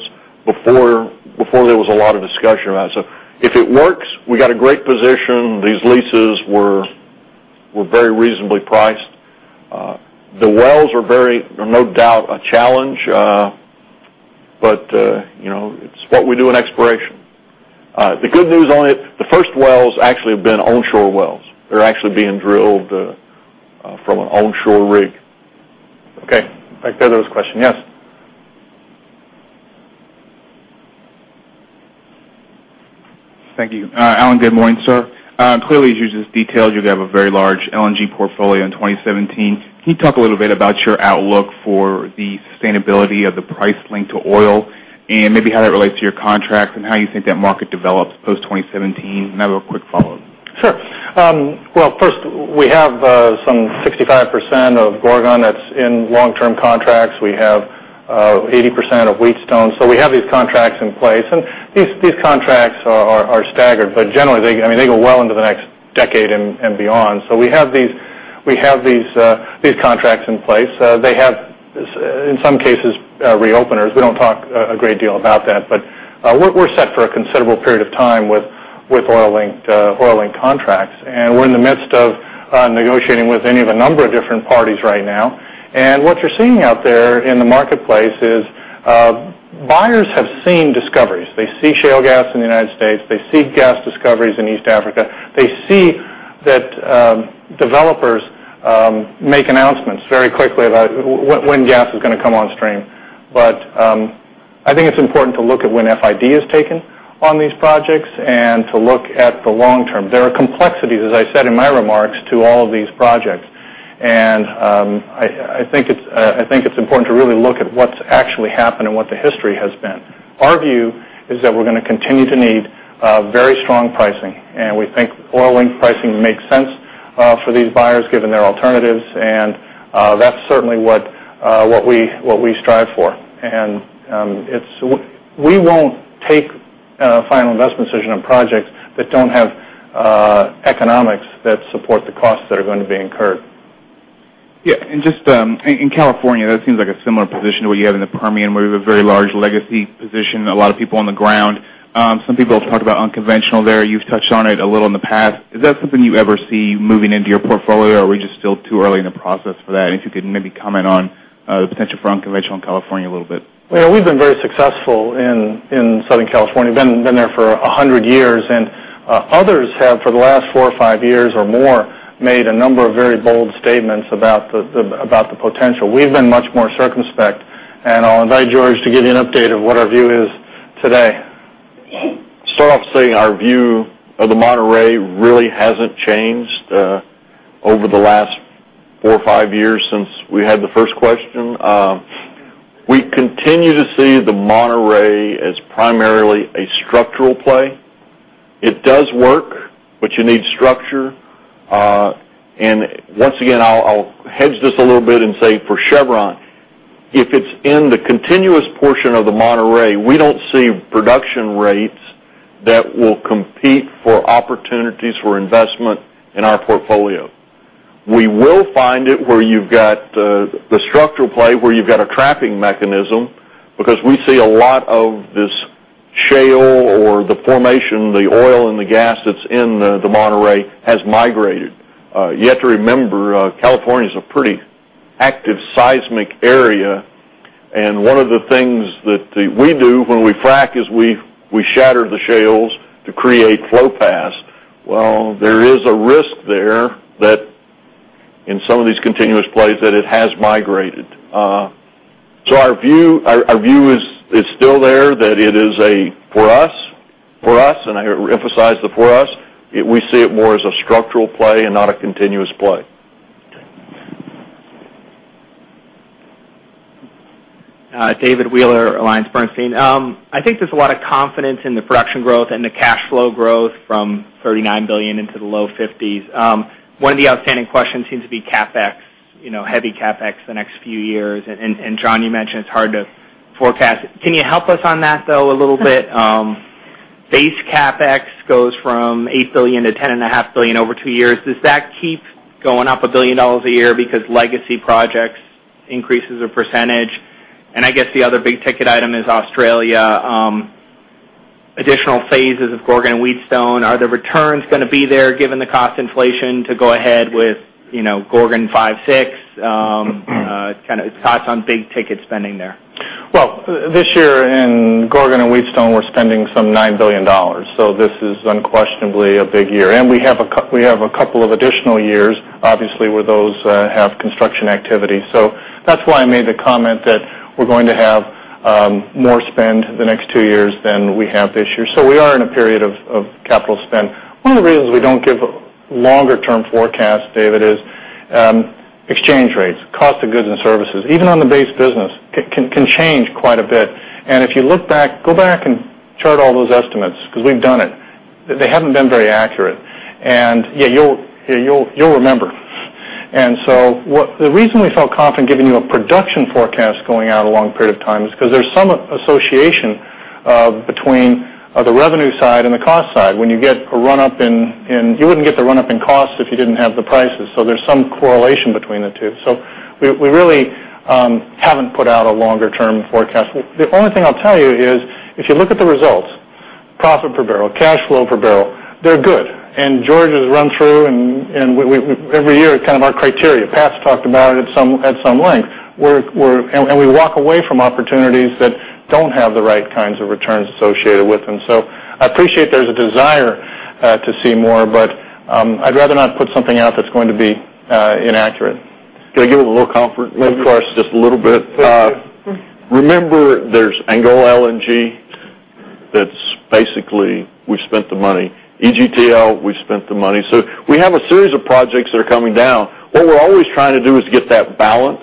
before there was a lot of discussion around it. If it works, we got a great position. These leases were very reasonably priced. The wells are very, no doubt, a challenge. It's what we do in exploration. The good news on it, the first wells actually have been onshore wells. They're actually being drilled from an onshore rig. Okay. Right there was a question. Yes. Thank you. Alan, good morning, sir. Clearly, as you just detailed, you have a very large LNG portfolio in 2017. Can you talk a little bit about your outlook for the sustainability of the price linked to oil and maybe how that relates to your contracts and how you think that market develops post-2017? I have a quick follow-up. Sure. Well, first, we have some 65% of Gorgon that's in long-term contracts. We have 80% of Wheatstone. We have these contracts in place, these contracts are staggered, but generally, they go well into the next decade and beyond. We have these contracts in place. They have, in some cases, reopeners. We don't talk a great deal about that, but we're set for a considerable period of time with oil-linked contracts. We're in the midst of negotiating with any of a number of different parties right now. What you're seeing out there in the marketplace is buyers have seen discoveries. They see shale gas in the U.S. They see gas discoveries in East Africa. They see that developers make announcements very quickly about when gas is going to come on stream. I think it's important to look at when FID is taken on these projects and to look at the long term. There are complexities, as I said in my remarks, to all of these projects. I think it's important to really look at what's actually happened and what the history has been. Our view is that we're going to continue to need very strong pricing. We think oil-linked pricing makes sense for these buyers, given their alternatives, that's certainly what we strive for. We won't take Final Investment Decision on projects that don't have economics that support the costs that are going to be incurred. Yeah. In California, that seems like a similar position to what you have in the Permian, where you have a very large legacy position, a lot of people on the ground. Some people have talked about unconventional there. You've touched on it a little in the past. Is that something you ever see moving into your portfolio, or are we just still too early in the process for that? If you could maybe comment on the potential for unconventional in California a little bit. Well, we've been very successful in Southern California. Been there for 100 years. Others have, for the last four or five years or more, made a number of very bold statements about the potential. We've been much more circumspect, and I'll invite George to give you an update of what our view is today. Start off saying our view of the Monterey really hasn't changed over the last four or five years since we had the first question. We continue to see the Monterey as primarily a structural play. It does work, but you need structure. Once again, I'll hedge this a little bit and say for Chevron, if it's in the continuous portion of the Monterey, we don't see production rates that will compete for opportunities for investment in our portfolio. We will find it where you've got the structural play, where you've got a trapping mechanism, because we see a lot of this shale or the formation, the oil and the gas that's in the Monterey has migrated. You have to remember California's a pretty active seismic area, and one of the things that we do when we frack is we shatter the shales to create flow paths. Well, there is a risk there that in some of these continuous plays that it has migrated. Our view is still there, that it is a for us, and I emphasize the for us, we see it more as a structural play and not a continuous play. Okay. David Wheeler, AllianceBernstein. I think there's a lot of confidence in the production growth and the cash flow growth from $39 billion into the low 50s. One of the outstanding questions seems to be CapEx, heavy CapEx the next few years. John, you mentioned it's hard to forecast it. Can you help us on that, though, a little bit? Base CapEx goes from $8 billion to $10.5 billion over two years. Does that keep going up $1 billion a year because legacy projects increases the percentage? I guess the other big-ticket item is Australia, additional phases of Gorgon and Wheatstone. Are the returns going to be there given the cost inflation to go ahead with Gorgon five, six? Thoughts on big-ticket spending there. Well, this year in Gorgon and Wheatstone, we're spending some $9 billion, so this is unquestionably a big year. We have a couple of additional years, obviously, where those have construction activity. That's why I made the comment that we're going to have more spend the next two years than we have this year. We are in a period of capital spend. One of the reasons we don't give longer term forecasts, David, is exchange rates, cost of goods and services, even on the base business, can change quite a bit. If you look back, go back and chart all those estimates, because we've done it. They haven't been very accurate. Yet you'll remember. The reason we felt confident giving you a production forecast going out a long period of time is because there's some association between the revenue side and the cost side. When you get a run-up in costs if you didn't have the prices. There's some correlation between the two. We really haven't put out a longer term forecast. The only thing I'll tell you is, if you look at the results, profit per barrel, cash flow per barrel, they're good. George has run through and every year, our criteria. Pat's talked about it at some length. We walk away from opportunities that don't have the right kinds of returns associated with them. I appreciate there's a desire to see more, but I'd rather not put something out that's going to be inaccurate. Can I give it a little comfort? Of course. Just a little bit. Please do. Remember, there's Angola LNG that's basically we've spent the money. EGTL, we've spent the money. We have a series of projects that are coming down. What we're always trying to do is get that balance.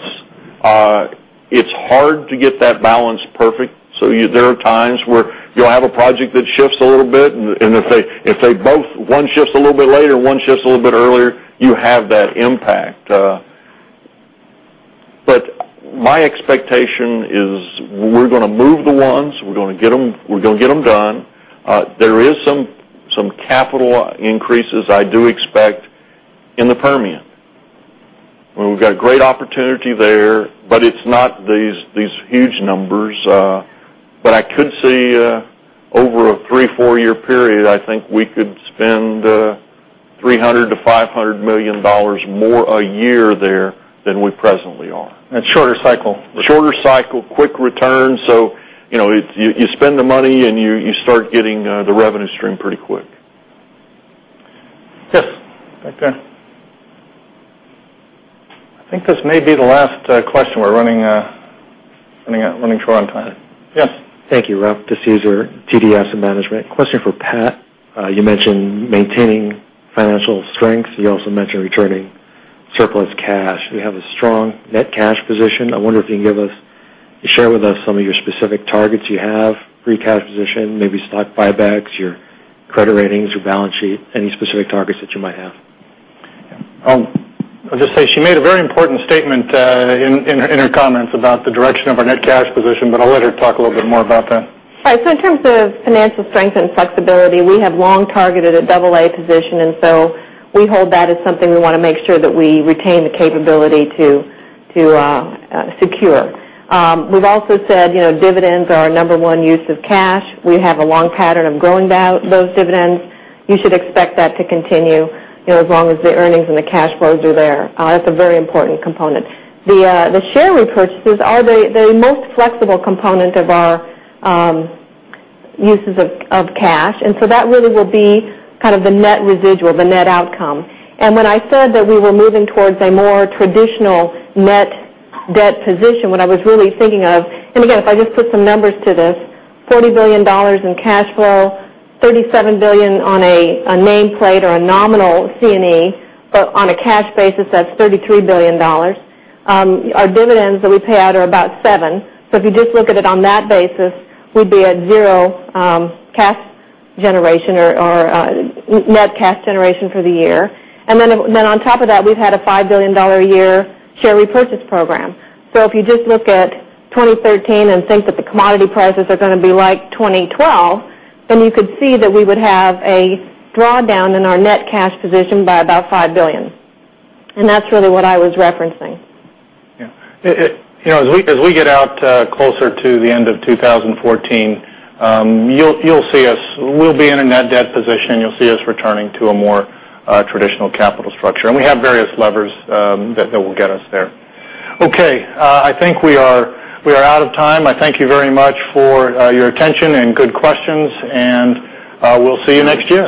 It's hard to get that balance perfect. There are times where you'll have a project that shifts a little bit, and if one shifts a little bit later and one shifts a little bit earlier, you have that impact. My expectation is we're going to move the ones, we're going to get them done. There is some capital increases I do expect in the Permian, where we've got great opportunity there, but it's not these huge numbers. I could see over a three, four-year period, I think we could spend $300 million-$500 million more a year there than we presently are. Shorter cycle. Shorter cycle, quick return. You spend the money and you start getting the revenue stream pretty quick. Yes. Back there. I think this may be the last question. We're running short on time. Yes. Thank you, Ralph. This is Caesar, TDS and Management. Question for Pat. You mentioned maintaining financial strength. You also mentioned returning surplus cash. You have a strong net cash position. I wonder if you can share with us some of your specific targets you have, free cash position, maybe stock buybacks, your credit ratings, your balance sheet, any specific targets that you might have? I'll just say she made a very important statement in her comments about the direction of our net cash position, but I'll let her talk a little bit more about that. Right. So in terms of financial strength and flexibility, we have long targeted a AA position, and so we hold that as something we want to make sure that we retain the capability to secure. We have also said dividends are our number one use of cash. We have a long pattern of growing those dividends. You should expect that to continue as long as the earnings and the cash flows are there. That is a very important component. The share repurchases are the most flexible component of our uses of cash. That really will be kind of the net residual, the net outcome. When I said that we were moving towards a more traditional net debt position, what I was really thinking of. If I just put some numbers to this, $40 billion in cash flow, $37 billion on a nameplate or a nominal C&E, but on a cash basis, that is $33 billion. Our dividends that we paid are about seven. If you just look at it on that basis, we would be at zero cash generation or net cash generation for the year. On top of that, we have had a $5 billion a year share repurchase program. If you just look at 2013 and think that the commodity prices are going to be like 2012, then you could see that we would have a drawdown in our net cash position by about $5 billion. That is really what I was referencing. Yeah. As we get out closer to the end of 2014, you will see us, we will be in a net debt position. You will see us returning to a more traditional capital structure. We have various levers that will get us there. Okay. I think we are out of time. I thank you very much for your attention and good questions, and we will see you next year.